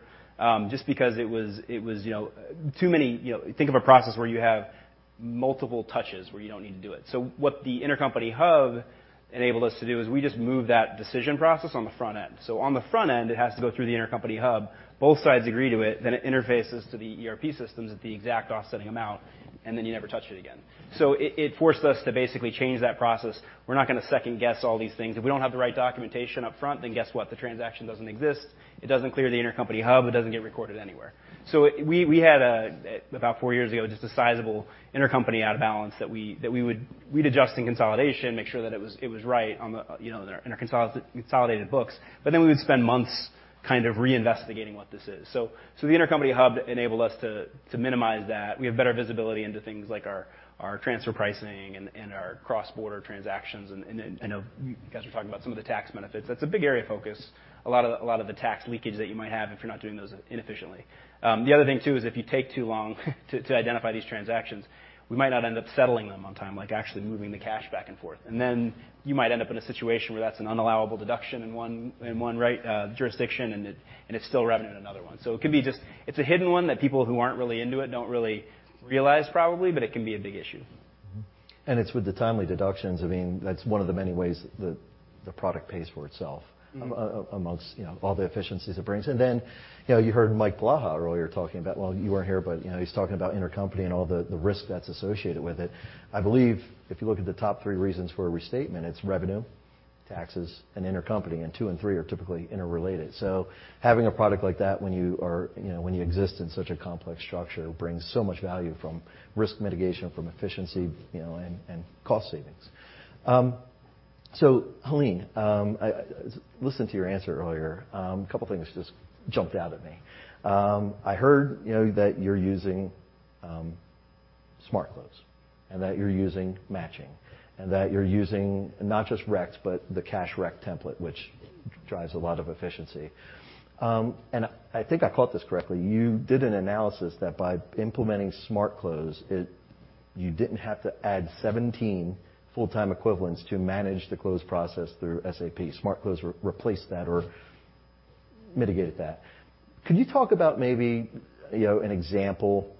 just because it was you know too many. You know, think of a process where you have multiple touches where you don't need to do it. What the intercompany hub enabled us to do is we just move that decision process on the front end. On the front end, it has to go through the intercompany hub. Both sides agree to it, then it interfaces to the ERP systems at the exact offsetting amount, and then you never touch it again. It forced us to basically change that process. We're not gonna second-guess all these things. If we don't have the right documentation up front, then guess what? The transaction doesn't exist. It doesn't clear the intercompany hub. It doesn't get recorded anywhere. We had about four years ago, just a sizable intercompany out of balance that we would... We'd adjust in consolidation, make sure that it was right on our consolidated books, but then we would spend months kind of reinvestigating what this is. The intercompany hub enabled us to minimize that. We have better visibility into things like our transfer pricing and our cross-border transactions. I know you guys were talking about some of the tax benefits. That's a big area of focus. A lot of the tax leakage that you might have if you're doing those inefficiently. The other thing too is if you take too long to identify these transactions, we might not end up settling them on time, like actually moving the cash back and forth. You might end up in a situation where that's an unallowable deduction in one right jurisdiction, and it's still revenue in another one. It could be just a hidden one that people who aren't really into it don't really realize probably, but it can be a big issue. It's with the timely deductions, I mean, that's one of the many ways the product pays for itself. Mm-hmm Among all the efficiencies it brings. Then you know, you heard Mike Polaha earlier talking about well, you weren't here, but you know, he's talking about intercompany and all the risk that's associated with it. I believe if you look at the top three reasons for a restatement, it's revenue, taxes, and intercompany, and two and three are typically interrelated. Having a product like that when you are, you know, when you exist in such a complex structure, brings so much value from risk mitigation, from efficiency, you know, and cost savings. Helene, I listened to your answer earlier. A couple things just jumped out at me. I heard, you know, that you're using Smart Close and that you're using matching and that you're using not just recs but the cash rec template, which drives a lot of efficiency. I think I caught this correctly. You did an analysis that by implementing Smart Close, you didn't have to add 17 full-time equivalents to manage the close process through SAP. Smart Close replaced that or mitigated that. Could you talk about maybe, you know, an example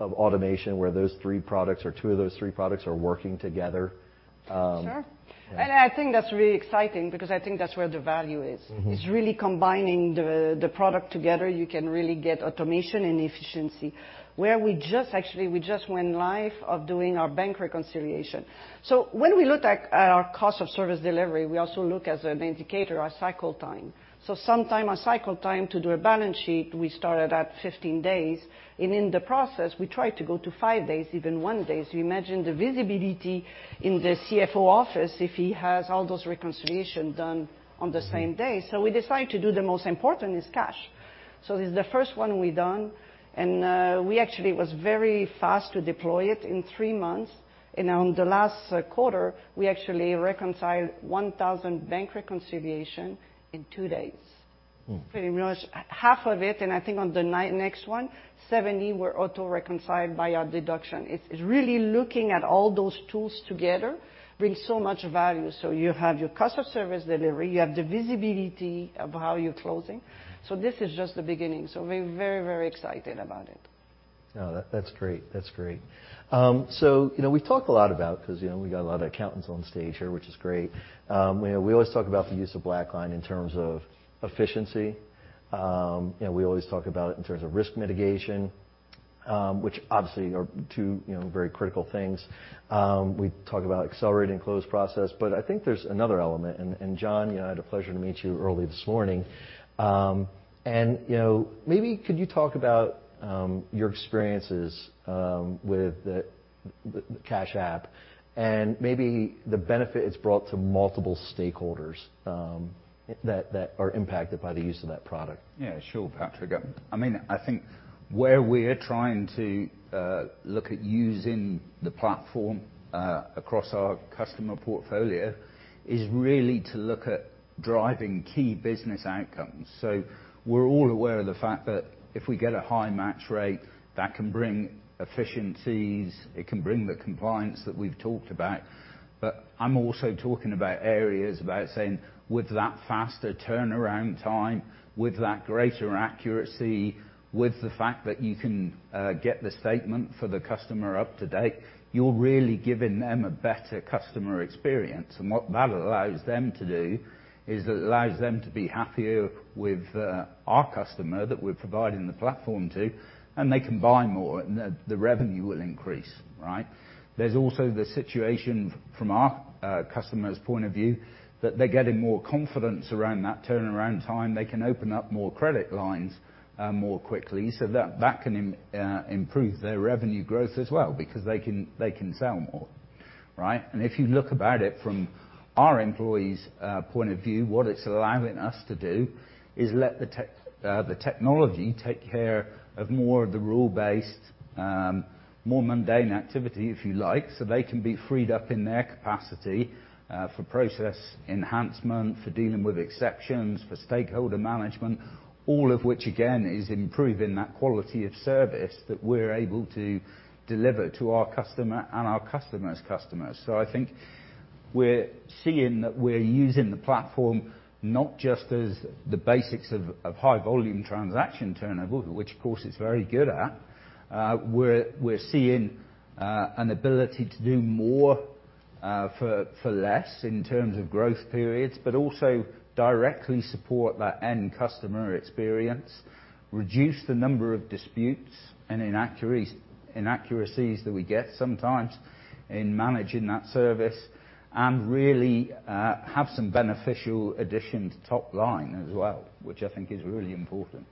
of automation where those three products or two of those three products are working together? Sure. I think that's really exciting because I think that's where the value is. Mm-hmm. It's really combining the product together. You can really get automation and efficiency. Actually, we just went live with doing our bank reconciliation. When we look at our cost of service delivery, we also look as an indicator our cycle time. Sometimes our cycle time to do a balance sheet, we started at 15 days, and in the process, we try to go to five days, even one day. Imagine the visibility in the CFO office if he has all those reconciliation done on the same day. Mm-hmm. We decide to do the most important, is cash. This is the first one we done, and we actually was very fast to deploy it in three months. On the last quarter, we actually reconciled 1,000 bank reconciliation in two days. Mm. Pretty much half of it, and I think in the next one, 70 were auto-reconciled by our deduction. It's really looking at all those tools together brings so much value. You have your cost of service delivery. You have the visibility of how you're closing. Mm-hmm. This is just the beginning. We're very, very excited about it. No, that's great. That's great. So, you know, we've talked a lot about 'cause, you know, we got a lot of accountants on stage here, which is great. You know, we always talk about the use of BlackLine in terms of efficiency. You know, we always talk about it in terms of risk mitigation, which obviously are two, you know, very critical things. We talk about accelerating close process, but I think there's another element. John, you know, I had the pleasure to meet you earlier this morning. You know, maybe could you talk about your experiences with the Cash Application and maybe the benefit it's brought to multiple stakeholders that are impacted by the use of that product? Yeah, sure, Patrick. I mean, I think where we're trying to look at using the platform across our customer portfolio is really to look at driving key business outcomes. We're all aware of the fact that if we get a high match rate, that can bring efficiencies, it can bring the compliance that we've talked about. I'm also talking about areas about saying, with that faster turnaround time, with that greater accuracy, with the fact that you can get the statement for the customer up to date, you're really giving them a better customer experience. What that allows them to do is it allows them to be happier with our customer that we're providing the platform to, and they can buy more, and the revenue will increase, right? There's also the situation from our customer's point of view that they're getting more confidence around that turnaround time. They can open up more credit lines more quickly so that can improve their revenue growth as well because they can sell more, right? If you look at it from our employees' point of view, what it's allowing us to do is let the technology take care of more of the rule-based more mundane activity, if you like, so they can be freed up in their capacity for process enhancement, for dealing with exceptions, for stakeholder management, all of which again is improving that quality of service that we're able to deliver to our customer and our customer's customers. I think we're seeing that we're using the platform not just as the basics of high volume transaction turnover, which of course it's very good at. We're seeing an ability to do more for less in terms of growth periods, but also directly support that end customer experience, reduce the number of disputes and inaccuracies that we get sometimes in managing that service, and really have some beneficial addition to top line as well, which I think is really important.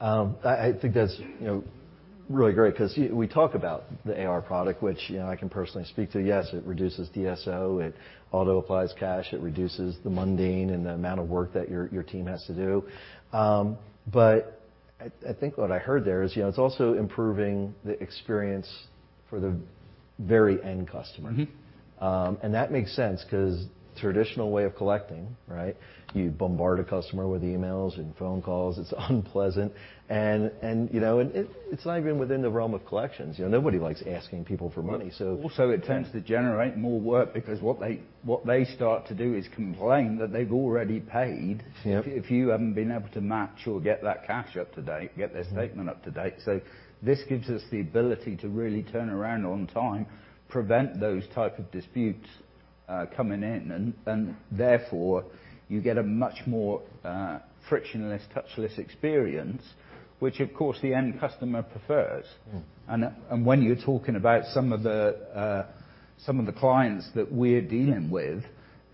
I think that's, you know, really great 'cause we talk about the AR product, which, you know, I can personally speak to. Yes, it reduces DSO, it auto applies cash, it reduces the mundane and the amount of work that your team has to do. I think what I heard there is, you know, it's also improving the experience for the very end customer. Mm-hmm. That makes sense 'cause traditional way of collecting, right, you bombard a customer with emails and phone calls. It's unpleasant and you know, and it's not even within the realm of collections. You know, nobody likes asking people for money, so. Also, it tends to generate more work because what they start to do is complain that they've already paid. Yeah. If you haven't been able to match or get that cash up to date, get their statement up to date. This gives us the ability to really turn around on time, prevent those type of disputes coming in and therefore you get a much more frictionless, touchless experience, which of course the end customer prefers. Mm. When you're talking about some of the clients that we're dealing with,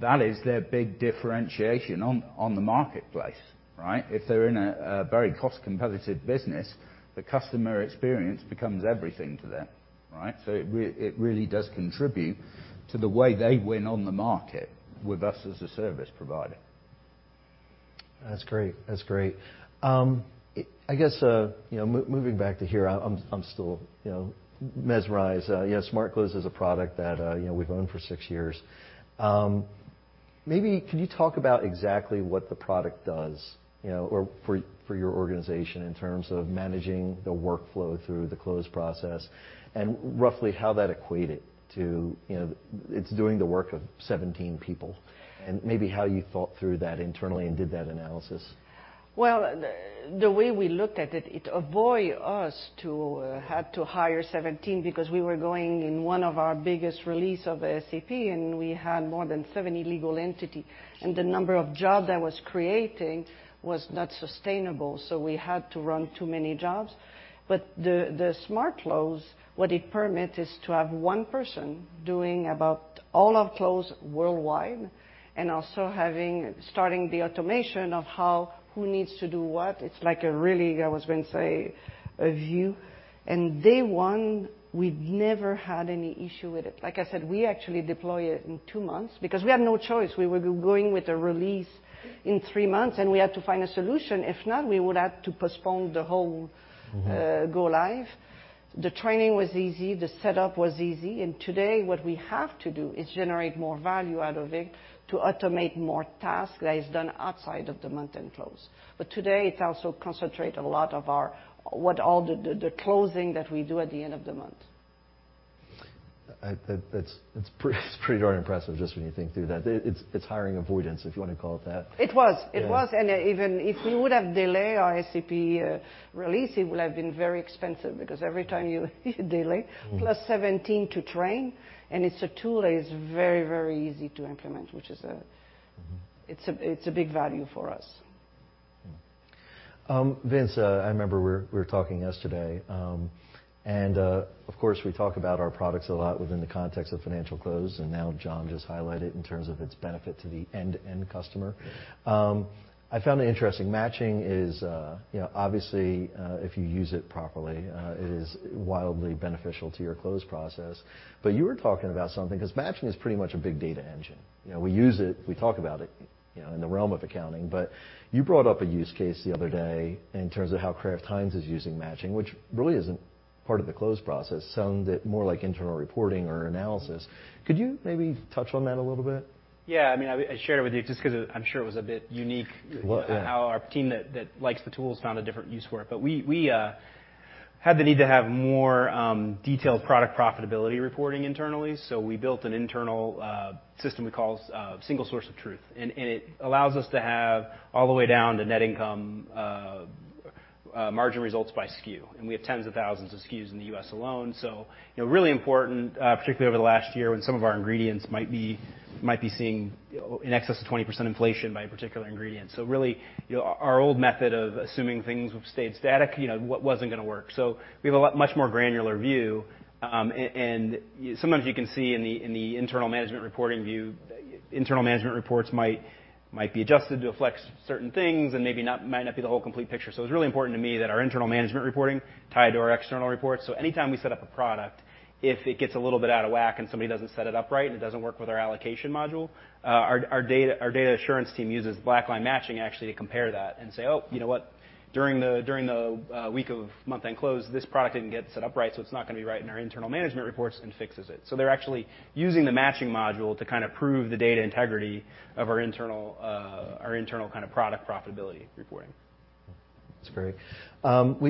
that is their big differentiation on the marketplace, right? If they're in a very cost competitive business, the customer experience becomes everything to them, right? It really does contribute to the way they win on the market with us as a service provider. That's great. I guess, you know, moving back to Helene, I'm still, you know, mesmerized. Yes, Smart Close is a product that, you know, we've owned for six years. Maybe could you talk about exactly what the product does, you know, or for your organization in terms of managing the workflow through the close process and roughly how that equated to, you know, it's doing the work of 17 people, and maybe how you thought through that internally and did that analysis? The way we looked at it allowed us to avoid having to hire 17 because we were going in one of our biggest release of SAP, and we had more than 70 legal entity, and the number of job that was creating was not sustainable. We had to run too many jobs. The Smart Close, what it permits is to have one person doing about all our close worldwide and also starting the automation of who needs to do what. It's like a really, I was going to say a view. Day one, we've never had any issue with it. Like I said, we actually deploy it in two months because we had no choice. We were going with a release in three months, and we had to find a solution. If not, we would have to postpone the whole. Mm-hmm. Go live. The training was easy, the setup was easy, and today what we have to do is generate more value out of it to automate more tasks that is done outside of the month-end close. Today, it's also concentrate a lot of our what all the closing that we do at the end of the month. That's pretty darn impressive just when you think through that. It's hiring avoidance, if you want to call it that. It was. Yeah. It was. Even if we would have delayed our SAP release, it would have been very expensive because every time you delay +17 to train, and it's a tool that is very, very easy to implement, which is. It's a big value for us. Vince, I remember we were talking yesterday, and of course, we talk about our products a lot within the context of financial close, and now John just highlighted in terms of its benefit to the end-to-end customer. I found it interesting. Matching is, you know, obviously, if you use it properly, it is wildly beneficial to your close process. You were talking about something, because matching is pretty much a big data engine. You know, we use it, we talk about it, you know, in the realm of accounting, but you brought up a use case the other day in terms of how Kraft Heinz is using matching, which really isn't part of the close process. Sounded more like internal reporting or analysis. Could you maybe touch on that a little bit? Yeah. I mean, I shared it with you just 'cause I'm sure it was a bit unique. Well, yeah. how our team that likes the tools found a different use for it. But we had the need to have more detailed product profitability reporting internally, so we built an internal system we call single source of truth. It allows us to have all the way down to net income margin results by SKU. We have tens of thousands of SKUs in the U.S. alone. You know, really important, particularly over the last year, when some of our ingredients might be seeing in excess of 20% inflation by a particular ingredient. Really, you know, our old method of assuming things have stayed static, you know, wasn't gonna work. We have a lot much more granular view. Sometimes you can see in the internal management reporting view, internal management reports might be adjusted to reflect certain things and maybe not might not be the whole complete picture. It's really important to me that our internal management reporting tied to our external reports. Anytime we set up a product, if it gets a little bit out of whack and somebody doesn't set it up right, and it doesn't work with our allocation module, our data assurance team uses BlackLine matching actually to compare that and say, "Oh, you know what? During the week of month-end close, this product didn't get set up right, so it's not gonna be right in our internal management reports," and fixes it. They're actually using the matching module to kind of prove the data integrity of our internal kind of product profitability reporting. That's great.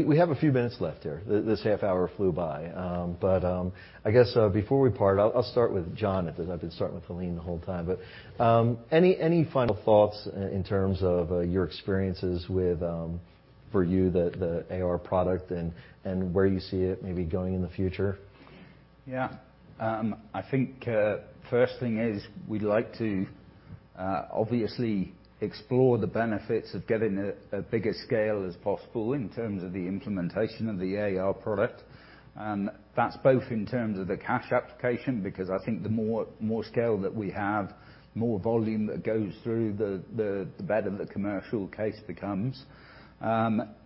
We have a few minutes left here. This half hour flew by. I guess before we part, I'll start with John Burt, as I've been starting with Helene Carrier the whole time. Any final thoughts in terms of your experiences with, for you, the AR product and where you see it maybe going in the future? Yeah. I think first thing is we'd like to obviously explore the benefits of getting a bigger scale as possible in terms of the implementation of the AR product. That's both in terms of the cash application, because I think the more scale that we have, more volume that goes through, the better the commercial case becomes.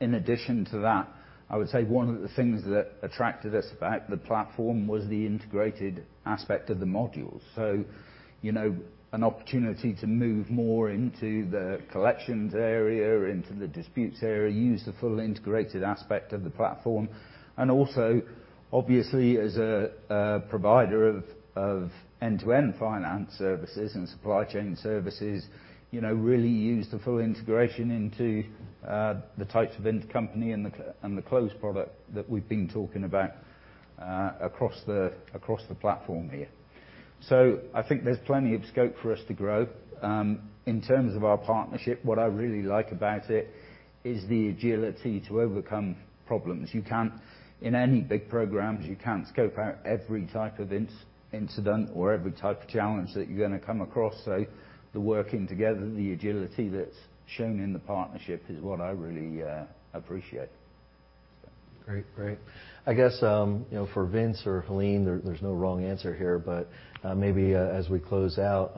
In addition to that, I would say one of the things that attracted us about the platform was the integrated aspect of the modules. You know, an opportunity to move more into the collections area or into the disputes area, use the full integrated aspect of the platform, and also, obviously as a provider of end-to-end finance services and supply chain services, you know, really use the full integration into the types of intercompany and the close product that we've been talking about, across the platform here. I think there's plenty of scope for us to grow. In terms of our partnership, what I really like about it is the agility to overcome problems. In any big programs, you can't scope out every type of incident or every type of challenge that you're gonna come across. The working together, the agility that's shown in the partnership is what I really appreciate. Great. Great. I guess, you know, for Vince or Helene, there's no wrong answer here, but maybe, as we close out,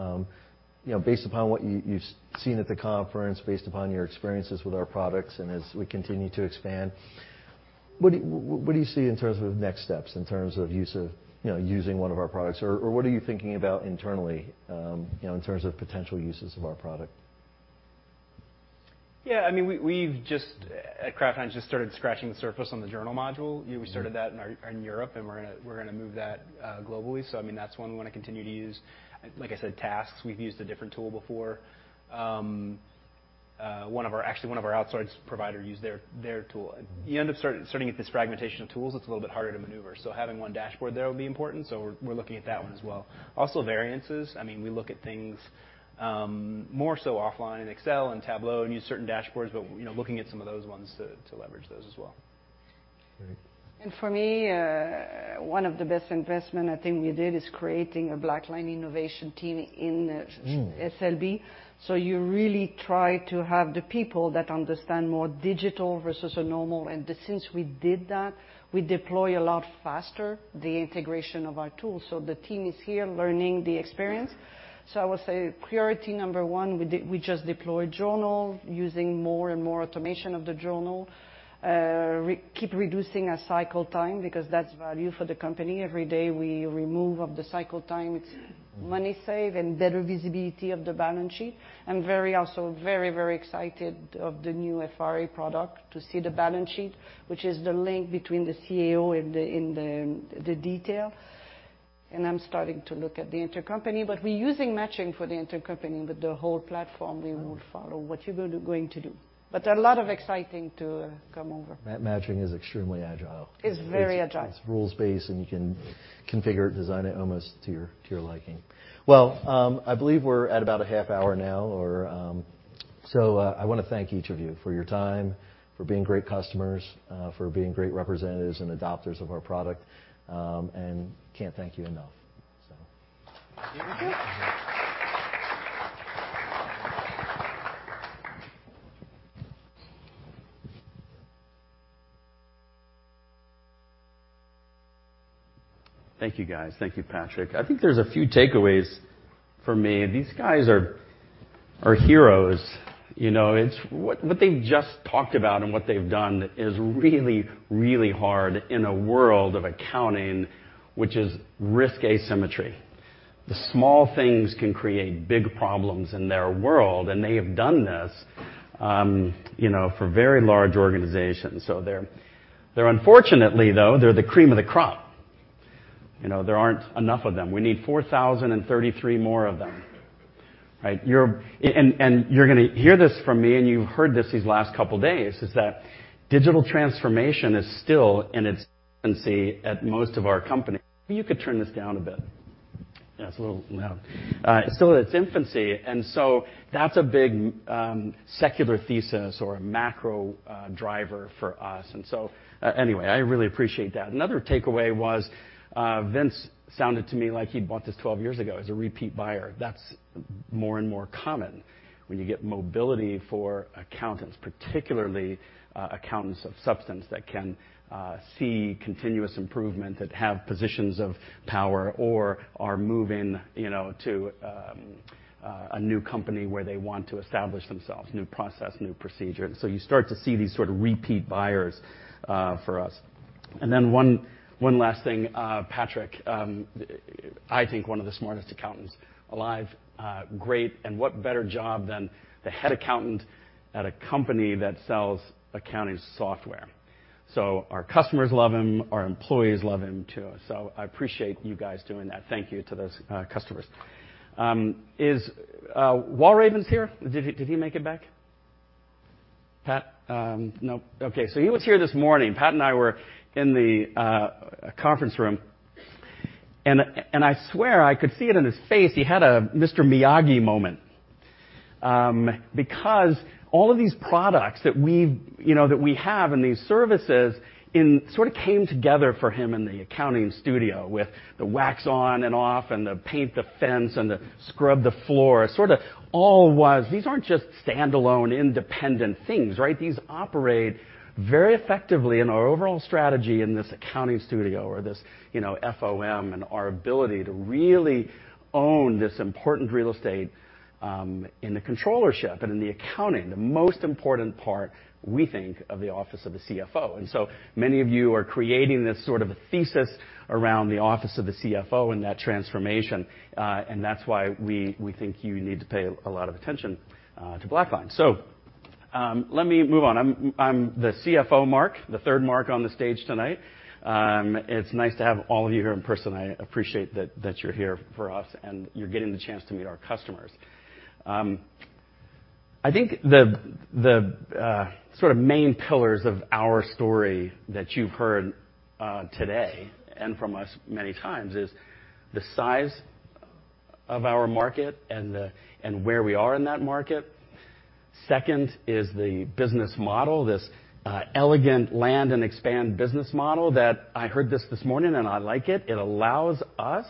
you know, based upon what you've seen at the conference, based upon your experiences with our products and as we continue to expand, what do you see in terms of next steps, in terms of use of, you know, using one of our products? Or what are you thinking about internally, you know, in terms of potential uses of our product? I mean, we've just at Kraft Heinz just started scratching the surface on the journal module. You know, we started that in Europe, and we're gonna move that globally. I mean, that's one we wanna continue to use. Like I said, tasks, we've used a different tool before. Actually, one of our outsourcing provider used their tool. You end up starting with this fragmentation of tools, it's a little bit harder to maneuver. Having one dashboard there will be important, so we're looking at that one as well. Also, variances. I mean, we look at things more so offline in Excel and Tableau and use certain dashboards, but you know, looking at some of those ones to leverage those as well. Great. For me, one of the best investment I think we did is creating a BlackLine innovation team in SLB. You really try to have the people that understand more digital versus a normal. Since we did that, we deploy a lot faster the integration of our tools. The team is here learning the experience. I would say priority number one, we just deployed journal, using more and more automation of the journal. Keep reducing our cycle time because that's value for the company. Every day we remove of the cycle time, it's money save and better visibility of the balance sheet. I'm very excited of the new FRA product to see the balance sheet, which is the link between the CAO and in the detail. I'm starting to look at the intercompany, but we're using matching for the intercompany. With the whole platform, we will follow what you going to do. A lot of exciting to come over. That matching is extremely agile. It's very agile. It's rules-based, and you can configure it, design it almost to your liking. Well, I believe we're at about a half hour now or I wanna thank each of you for your time, for being great customers, for being great representatives and adopters of our product, and can't thank you enough. Thank you, guys. Thank you, Patrick. I think there's a few takeaways for me. These guys are heroes, you know. It's what they've just talked about and what they've done is really hard in a world of accounting, which is risk asymmetry. The small things can create big problems in their world, and they have done this, you know, for very large organizations. They're unfortunately, though, the cream of the crop. You know, there aren't enough of them. We need 4,033 more of them, right? You're You're gonna hear this from me, and you heard this the last couple days: digital transformation is still in its infancy at most of our company. You could turn this down a bit. Yeah, it's a little loud. Still in its infancy, so that's a big secular thesis or a macro driver for us. Anyway, I really appreciate that. Another takeaway was, Vince sounded to me like he'd bought this 12 years ago as a repeat buyer. That's more and more common when you get mobility for accountants, particularly accountants of substance that can see continuous improvement, that have positions of power or are moving, you know, to a new company where they want to establish themselves, new process, new procedure. You start to see these sort of repeat buyers for us. One last thing. Patrick, I think one of the smartest accountants alive, great, and what better job than the head accountant at a company that sells accounting software. Our customers love him, our employees love him too. I appreciate you guys doing that. Thank you to those customers. Is Walraven here? Did he make it back? Pat? No. Okay. He was here this morning. Pat and I were in the conference room, and I swear I could see it in his face, he had a Mr. Miyagi moment. Because all of these products that we've you know that we have and these services in sort of came together for him in the accounting studio with the wax on and off and the paint the fence and the scrub the floor, sort of all was. These aren't just standalone independent things, right? These operate very effectively in our overall strategy in this accounting studio or this, you know, FOM and our ability to really own this important real estate in the controllership and in the accounting, the most important part we think of the office of the CFO. Many of you are creating this sort of a thesis around the office of the CFO and that transformation, and that's why we think you need to pay a lot of attention to BlackLine. Let me move on. I'm the CFO Mark, the third Mark on the stage tonight. It's nice to have all of you here in person. I appreciate that you're here for us, and you're getting the chance to meet our customers. I think the sort of main pillars of our story that you've heard today and from us many times is the size of our market and where we are in that market. Second is the business model, this elegant land and expand business model that I heard this morning, and I like it. It allows us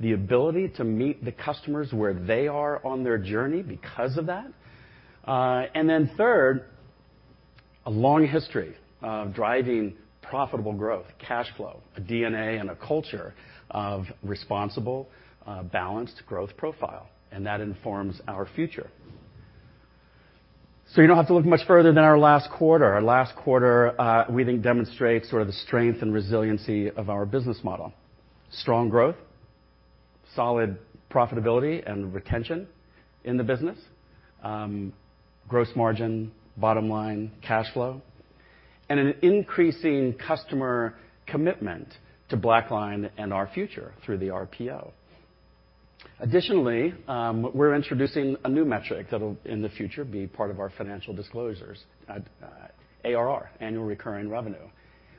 the ability to meet the customers where they are on their journey because of that. Third, a long history of driving profitable growth, cash flow, a DNA, and a culture of responsible balanced growth profile, and that informs our future. You don't have to look much further than our last quarter. Our last quarter, we think demonstrates sort of the strength and resiliency of our business model. Strong growth, solid profitability, and retention in the business. Gross margin, bottom line, cash flow, and an increasing customer commitment to BlackLine and our future through the RPO. Additionally, we're introducing a new metric that'll, in the future, be part of our financial disclosures, ARR, annual recurring revenue.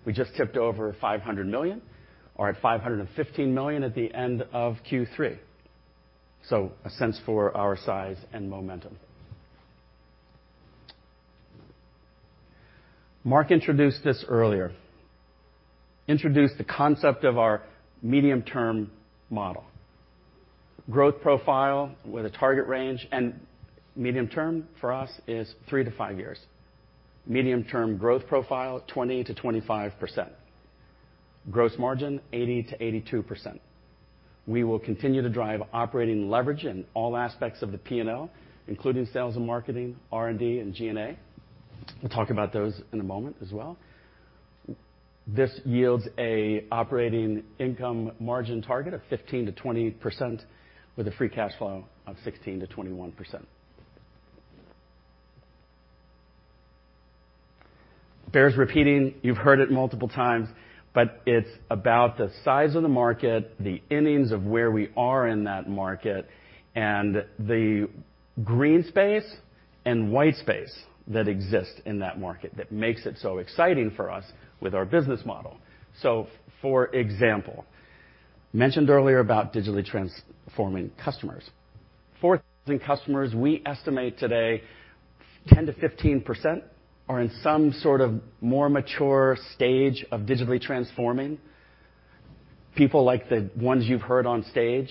We just tipped over $500 million or at $515 million at the end of Q3. So a sense for our size and momentum. Mark introduced this earlier, introduced the concept of our medium-term model. Growth profile with a target range, and medium term for us is three to five years. Medium-term growth profile, 20%-25%. Gross margin, 80%-82%. We will continue to drive operating leverage in all aspects of the P&L, including sales and marketing, R&D, and G&A. We'll talk about those in a moment as well. This yields a operating income margin target of 15%-20% with a free cash flow of 16%-21%. Bears repeating, you've heard it multiple times, but it's about the size of the market, the innings of where we are in that market, and the green space and white space that exists in that market that makes it so exciting for us with our business model. Mentioned earlier about digitally transforming customers. 4,000 customers, we estimate today, 10%-15% are in some sort of more mature stage of digitally transforming. People like the ones you've heard on stage,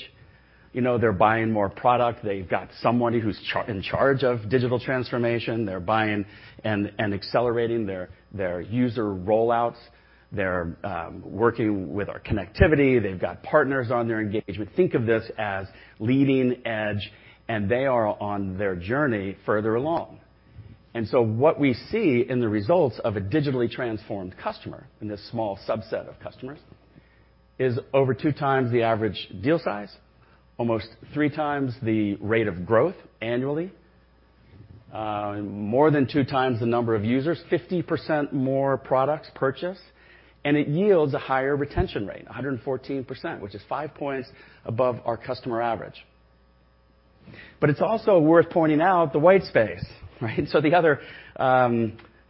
you know, they're buying more product. They've got somebody who's in charge of digital transformation. They're buying and accelerating their user rollouts. They're working with our connectivity. They've got partners on their engagement. Think of this as leading edge, and they are on their journey further along. What we see in the results of a digitally transformed customer, in this small subset of customers, is over 2x the average deal size, almost 3x the rate of growth annually, more than 2x the number of users, 50% more products purchased, and it yields a higher retention rate, 114%, which is five points above our customer average. It's also worth pointing out the white space, right? The other,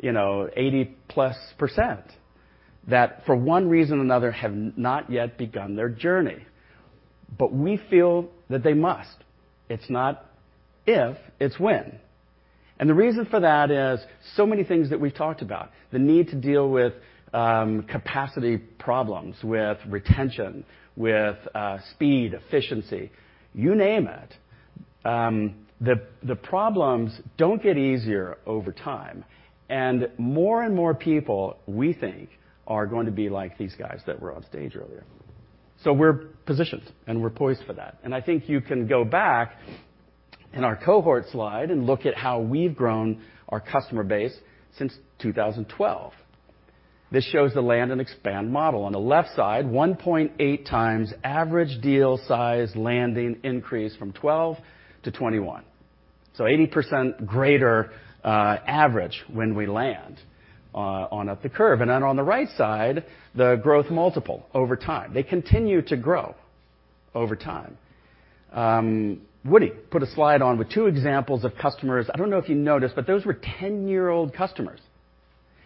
you know, 80+% that, for one reason or another, have not yet begun their journey. We feel that they must. It's not if, it's when. The reason for that is so many things that we've talked about, the need to deal with capacity problems, with retention, with speed, efficiency, you name it. The problems don't get easier over time, and more and more people, we think, are going to be like these guys that were on stage earlier. We're positioned, and we're poised for that. I think you can go back in our cohort slide and look at how we've grown our customer base since 2012. This shows the land and expand model. On the left side, 1.8x average deal size landing increase from 2012-2021. 80% greater average when we land on up the curve. Then on the right side, the growth multiple over time. They continue to grow over time. Woody put a slide on with two examples of customers. I don't know if you noticed, but those were 10-year-old customers.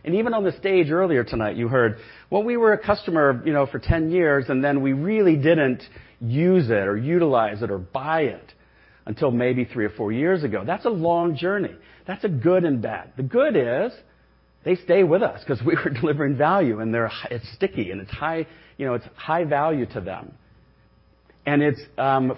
Even on the stage earlier tonight, you heard, "Well, we were a customer, you know, for 10 years, and then we really didn't use it or utilize it or buy it until maybe three or four years ago." That's a long journey. That's a good and bad. The good is they stay with us 'cause we're delivering value, and they're sticky, and you know, it's high value to them. It's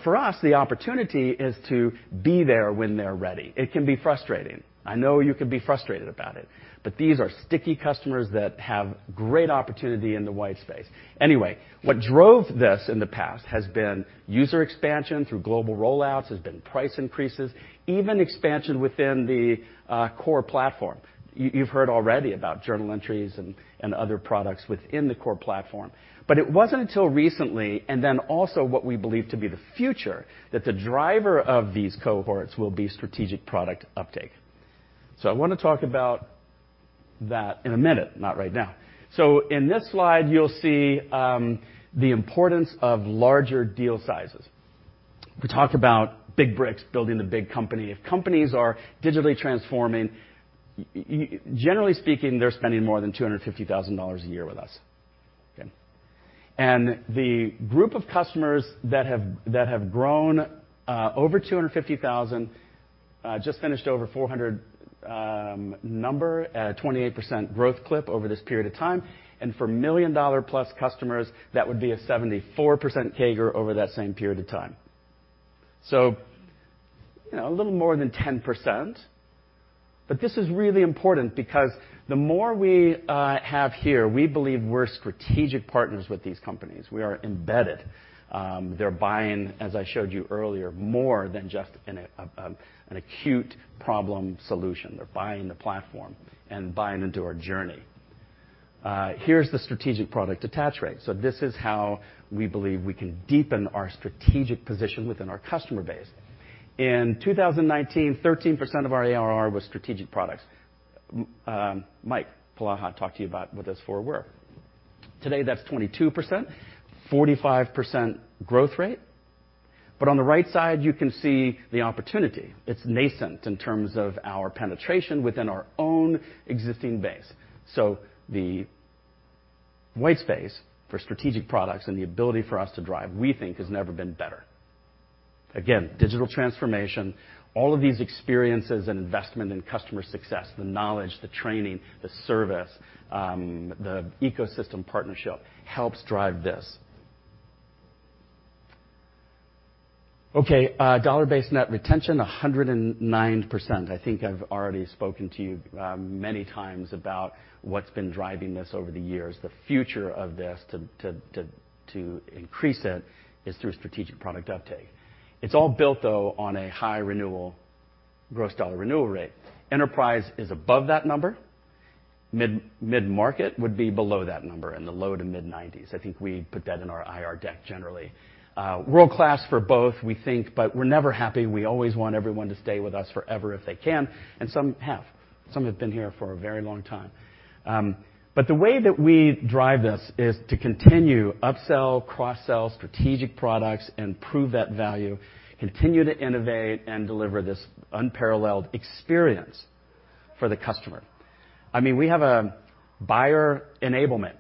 for us, the opportunity is to be there when they're ready. It can be frustrating. I know you can be frustrated about it, but these are sticky customers that have great opportunity in the white space. Anyway, what drove this in the past has been user expansion through global rollouts, has been price increases, even expansion within the core platform. You've heard already about journal entries and other products within the core platform. It wasn't until recently, and then also what we believe to be the future, that the driver of these cohorts will be strategic product uptake. I wanna talk about that in a minute, not right now. In this slide, you'll see the importance of larger deal sizes. We talked about big bricks building the big company. If companies are digitally transforming, generally speaking, they're spending more than $250,000 a year with us. Okay. The group of customers that have grown over $250,000 just finished over $400,000 number at a 28% growth clip over this period of time. For $1 million+ customers, that would be a 74% CAGR over that same period of time. You know, a little more than 10%. This is really important because the more we have here, we believe we're strategic partners with these companies. We are embedded. They're buying, as I showed you earlier, more than just an acute problem solution. They're buying the platform and buying into our journey. Here's the strategic product attach rate. This is how we believe we can deepen our strategic position within our customer base. In 2019, 13% of our ARR was strategic products. Mike Polaha talked to you about what those four were. Today, that's 22%, 45% growth rate. On the right side, you can see the opportunity. It's nascent in terms of our penetration within our own existing base. The white space for strategic products and the ability for us to drive, we think, has never been better. Again, digital transformation, all of these experiences and investment in customer success, the knowledge, the training, the service, the ecosystem partnership helps drive this. Okay, dollar-based net retention, 109%. I think I've already spoken to you many times about what's been driving this over the years. The future of this to increase it is through strategic product uptake. It's all built, though, on a high renewal, gross dollar renewal rate. Enterprise is above that number. Mid-market would be below that number, in the low to mid-90s%. I think we put that in our IR deck, generally. World-class for both, we think, but we're never happy. We always want everyone to stay with us forever if they can, and some have. Some have been here for a very long time. The way that we drive this is to continue upsell, cross-sell strategic products and prove that value, continue to innovate and deliver this unparalleled experience for the customer. I mean, we have a buyer enablement.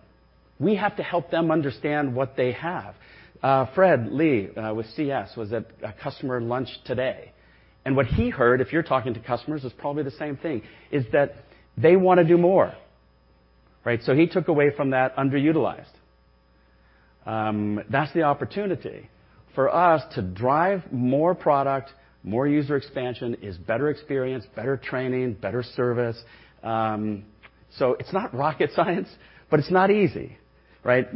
We have to help them understand what they have. Fred Lee with CS was at a customer lunch today, and what he heard, if you're talking to customers, is probably the same thing, is that they wanna do more, right? He took away from that underutilized. That's the opportunity for us to drive more product, more user expansion, is better experience, better training, better service. It's not rocket science, but it's not easy, right?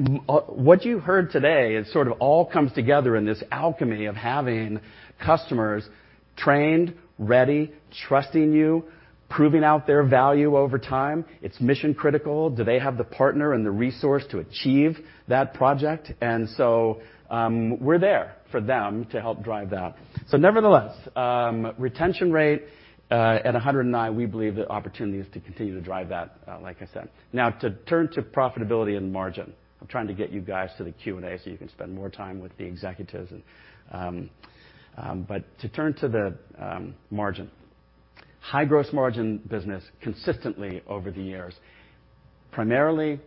What you heard today, it sort of all comes together in this alchemy of having customers trained, ready, trusting you, proving out their value over time. It's mission critical. Do they have the partner and the resource to achieve that project? We're there for them to help drive that. Nevertheless, retention rate at 109%, we believe the opportunity is to continue to drive that, like I said. Now to turn to profitability and margin. I'm trying to get you guys to the Q&A so you can spend more time with the executives and. To turn to the margin. High-gross-margin business consistently over the years. Primarily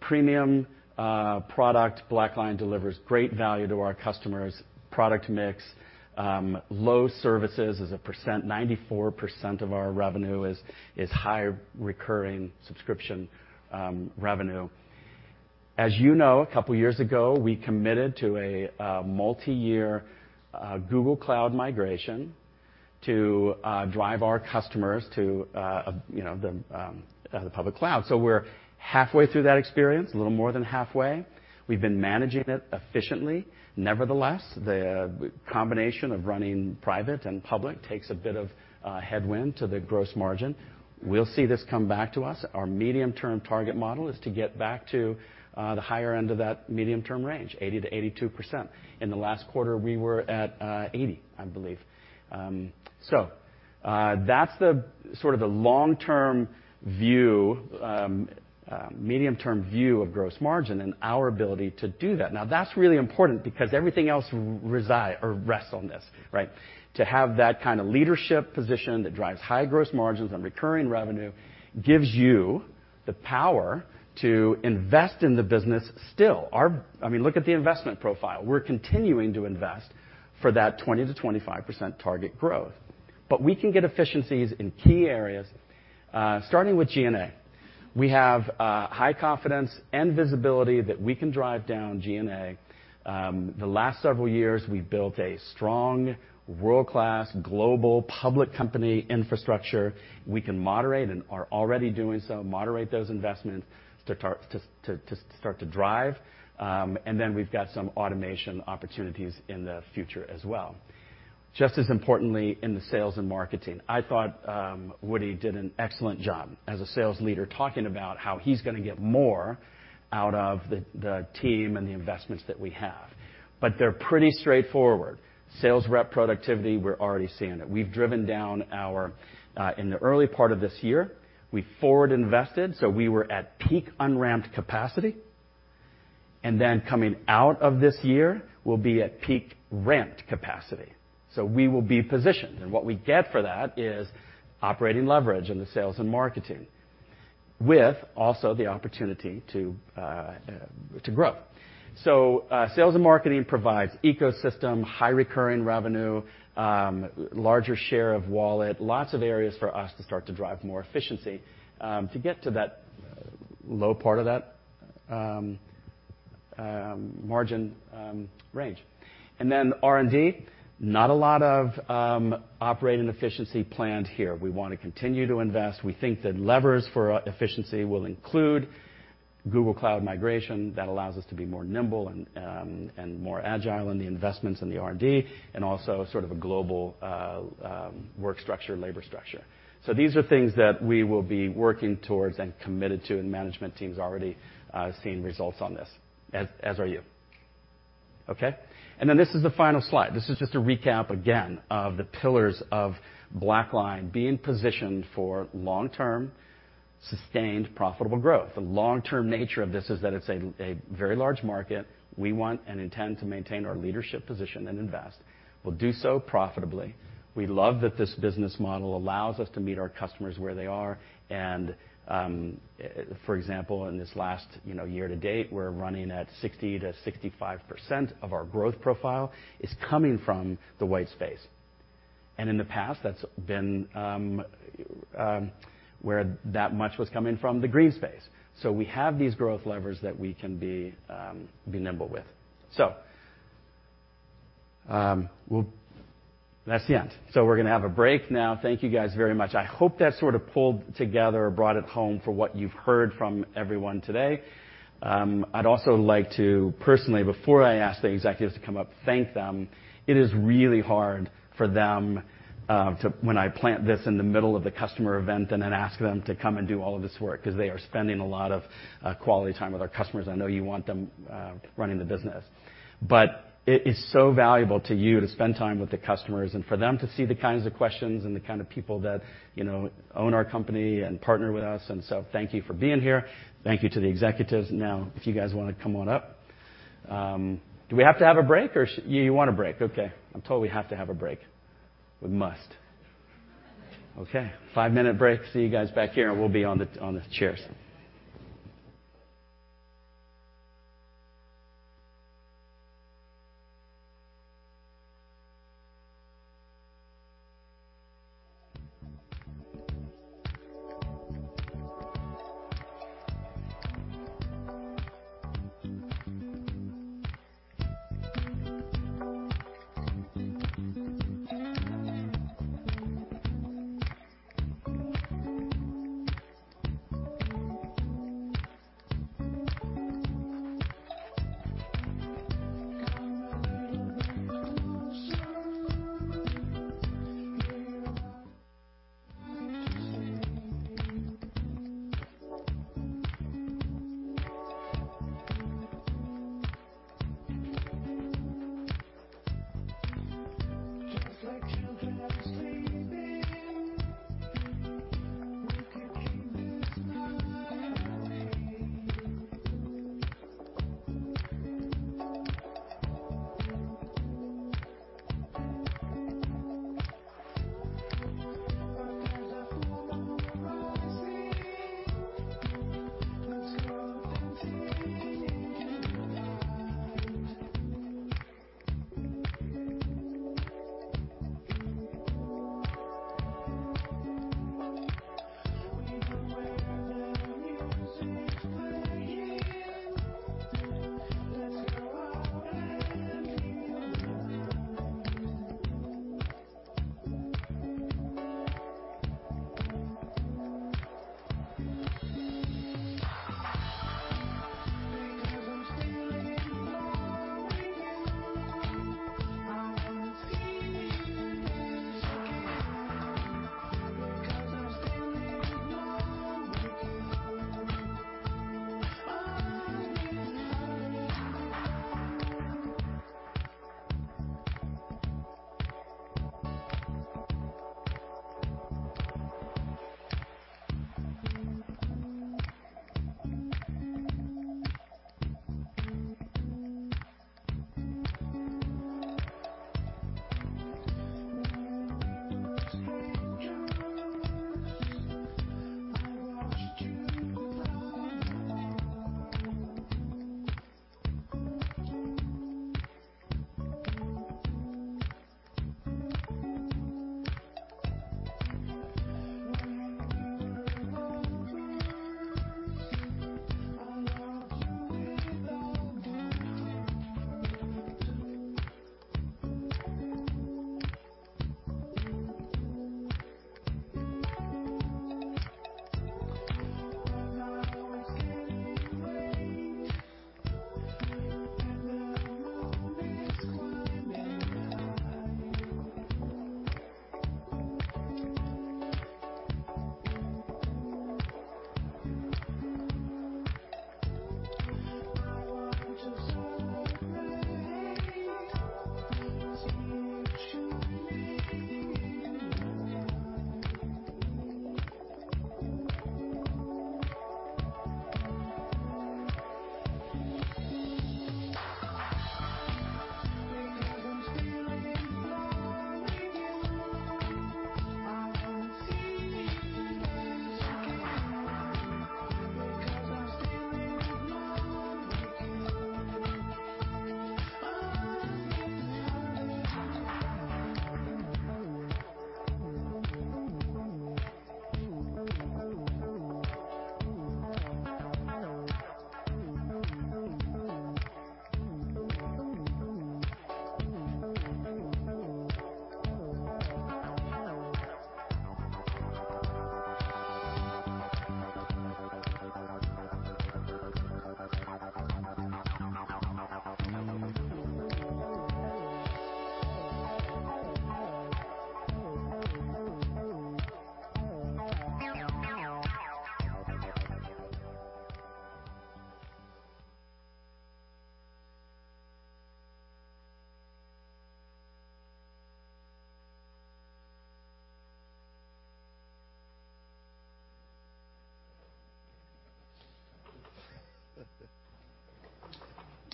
premium product. BlackLine delivers great value to our customers, product mix, low services as a percent. 94% of our revenue is high recurring subscription revenue. As you know, a couple years ago, we committed to a multi-year Google Cloud migration to drive our customers to the public cloud. We're halfway through that experience, a little more than halfway. We've been managing it efficiently. Nevertheless, the combination of running private and public takes a bit of headwind to the gross margin. We'll see this come back to us. Our medium-term target model is to get back to the higher end of that medium-term range, 80%-82%. In the last quarter, we were at 80%, I believe. That's sort of the long-term view, medium-term view of gross margin and our ability to do that. Now, that's really important because everything else rests on this, right? To have that kinda leadership position that drives high gross margins and recurring revenue gives you the power to invest in the business still. I mean, look at the investment profile. We're continuing to invest for that 20%-25% target growth. We can get efficiencies in key areas, starting with G&A. We have high confidence and visibility that we can drive down G&A. The last several years, we've built a strong world-class global public company infrastructure. We can moderate, and are already doing so, those investments to start to drive. We've got some automation opportunities in the future as well. Just as importantly, in the sales and marketing, I thought, Woody did an excellent job as a sales leader, talking about how he's gonna get more out of the team and the investments that we have. They're pretty straightforward. Sales rep productivity, we're already seeing it. We've driven down our. In the early part of this year, we forward invested, so we were at peak un-ramped capacity. Coming out of this year, we'll be at peak ramped capacity. We will be positioned, and what we get for that is operating leverage in the sales and marketing, with also the opportunity to grow. Sales and marketing provides ecosystem, high recurring revenue, larger share of wallet, lots of areas for us to start to drive more efficiency, to get to that low part of that margin range. R&D, not a lot of operating efficiency planned here. We wanna continue to invest. We think that levers for efficiency will include Google Cloud migration that allows us to be more nimble and more agile in the investments in the R&D, and also sort of a global work structure, labor structure. These are things that we will be working towards and committed to, and management team's already seeing results on this, as are you. Okay. This is the final slide. This is just a recap again of the pillars of BlackLine being positioned for long-term, sustained, profitable growth. The long-term nature of this is that it's a very large market. We want and intend to maintain our leadership position and invest. We'll do so profitably. We love that this business model allows us to meet our customers where they are. For example, in this last year to date, you know, we're running at 60%-65% of our growth profile is coming from the white space. In the past, that's been where that much was coming from the green space. We have these growth levers that we can be nimble with. We'll. That's the end. We're gonna have a break now. Thank you guys very much. I hope that sort of pulled together or brought it home for what you've heard from everyone today. I'd also like to personally, before I ask the executives to come up, thank them. It is really hard for them, when I plant this in the middle of the customer event and then ask them to come and do all of this work, 'cause they are spending a lot of quality time with our customers. I know you want them running the business. It is so valuable to you to spend time with the customers and for them to see the kinds of questions and the kind of people that, you know, own our company and partner with us. Thank you for being here. Thank you to the executives. Now, if you guys wanna come on up. Do we have to have a break? You want a break? Okay. I'm told we have to have a break. We must. Okay, five minute break. See you guys back here, and we'll be on the chairs.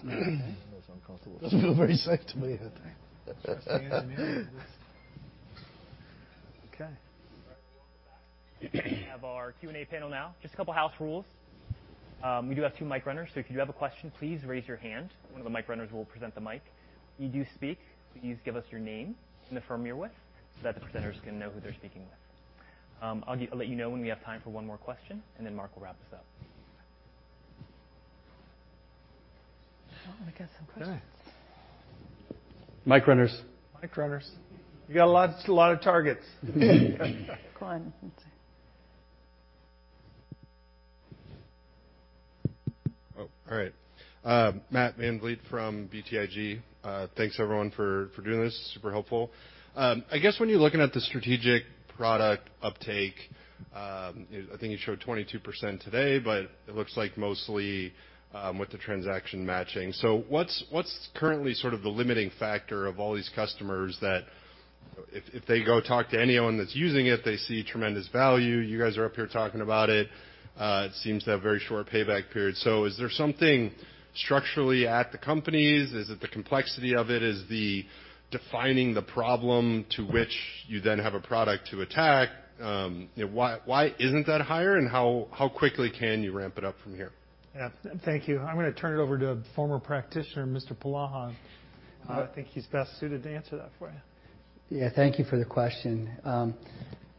That was uncomfortable. Doesn't feel very safe to me. Okay. All right. Welcome back. We have our Q&A panel now. Just a couple house rules. We do have two mic runners, so if you do have a question, please raise your hand. One of the mic runners will present the mic. When you do speak, could you just give us your name and the firm you're with, so that the presenters can know who they're speaking with. I'll let you know when we have time for one more question, and then Mark will wrap us up. Oh, we got some questions. Okay. Mic runners. Mike, run us. You got a lot of targets. Go on. One sec. Oh, all right. Matt VanVliet from BTIG. Thanks everyone for doing this. Super helpful. I guess when you're looking at the strategic product uptake, I think you showed 22% today, but it looks like mostly with the transaction matching. What's currently sort of the limiting factor of all these customers that if they go talk to anyone that's using it, they see tremendous value. You guys are up here talking about it. It seems to have very short payback period. Is there something structurally at the companies? Is it the complexity of it? Is defining the problem to which you then have a product to attack? Why isn't that higher and how quickly can you ramp it up from here? Yeah. Thank you. I'm gonna turn it over to a former practitioner, Mr. Polaha. I think he's best suited to answer that for you. Yeah. Thank you for the question.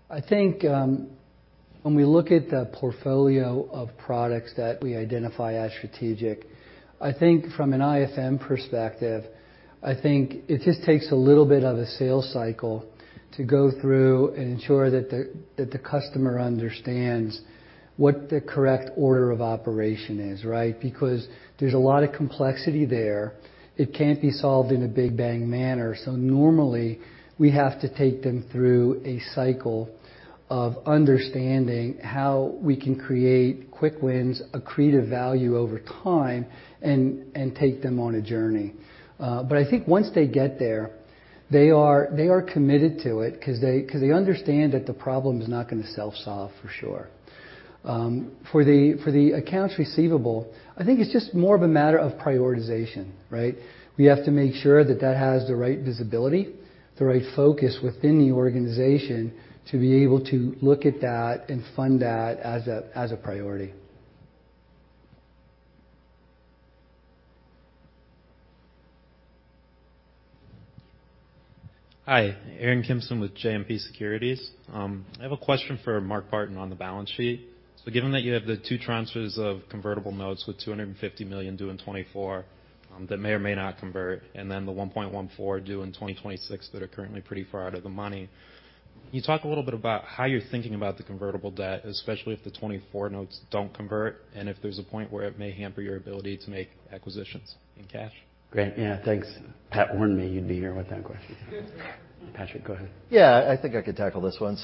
I think, when we look at the portfolio of products that we identify as strategic, I think from an IFM perspective, I think it just takes a little bit of a sales cycle to go through and ensure that the customer understands what the correct order of operation is, right? Because there's a lot of complexity there. It can't be solved in a big bang manner. Normally, we have to take them through a cycle of understanding how we can create quick wins, accretive value over time, and take them on a journey. I think once they get there, they are committed to it 'cause they understand that the problem is not gonna self-solve for sure. For the accounts receivable, I think it's just more of a matter of prioritization, right? We have to make sure that has the right visibility, the right focus within the organization to be able to look at that and fund that as a priority. Hi. Aaron Kimson with JMP Securities. I have a question for Mark Partin on the balance sheet. Given that you have the two tranches of convertible notes with $250 million due in 2024, that may or may not convert, and then the $1.14 billion due in 2026 that are currently pretty far out of the money. Can you talk a little bit about how you're thinking about the convertible debt, especially if the 2024 notes don't convert, and if there's a point where it may hamper your ability to make acquisitions in cash? Great. Yeah. Thanks. Pat warned me you'd be here with that question. Patrick, go ahead. Yeah. I think I could tackle this one.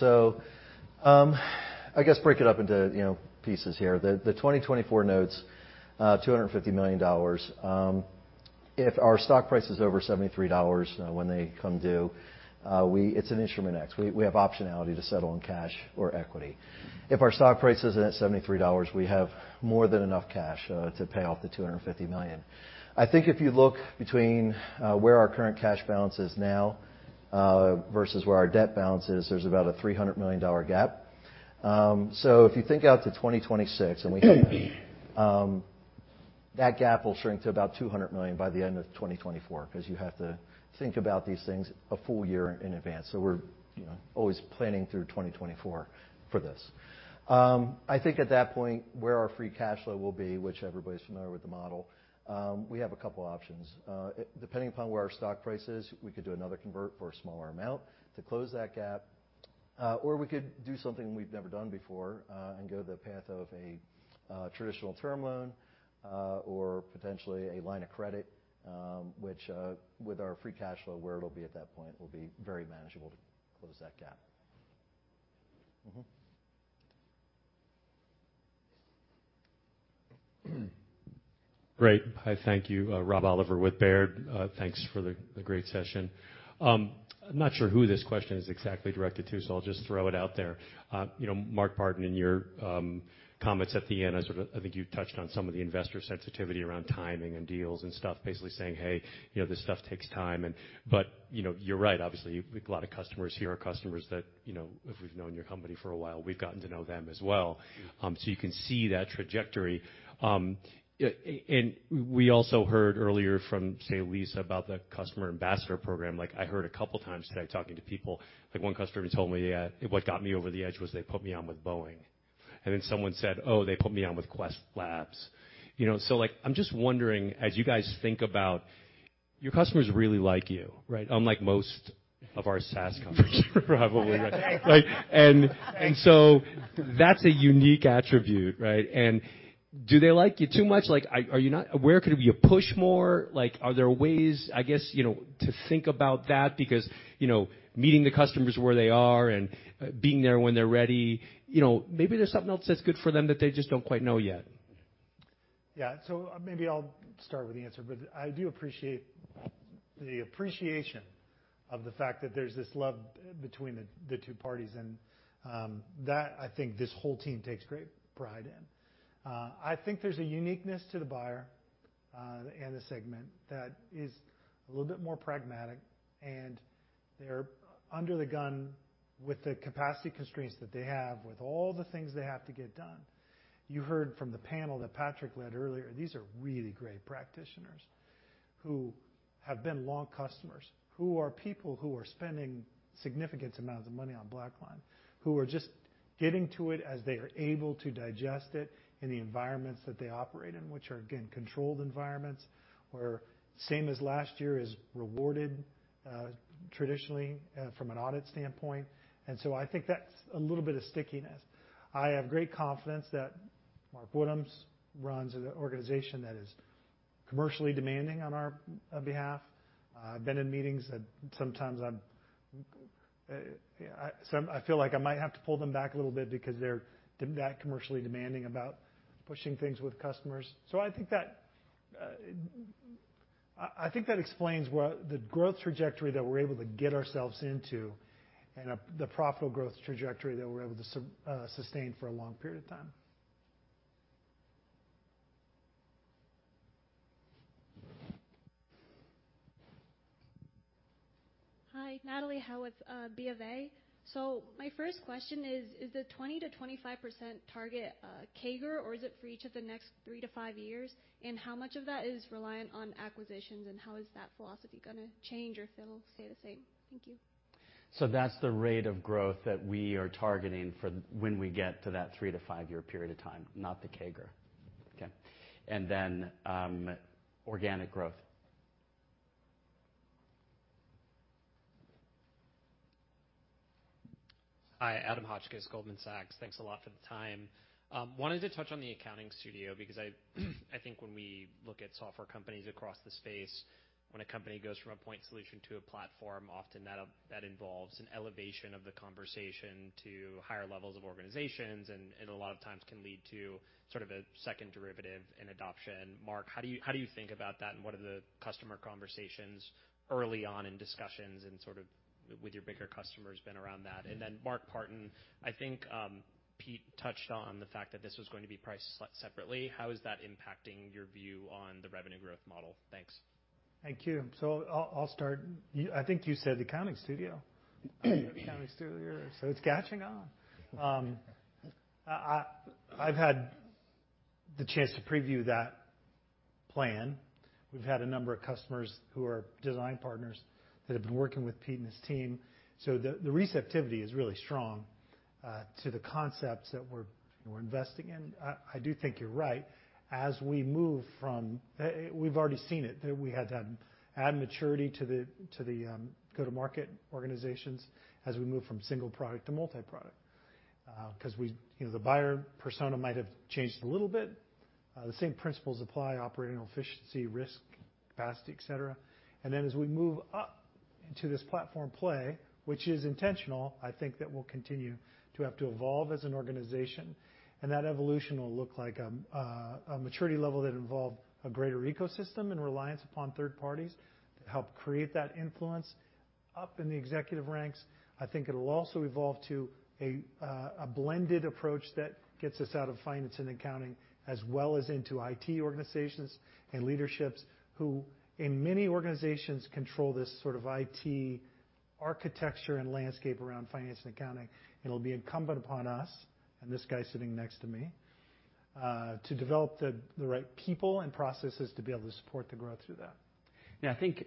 I guess break it up into, you know, pieces here. The 2024 notes, $250 million, if our stock price is over $73 when they come due, it's an instrument X. We have optionality to settle in cash or equity. If our stock price isn't at $73, we have more than enough cash to pay off the $250 million. I think if you look between where our current cash balance is now versus where our debt balance is, there's about a $300 million gap. If you think out to 2026, that gap will shrink to about $200 million by the end of 2024, 'cause you have to think about these things a full year in advance. We're, you know, always planning through 2024 for this. I think at that point, where our free cash flow will be, which everybody's familiar with the model, we have a couple options. Depending upon where our stock price is, we could do another convert for a smaller amount to close that gap, or we could do something we've never done before, and go the path of a traditional term loan, or potentially a line of credit, which, with our free cash flow, where it'll be at that point, will be very manageable to close that gap. Great. Hi. Thank you. Rob Oliver with Baird. Thanks for the great session. I'm not sure who this question is exactly directed to, so I'll just throw it out there. You know, Mark Partin, in your comments at the end, I sort of, I think you touched on some of the investor sensitivity around timing and deals and stuff, basically saying, "Hey, you know, this stuff takes time," and. You know, you're right. Obviously, a lot of customers here are customers that, you know, if we've known your company for a while, we've gotten to know them as well. So you can see that trajectory. And we also heard earlier from, say, Lisa about the customer ambassador program. Like, I heard a couple times today talking to people. Like, one customer told me, "Yeah. What got me over the edge was they put me on with Boeing." Then someone said, "Oh, they put me on with Quest Diagnostics." You know, so, like, I'm just wondering, as you guys think about, your customers really like you, right? Unlike most of our SaaS companies probably. Right? and so that's a unique attribute, right? Do they like you too much? Like, are you not aware? Could you push more? Like, are there ways, I guess, you know, to think about that because, you know, meeting the customers where they are and being there when they're ready, you know, maybe there's something else that's good for them that they just don't quite know yet. Yeah. Maybe I'll start with the answer, but I do appreciate the appreciation of the fact that there's this love between the two parties, and that I think this whole team takes great pride in. I think there's a uniqueness to the buyer and the segment that is a little bit more pragmatic, and they're under the gun with the capacity constraints that they have with all the things they have to get done. You heard from the panel that Patrick led earlier. These are really great practitioners who have been long customers, who are people who are spending significant amounts of money on BlackLine, who are just getting to it as they are able to digest it in the environments that they operate in, which are, again, controlled environments, where same as last year is rewarded traditionally from an audit standpoint. I think that's a little bit of stickiness. I have great confidence that Mark Woodhams runs an organization that is commercially demanding on our behalf. I've been in meetings that sometimes I feel like I might have to pull them back a little bit because they're that commercially demanding about pushing things with customers. I think that explains what the growth trajectory that we're able to get ourselves into and the profitable growth trajectory that we're able to sustain for a long period of time. Hi, Natalie Howe, BofA. My first question is the 20%-25% target CAGR or is it for each of the next three to five years? And how much of that is reliant on acquisitions and how is that philosophy gonna change or if it'll stay the same? Thank you. That's the rate of growth that we are targeting for when we get to that three to five year period of time, not the CAGR. Okay. Organic growth. Hi, Adam Hotchkiss, Goldman Sachs. Thanks a lot for the time. Wanted to touch on the Accounting Studio because I think when we look at software companies across the space, when a company goes from a point solution to a platform, often that involves an elevation of the conversation to higher levels of organizations, and it a lot of times can lead to sort of a second derivative in adoption. Marc, how do you think about that and what are the customer conversations early on in discussions and sort of with your bigger customers been around that? Then Mark Partin, I think Pete touched on the fact that this was going to be priced separately. How is that impacting your view on the revenue growth model? Thanks. Thank you. I'll start. I think you said accounting studio. Accounting studio. It's catching on. I've had the chance to preview that plan. We've had a number of customers who are design partners that have been working with Pete and his team. The receptivity is really strong to the concepts that we're investing in. I do think you're right. We've already seen it, that we had to add maturity to the go-to-market organizations as we move from single product to multi-product. 'Cause we, you know, the buyer persona might have changed a little bit. The same principles apply, operating efficiency, risk, capacity, et cetera. As we move up into this platform play, which is intentional, I think that we'll continue to have to evolve as an organization, and that evolution will look like a maturity level that involve a greater ecosystem and reliance upon third parties to help create that influence up in the executive ranks. I think it'll also evolve to a blended approach that gets us out of finance and accounting, as well as into IT organizations and leaderships, who in many organizations control this sort of IT architecture and landscape around finance and accounting. It'll be incumbent upon us, and this guy sitting next to me, to develop the right people and processes to be able to support the growth through that. Yeah, I think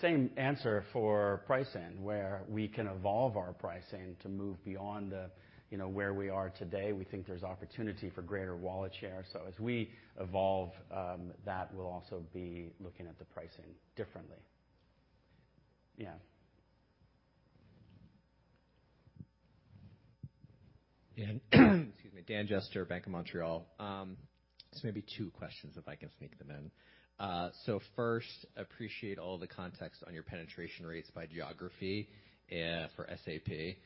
same answer for pricing, where we can evolve our pricing to move beyond the, you know, where we are today. We think there's opportunity for greater wallet share. As we evolve that, we'll also be looking at the pricing differently. Yeah. Daniel Jester, BMO Capital Markets. This may be two questions, if I can sneak them in. First, appreciate all the context on your penetration rates by geography for SAP.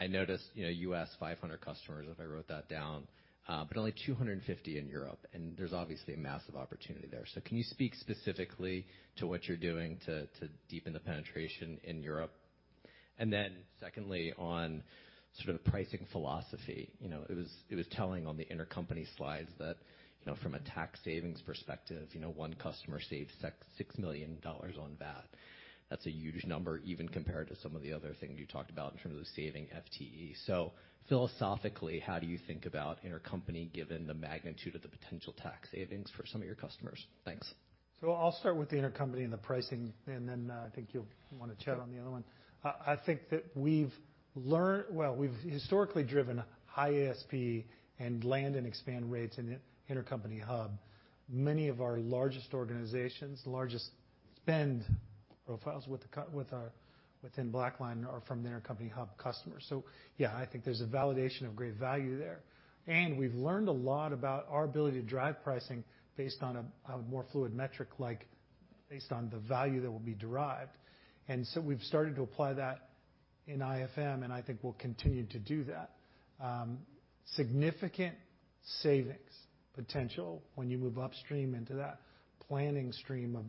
I noticed, you know, you asked 500 customers if I wrote that down, but only 250 in Europe, and there's obviously a massive opportunity there. Can you speak specifically to what you're doing to deepen the penetration in Europe? Secondly, on sort of pricing philosophy. You know, it was telling on the intercompany slides that, you know, from a tax savings perspective, you know, one customer saved $6 million on that. That's a huge number, even compared to some of the other things you talked about in terms of saving FTE. Philosophically, how do you think about intercompany, given the magnitude of the potential tax savings for some of your customers? Thanks. I'll start with the intercompany and the pricing, and then, I think you'll wanna chat on the other one. I think that we've historically driven high ASP and land and expand rates in the intercompany hub. Many of our largest organizations, largest spend profiles with our, within BlackLine are from the intercompany hub customers. Yeah, I think there's a validation of great value there. We've learned a lot about our ability to drive pricing based on a more fluid metric, like based on the value that will be derived. We've started to apply that in IFM, and I think we'll continue to do that. Significant savings potential when you move upstream into that planning stream of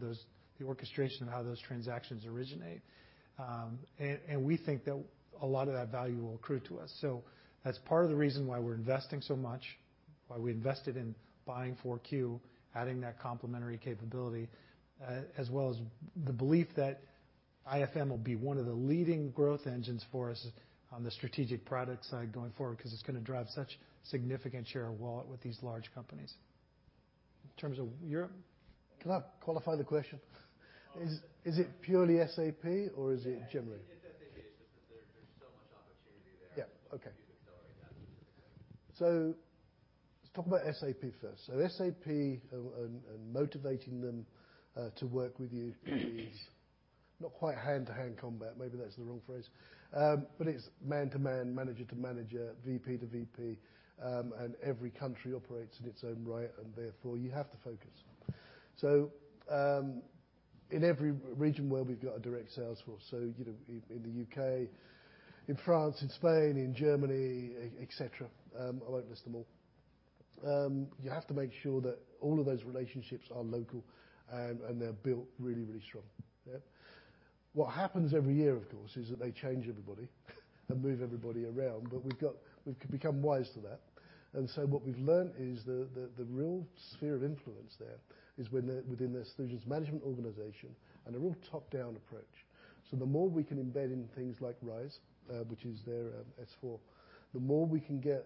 the orchestration of how those transactions originate. We think that a lot of that value will accrue to us. That's part of the reason why we're investing so much, why we invested in buying FourQ, adding that complementary capability, as well as the belief that IFM will be one of the leading growth engines for us on the strategic product side going forward, 'cause it's gonna drive such significant share of wallet with these large companies. In terms of Europe? Can I qualify the question? Is it purely SAP or is it generally? Yeah, it's SAP. It's just 'cause there's so much opportunity there. Yeah. Okay. To accelerate that. Let's talk about SAP first. SAP and motivating them to work with you is not quite hand-to-hand combat. Maybe that's the wrong phrase. It's man to man, manager to manager, VP to VP, and every country operates in its own right and therefore you have to focus. In every region where we've got a direct sales force, you know, in the U.K., in France, in Spain, in Germany, et cetera, I won't list them all. You have to make sure that all of those relationships are local and they're built really strong. Yeah. What happens every year, of course, is that they change everybody and move everybody around. But we've become wise to that. What we've learned is the real sphere of influence there is within the solutions management organization and a real top-down approach. The more we can embed in things like RISE, which is their S/4HANA, the more we can get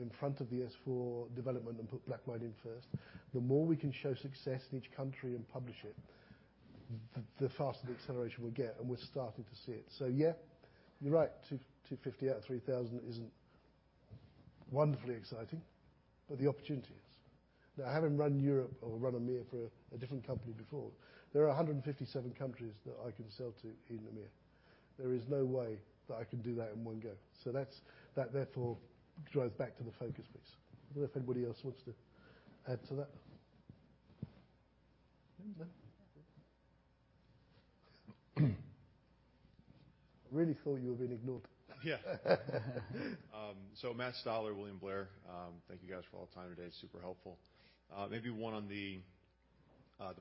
in front of the S/4HANA development and put BlackLine in first. The more we can show success in each country and publish it, the faster the acceleration we'll get, and we're starting to see it. Yeah, you're right, 250 out of 3,000 isn't wonderfully exciting, but the opportunity is. Now, having run Europe or run EMEA for a different company before, there are 157 countries that I can sell to in EMEA. There is no way that I can do that in one go. That's that therefore drives back to the focus piece. I don't know if anybody else wants to add to that. No? I really thought you were being ignored. Yeah. Matt Stotler, William Blair. Thank you guys for all the time today. Super helpful. Maybe one on the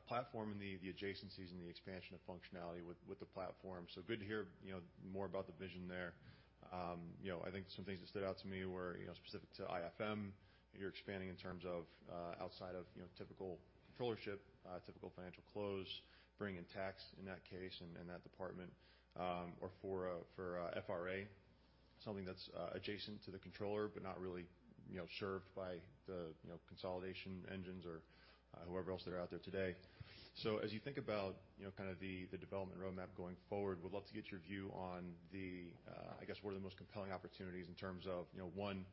platform and the adjacencies and the expansion of functionality with the platform. Good to hear, you know, more about the vision there. You know, I think some things that stood out to me were, you know, specific to IFM. You're expanding in terms of outside of, you know, typical controllership, typical financial close, bringing tax in that case and in that department. Or for FRA, something that's adjacent to the controller, but not really, you know, served by the, you know, consolidation engines or whoever else that are out there today. As you think about, you know, kind of the development roadmap going forward, would love to get your view on the, I guess, what are the most compelling opportunities in terms of, you know, one,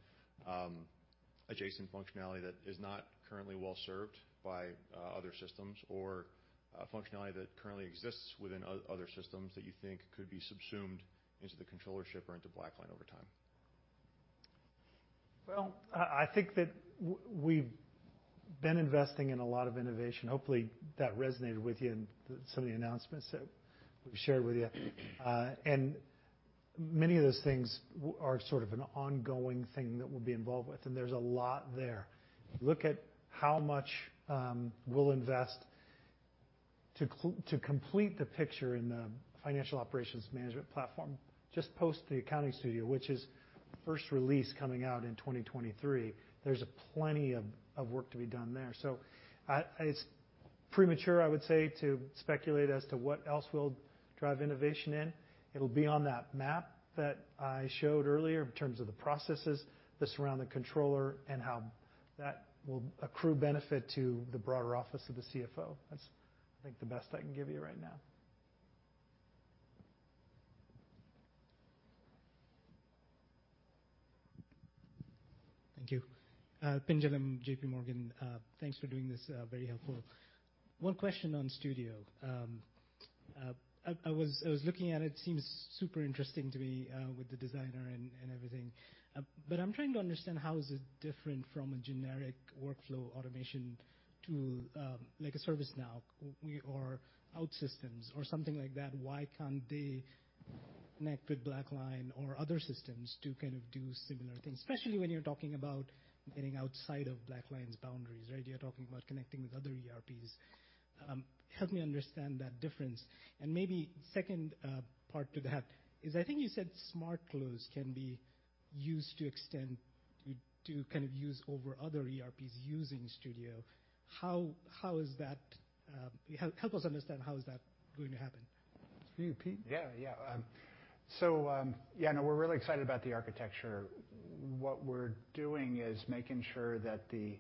adjacent functionality that is not currently well served by other systems. Or, functionality that currently exists within other systems that you think could be subsumed into the controllership or into BlackLine over time. Well, I think that we've been investing in a lot of innovation. Hopefully, that resonated with you in some of the announcements that we've shared with you. Many of those things are sort of an ongoing thing that we'll be involved with, and there's a lot there. Look at how much we'll invest to complete the picture in the financial operations management platform, just post the Accounting Studio, which is first release coming out in 2023. There's plenty of work to be done there. It's premature, I would say, to speculate as to what else we'll drive innovation in. It'll be on that map that I showed earlier in terms of the processes that surround the controller and how that will accrue benefit to the broader office of the CFO. That's, I think, the best I can give you right now. Thank you. Pinjalim Bora, J.P. Morgan. Thanks for doing this. Very helpful. One question on Studio. I was looking at it. It seems super interesting to me, with the designer and everything. I'm trying to understand how is it different from a generic workflow automation tool, like a ServiceNow or OutSystems or something like that? Why can't they connect with BlackLine or other systems to kind of do similar things? Especially when you're talking about getting outside of BlackLine's boundaries, right? You're talking about connecting with other ERPs. Help me understand that difference. Maybe second part to that is I think you said Smart Close can be used to extend to kind of use over other ERPs using Studio. How is that? Help us understand how is that going to happen? For you, Pete? Yeah, yeah. We're really excited about the architecture. What we're doing is making sure that the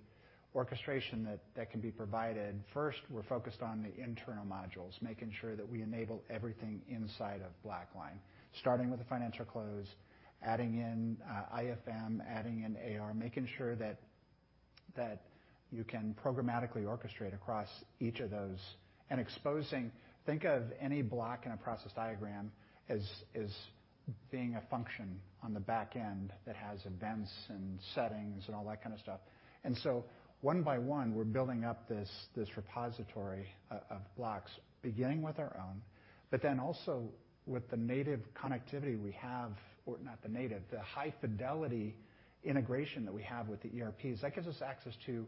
orchestration that can be provided. First, we're focused on the internal modules, making sure that we enable everything inside of BlackLine, starting with the financial close, adding in IFM, adding in AR, making sure that you can programmatically orchestrate across each of those and exposing. Think of any block in a process diagram as being a function on the back end that has events and settings and all that kind of stuff. One by one, we're building up this repository of blocks, beginning with our own, but then also with the native connectivity we have. Or not the native, the high fidelity integration that we have with the ERPs. That gives us access to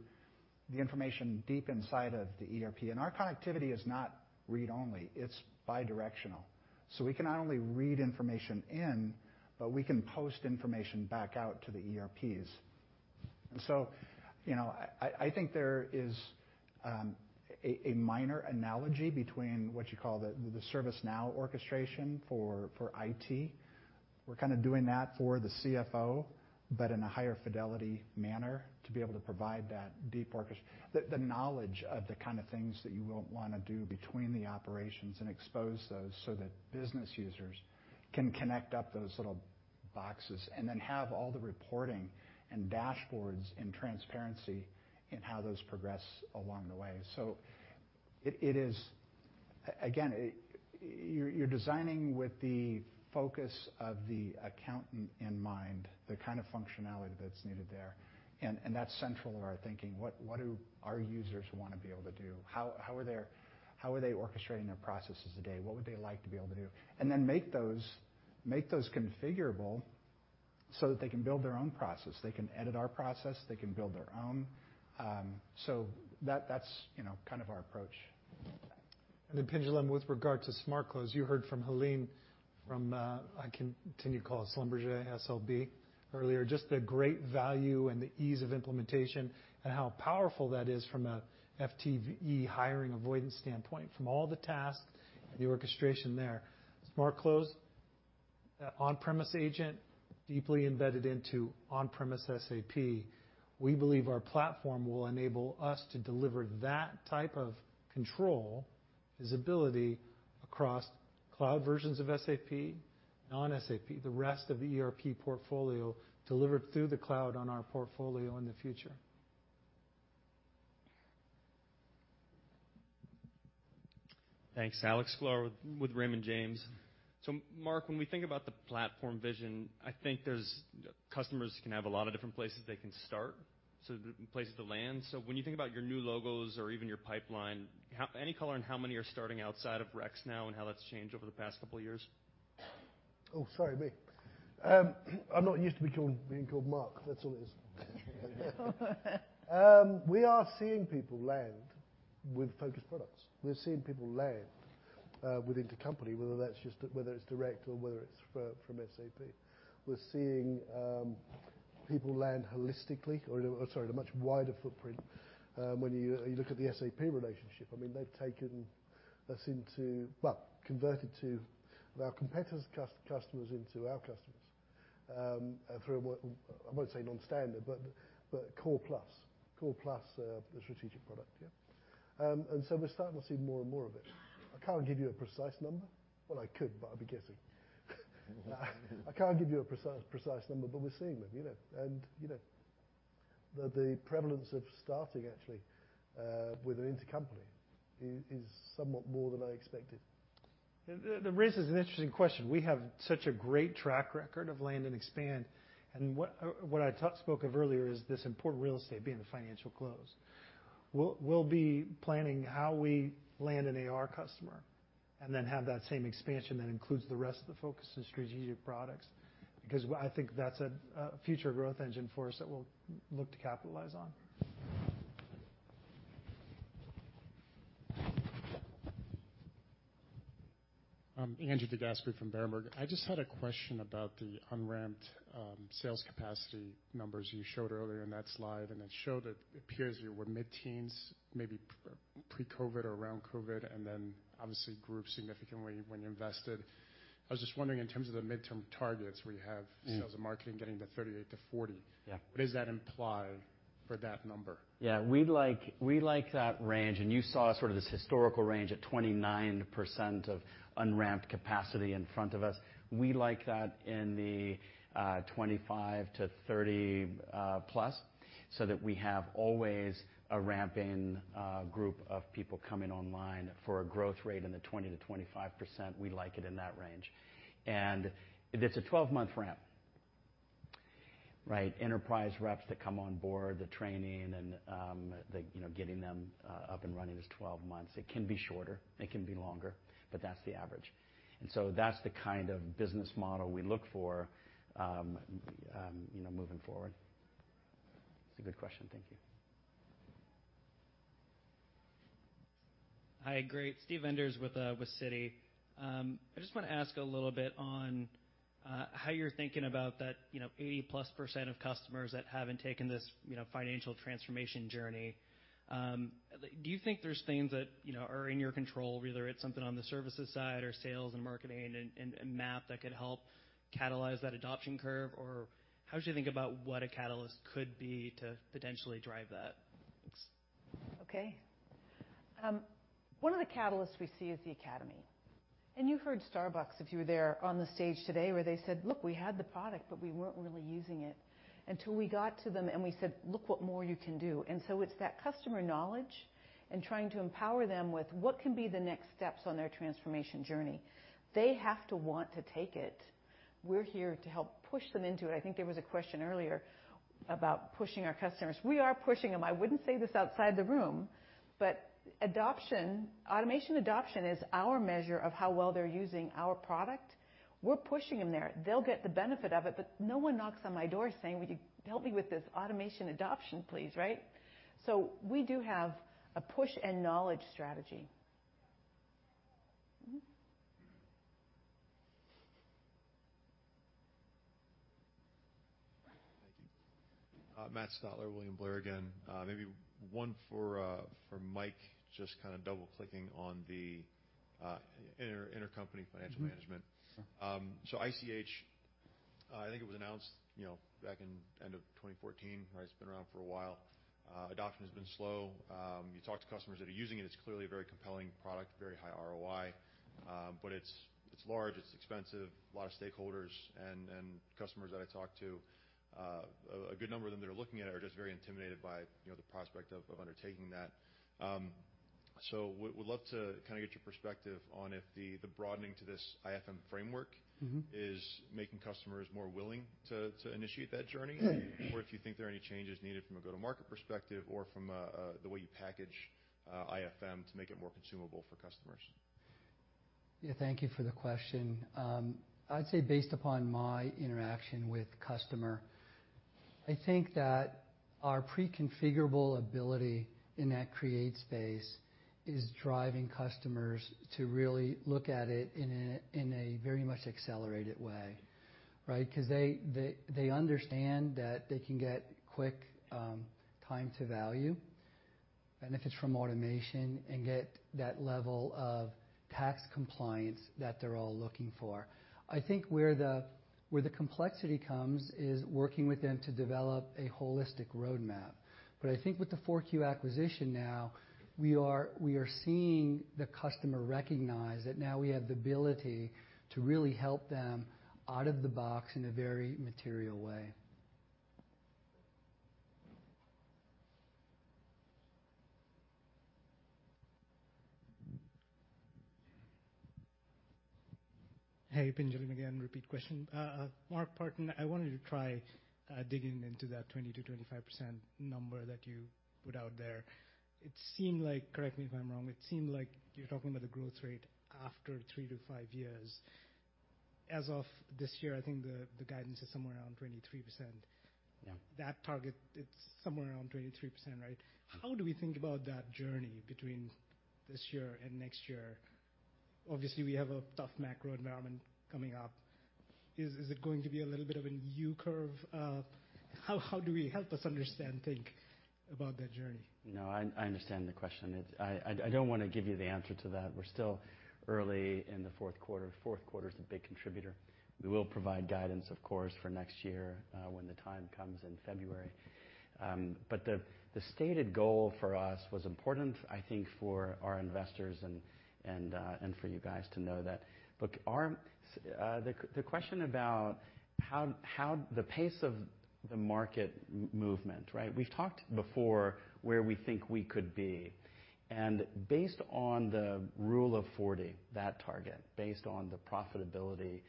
the information deep inside of the ERP. Our connectivity is not read-only, it's bi-directional. We can not only read information in, but we can post information back out to the ERPs. I think there is a minor analogy between what you call the ServiceNow orchestration for IT. We're kinda doing that for the CFO, but in a higher fidelity manner to be able to provide that deep the knowledge of the kinda things that you won't wanna do between the operations and expose those so that business users can connect up those little boxes, and then have all the reporting and dashboards and transparency in how those progress along the way. You're designing with the focus of the accountant in mind, the kind of functionality that's needed there. That's central to our thinking. What do our users wanna be able to do? How are they orchestrating their processes today? What would they like to be able to do? Make those configurable so that they can build their own process. They can edit our process, they can build their own. That's, you know, kind of our approach. The pendulum with regard to Smart Close, you heard from Helene from, I continue to call it Schlumberger, SLB, earlier. Just the great value and the ease of implementation and how powerful that is from a FTE hiring avoidance standpoint from all the tasks and the orchestration there. Smart Close, on-premise agent, deeply embedded into on-premise SAP. We believe our platform will enable us to deliver that type of control, visibility across cloud versions of SAP, non-SAP, the rest of the ERP portfolio delivered through the cloud on our portfolio in the future. Thanks. Alex Sklar with Raymond James. Mark, when we think about the platform vision, I think there's customers can have a lot of different places they can start, so places to land. When you think about your new logos or even your pipeline, any color on how many are starting outside of recs now and how that's changed over the past couple of years? Oh, sorry, me. I'm not used to being called Mark. That's all it is. We are seeing people land with focused products. We're seeing people land with intercompany, whether it's direct or whether it's from SAP. We're seeing people land holistically or a much wider footprint when you look at the SAP relationship. I mean, they've taken us into well converted their competitors' customers into our customers through a what I won't say non-standard, but core plus the strategic product. Yeah. We're starting to see more and more of it. I can't give you a precise number. Well, I could, but I'd be guessing. We're seeing them, you know. You know, the prevalence of starting actually with an intercompany is somewhat more than I expected. The race is an interesting question. We have such a great track record of land and expand, and what I spoke of earlier is this important real estate being the financial close. We'll be planning how we land an AR customer and then have that same expansion that includes the rest of the focus and strategic products, because I think that's a future growth engine for us that we'll look to capitalize on. Andrew DeGasperi from Berenberg. I just had a question about the unramped, sales capacity numbers you showed earlier in that slide, and it showed it appears you were mid-teens, maybe pre-COVID or around COVID, and then obviously grew significantly when you invested. I was just wondering, in terms of the midterm targets, where you have- Mm. Sales and marketing getting to 38%-40%. Yeah. What does that imply for that number? Yeah. We like that range. You saw sort of this historical range at 29% of unramped capacity in front of us. We like that in the 25%-30%+, so that we have always a ramping group of people coming online for a growth rate in the 20%-25%. We like it in that range. It's a 12-month ramp. Right? Enterprise reps that come on board, the training and, you know, getting them up and running is 12 months. It can be shorter, it can be longer, but that's the average. That's the kind of business model we look for moving forward. It's a good question. Thank you. Hi. Great. Steve Enders with Citi. I just wanna ask a little bit on how you're thinking about that, you know, 80%+ of customers that haven't taken this, you know, financial transformation journey. Do you think there's things that, you know, are in your control, whether it's something on the services side or sales and marketing and MAP that could help catalyze that adoption curve? Or how should you think about what a catalyst could be to potentially drive that? Okay. One of the catalysts we see is the academy. You heard Starbucks, if you were there on the stage today, where they said, "Look, we had the product, but we weren't really using it until we got to them, and we said, 'Look what more you can do.'" It's that customer knowledge and trying to empower them with what can be the next steps on their transformation journey. They have to want to take it. We're here to help push them into it. I think there was a question earlier about pushing our customers. We are pushing them. I wouldn't say this outside the room, but adoption, automation adoption is our measure of how well they're using our product. We're pushing them there. They'll get the benefit of it, but no one knocks on my door saying, "Would you help me with this automation adoption, please?" Right? We do have a push and knowledge strategy. Mm-hmm. Thank you. Matt Stotler, William Blair again. Maybe one for Mike, just kinda double-clicking on the intercompany financial management. Mm-hmm. Sure. ICH, I think it was announced, you know, back in end of 2014, right? It's been around for a while. Adoption has been slow. You talk to customers that are using it's clearly a very compelling product, very high ROI. But it's large, it's expensive, a lot of stakeholders and customers that I talk to, a good number of them that are looking at it are just very intimidated by, you know, the prospect of undertaking that. Would love to kind of get your perspective on the broadening to this IFM framework. Mm-hmm. is making customers more willing to initiate that journey. Yeah. If you think there are any changes needed from a go-to-market perspective or from the way you package IFM to make it more consumable for customers. Yeah, thank you for the question. I'd say based upon my interaction with customer, I think that our pre-configurable ability in that create space is driving customers to really look at it in a very much accelerated way, right? 'Cause they understand that they can get quick time to value, and with its automation, and get that level of tax compliance that they're all looking for. I think where the complexity comes is working with them to develop a holistic roadmap. I think with the FourQ acquisition now, we are seeing the customer recognize that now we have the ability to really help them out of the box in a very material way. Hey, Pinjalim Bora again. Repeat question. Mark Partin, I wanted to try digging into that 20%-25% number that you put out there. It seemed like, correct me if I'm wrong, it seemed like you're talking about the growth rate after three to five years. As of this year, I think the guidance is somewhere around 23%. Yeah. That target, it's somewhere around 23%, right? How do we think about that journey between this year and next year? Obviously, we have a tough macro environment coming up. Is it going to be a little bit of an U curve? How do we help us understand, think about that journey. No, I understand the question. I don't wanna give you the answer to that. We're still early in the fourth quarter. Fourth quarter's a big contributor. We will provide guidance, of course, for next year, when the time comes in February. But the stated goal for us was important, I think, for our investors and for you guys to know that. Look, the question about how the pace of the market movement, right? We've talked before where we think we could be, and based on the Rule of 40, that target, based on the profitability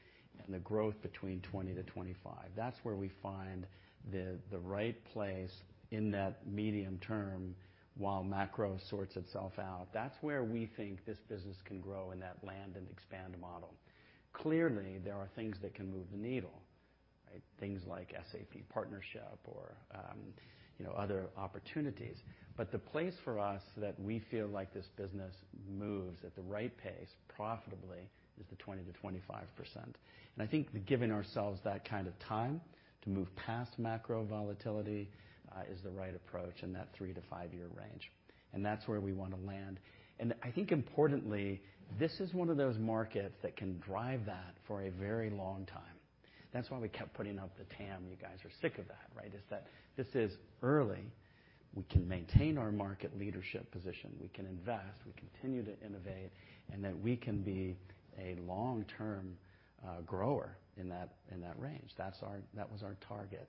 and the growth between 20-25. That's where we find the right place in that medium term while macro sorts itself out. That's where we think this business can grow in that land and expand model. Clearly, there are things that can move the needle, right? Things like SAP partnership or, you know, other opportunities. The place for us that we feel like this business moves at the right pace profitably is the 20%-25%. I think giving ourselves that kind of time to move past macro volatility is the right approach in that three to five year range, and that's where we wanna land. I think importantly, this is one of those markets that can drive that for a very long time. That's why we kept putting up the TAM. You guys are sick of that, right? Is that this is early. We can maintain our market leadership position, we can invest, we continue to innovate, and that we can be a long-term grower in that range. That's our target.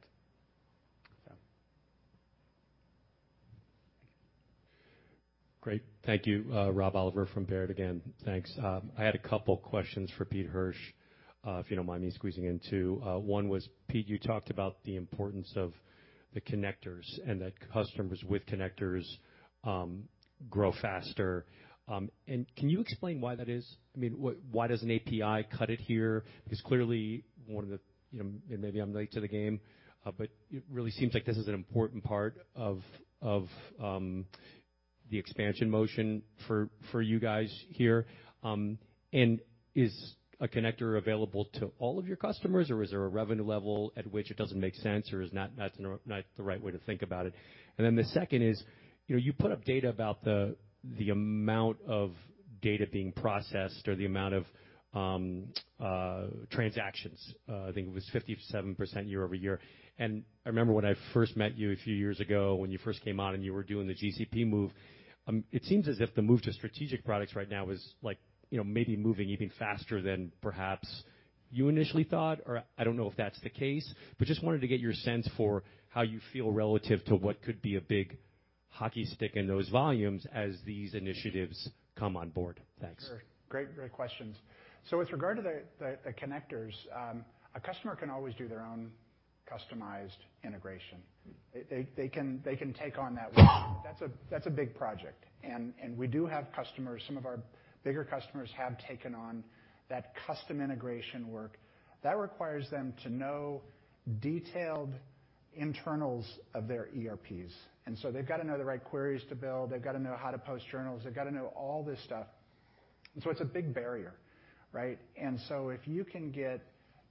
Great. Thank you. Rob Oliver from Baird again. Thanks. I had a couple questions for Pete Hirsch, if you don't mind me squeezing in two. One was, Pete, you talked about the importance of the connectors and that customers with connectors grow faster. Can you explain why that is? I mean, why does an API cut it here? 'Cause clearly, one of the, you know, and maybe I'm late to the game, but it really seems like this is an important part of the expansion motion for you guys here. Is a connector available to all of your customers, or is there a revenue level at which it doesn't make sense, or is that not the right way to think about it? The second is, you know, you put up data about the amount of data being processed or the amount of transactions. I think it was 57% year-over-year. I remember when I first met you a few years ago when you first came on and you were doing the GCP move. It seems as if the move to strategic products right now is like, you know, maybe moving even faster than perhaps you initially thought, or I don't know if that's the case. But just wanted to get your sense for how you feel relative to what could be a big hockey stick in those volumes as these initiatives come on board. Thanks. Sure. Great questions. With regard to the connectors, a customer can always do their own customized integration. They can take on that work. That's a big project. We do have customers, some of our bigger customers have taken on that custom integration work. That requires them to know detailed internals of their ERPs. They've got to know the right queries to build, they've got to know how to post journals, they've got to know all this stuff. It's a big barrier, right? If you can get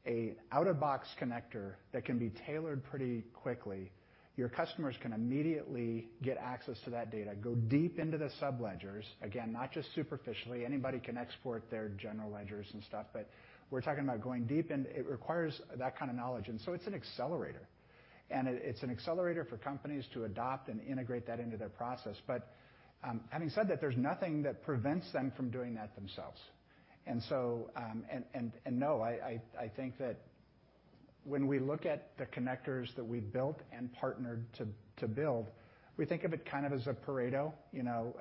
an out-of-the-box connector that can be tailored pretty quickly, your customers can immediately get access to that data, go deep into the subledgers. Again, not just superficially. Anybody can export their general ledgers and stuff, but we're talking about going deep and it requires that kind of knowledge. It's an accelerator. It's an accelerator for companies to adopt and integrate that into their process. Having said that, there's nothing that prevents them from doing that themselves. I think that when we look at the connectors that we've built and partnered to build, we think of it kind of as a Pareto, you know,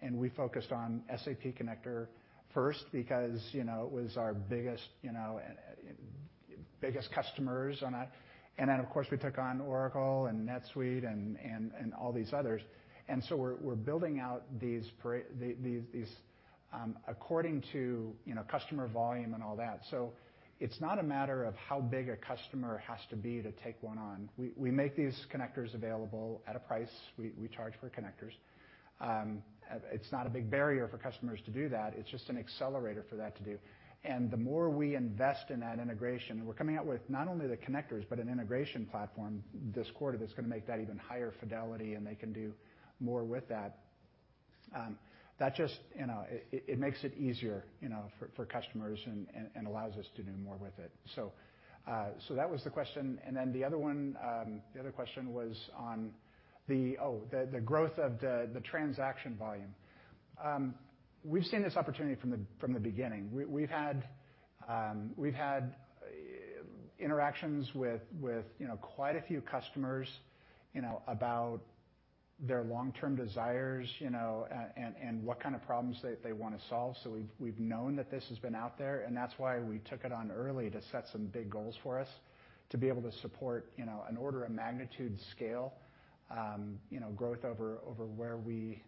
and we focused on SAP connector first because, you know, it was our biggest customers. Then, of course, we took on Oracle and NetSuite and all these others. We're building out these according to, you know, customer volume and all that. It's not a matter of how big a customer has to be to take one on. We make these connectors available at a price. We charge for connectors. It's not a big barrier for customers to do that. It's just an accelerator for that to do. The more we invest in that integration, we're coming out with not only the connectors, but an integration platform this quarter that's gonna make that even higher fidelity, and they can do more with that. That just makes it easier, you know, for customers and allows us to do more with it. That was the question. Then the other question was on the growth of the transaction volume. We've seen this opportunity from the beginning. We've had interactions with you know, quite a few customers, you know, about their long-term desires, you know, and what kind of problems they wanna solve. We've known that this has been out there, and that's why we took it on early to set some big goals for us to be able to support, you know, an order of magnitude scale, you know, growth over where we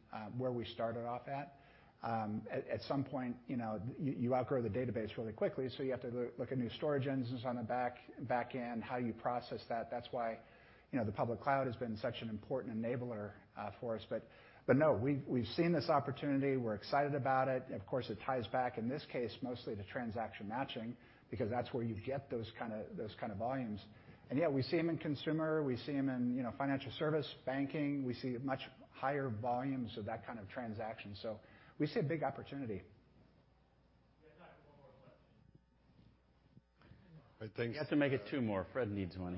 started off at. At some point, you know, you outgrow the database really quickly, you have to look at new storage engines on the back end, how you process that. That's why, you know, the public cloud has been such an important enabler for us. No, we've seen this opportunity. We're excited about it. Of course, it ties back, in this case, mostly to transaction matching, because that's where you get those kind of volumes. Yeah, we see them in consumer, you know, financial service, banking. We see much higher volumes of that kind of transaction. We see a big opportunity. We have time for one more question. I think. You have to make it two more. Fred needs one.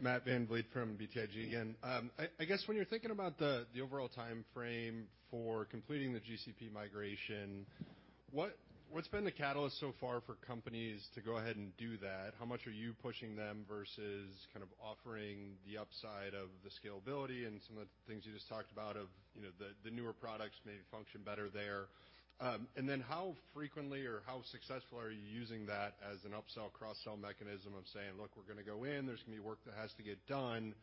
Matt VanVliet from BTIG again. I guess when you're thinking about the overall timeframe for completing the GCP migration, what's been the catalyst so far for companies to go ahead and do that? How much are you pushing them versus kind of offering the upside of the scalability and some of the things you just talked about, you know, the newer products maybe function better there? And then how frequently or how successful are you using that as an upsell, cross-sell mechanism of saying, "Look, we're gonna go in. There's gonna be work that has to get done.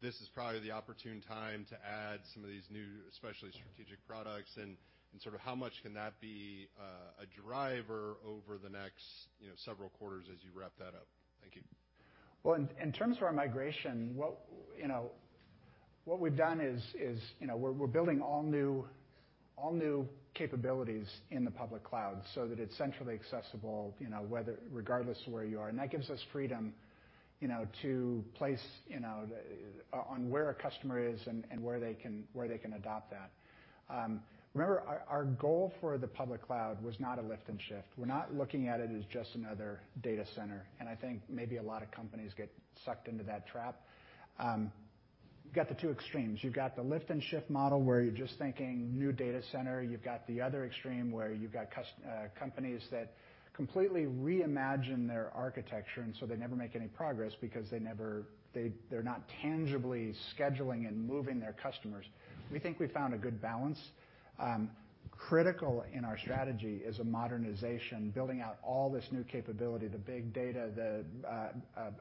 This is probably the opportune time to add some of these new, especially strategic products." And sort of how much can that be a driver over the next, you know, several quarters as you wrap that up? Thank you. In terms of our migration, what we've done is, you know, we're building all new capabilities in the public cloud so that it's centrally accessible, you know, regardless of where you are. That gives us freedom, you know, to place, you know, on where a customer is and where they can adopt that. Remember, our goal for the public cloud was not a lift and shift. We're not looking at it as just another data center, and I think maybe a lot of companies get sucked into that trap. You got the two extremes. You've got the lift and shift model, where you're just thinking new data center. You've got the other extreme, where you've got companies that completely reimagine their architecture, and they never make any progress because they're not tangibly scheduling and moving their customers. We think we found a good balance. Critical in our strategy is a modernization, building out all this new capability, the big data, the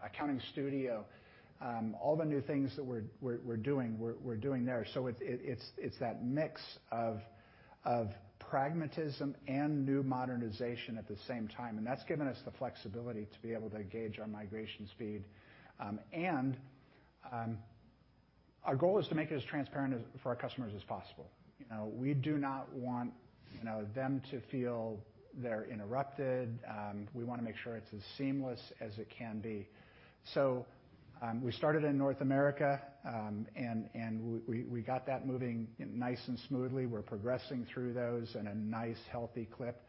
Accounting Studio, all the new things that we're doing there. It's that mix of pragmatism and new modernization at the same time. That's given us the flexibility to be able to gauge our migration speed. Our goal is to make it as transparent as possible for our customers. You know, we do not want them to feel they're interrupted. We wanna make sure it's as seamless as it can be. We started in North America, and we got that moving nice and smoothly. We're progressing through those in a nice, healthy clip.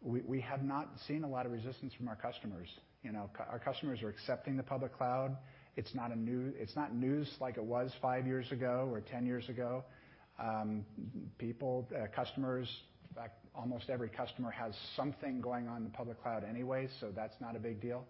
We have not seen a lot of resistance from our customers. You know, our customers are accepting the public cloud. It's not news like it was five years ago or ten years ago. People, customers, in fact, almost every customer has something going on in the public cloud anyway, so that's not a big deal.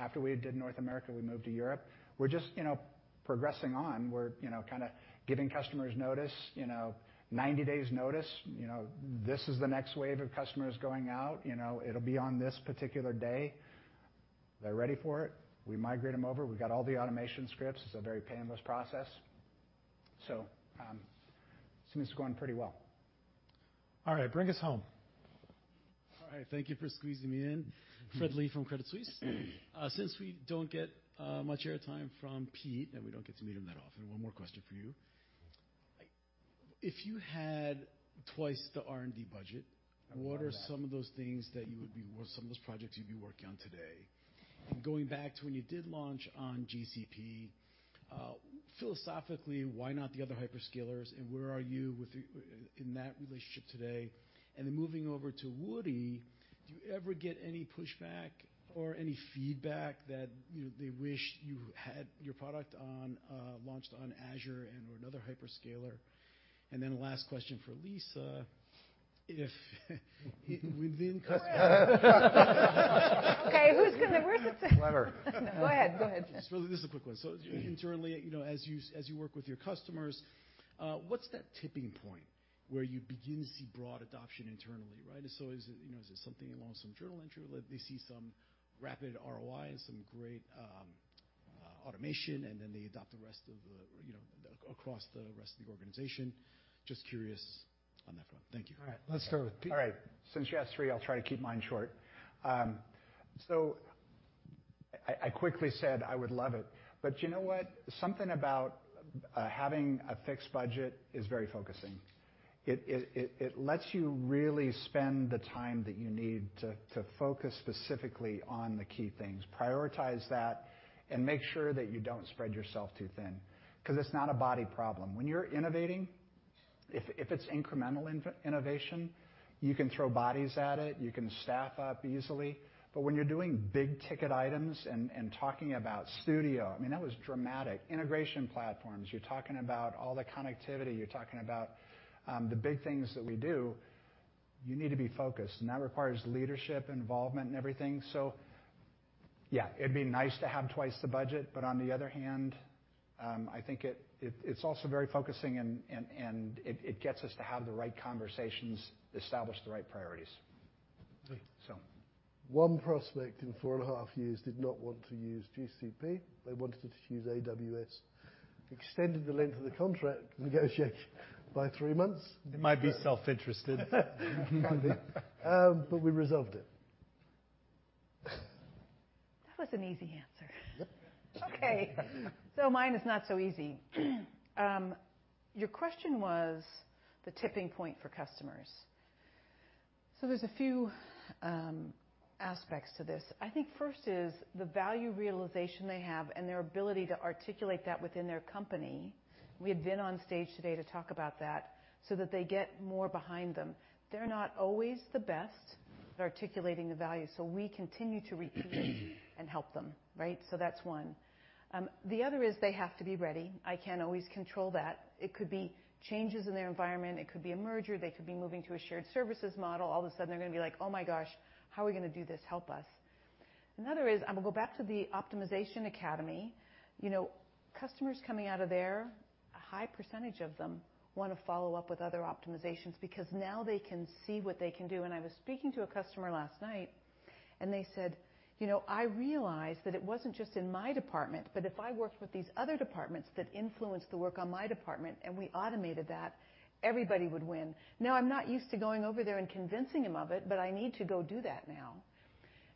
After we did North America, we moved to Europe. We're just, you know, progressing on. We're, you know, kinda giving customers notice, you know, 90 days notice. You know, this is the next wave of customers going out. You know, it'll be on this particular day. They're ready for it. We migrate them over. We've got all the automation scripts. It's a very painless process. Seems to be going pretty well. All right, bring us home. All right, thank you for squeezing me in. Fred Lee from Credit Suisse. Since we don't get much airtime from Pete, and we don't get to meet him that often, one more question for you. If you had twice the R&D budget- I would love that. What are some of those projects you'd be working on today? Going back to when you did launch on GCP, philosophically, why not the other hyperscalers, and where are you within that relationship today? Moving over to Woody, do you ever get any pushback or any feedback that, you know, they wish you had your product launched on Azure and/or another hyperscaler? Last question for Lisa, if within- Okay. Where's it say? Clever. Go ahead. Just really this is a quick one. Internally, you know, as you work with your customers, what's that tipping point where you begin to see broad adoption internally, right? Is it, you know, is it something along some journal entry they see some rapid ROI and some great automation, and then they adopt the rest of the, you know, across the rest of the organization? Just curious on that front. Thank you. All right. Let's start with Pete. All right. Since you asked three, I'll try to keep mine short. I quickly said I would love it, but you know what? Something about having a fixed budget is very focusing. It lets you really spend the time that you need to focus specifically on the key things, prioritize that, and make sure that you don't spread yourself too thin, 'cause it's not a body problem. When you're innovating, if it's incremental innovation, you can throw bodies at it, you can staff up easily. When you're doing big-ticket items and talking about studio, I mean, that was dramatic. Integration platforms, you're talking about all the connectivity, you're talking about the big things that we do. You need to be focused, and that requires leadership involvement and everything. Yeah, it'd be nice to have twice the budget, but on the other hand, I think it's also very focusing and it gets us to have the right conversations, establish the right priorities. Mark. So. One prospect in four and a half years did not want to use GCP. They wanted to choose AWS. Extended the length of the contract negotiation by 3 months. It might be self-interested. We resolved it. That was an easy answer. Okay. Mine is not so easy. Your question was the tipping point for customers. There's a few aspects to this. I think first is the value realization they have and their ability to articulate that within their company. We have been on stage today to talk about that so that they get more behind them. They're not always the best at articulating the value, so we continue to reach out and help them, right? That's one. The other is they have to be ready. I can't always control that. It could be changes in their environment. It could be a merger. They could be moving to a shared services model. All of a sudden they're gonna be like, "Oh my gosh, how are we gonna do this? Help us." Another is I'm gonna go back to the Optimization Academy. You know, customers coming out of there, a high percentage of them wanna follow up with other optimizations because now they can see what they can do. I was speaking to a customer last night, and they said, "You know, I realized that it wasn't just in my department, but if I worked with these other departments that influenced the work on my department and we automated that, everybody would win. Now, I'm not used to going over there and convincing them of it, but I need to go do that now."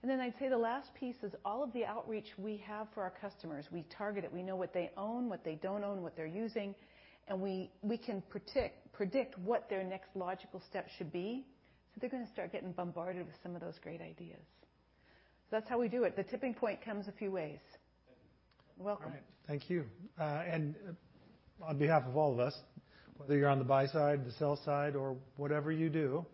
Then I'd say the last piece is all of the outreach we have for our customers. We target it. We know what they own, what they don't own, what they're using, and we can predict what their next logical step should be, so they're gonna start getting bombarded with some of those great ideas. That's how we do it. The tipping point comes a few ways. Thank you. You're welcome. All right. Thank you. And on behalf of all of us, whether you're on the buy side, the sell side, or whatever you do,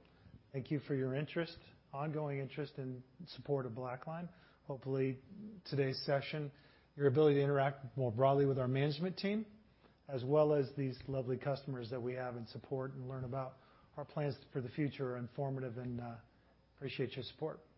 thank you for your interest, ongoing interest and support of BlackLine. Hopefully, today's session, your ability to interact more broadly with our management team, as well as these lovely customers that we have and support and learn about our plans for the future are informative and, appreciate your support. Thank you.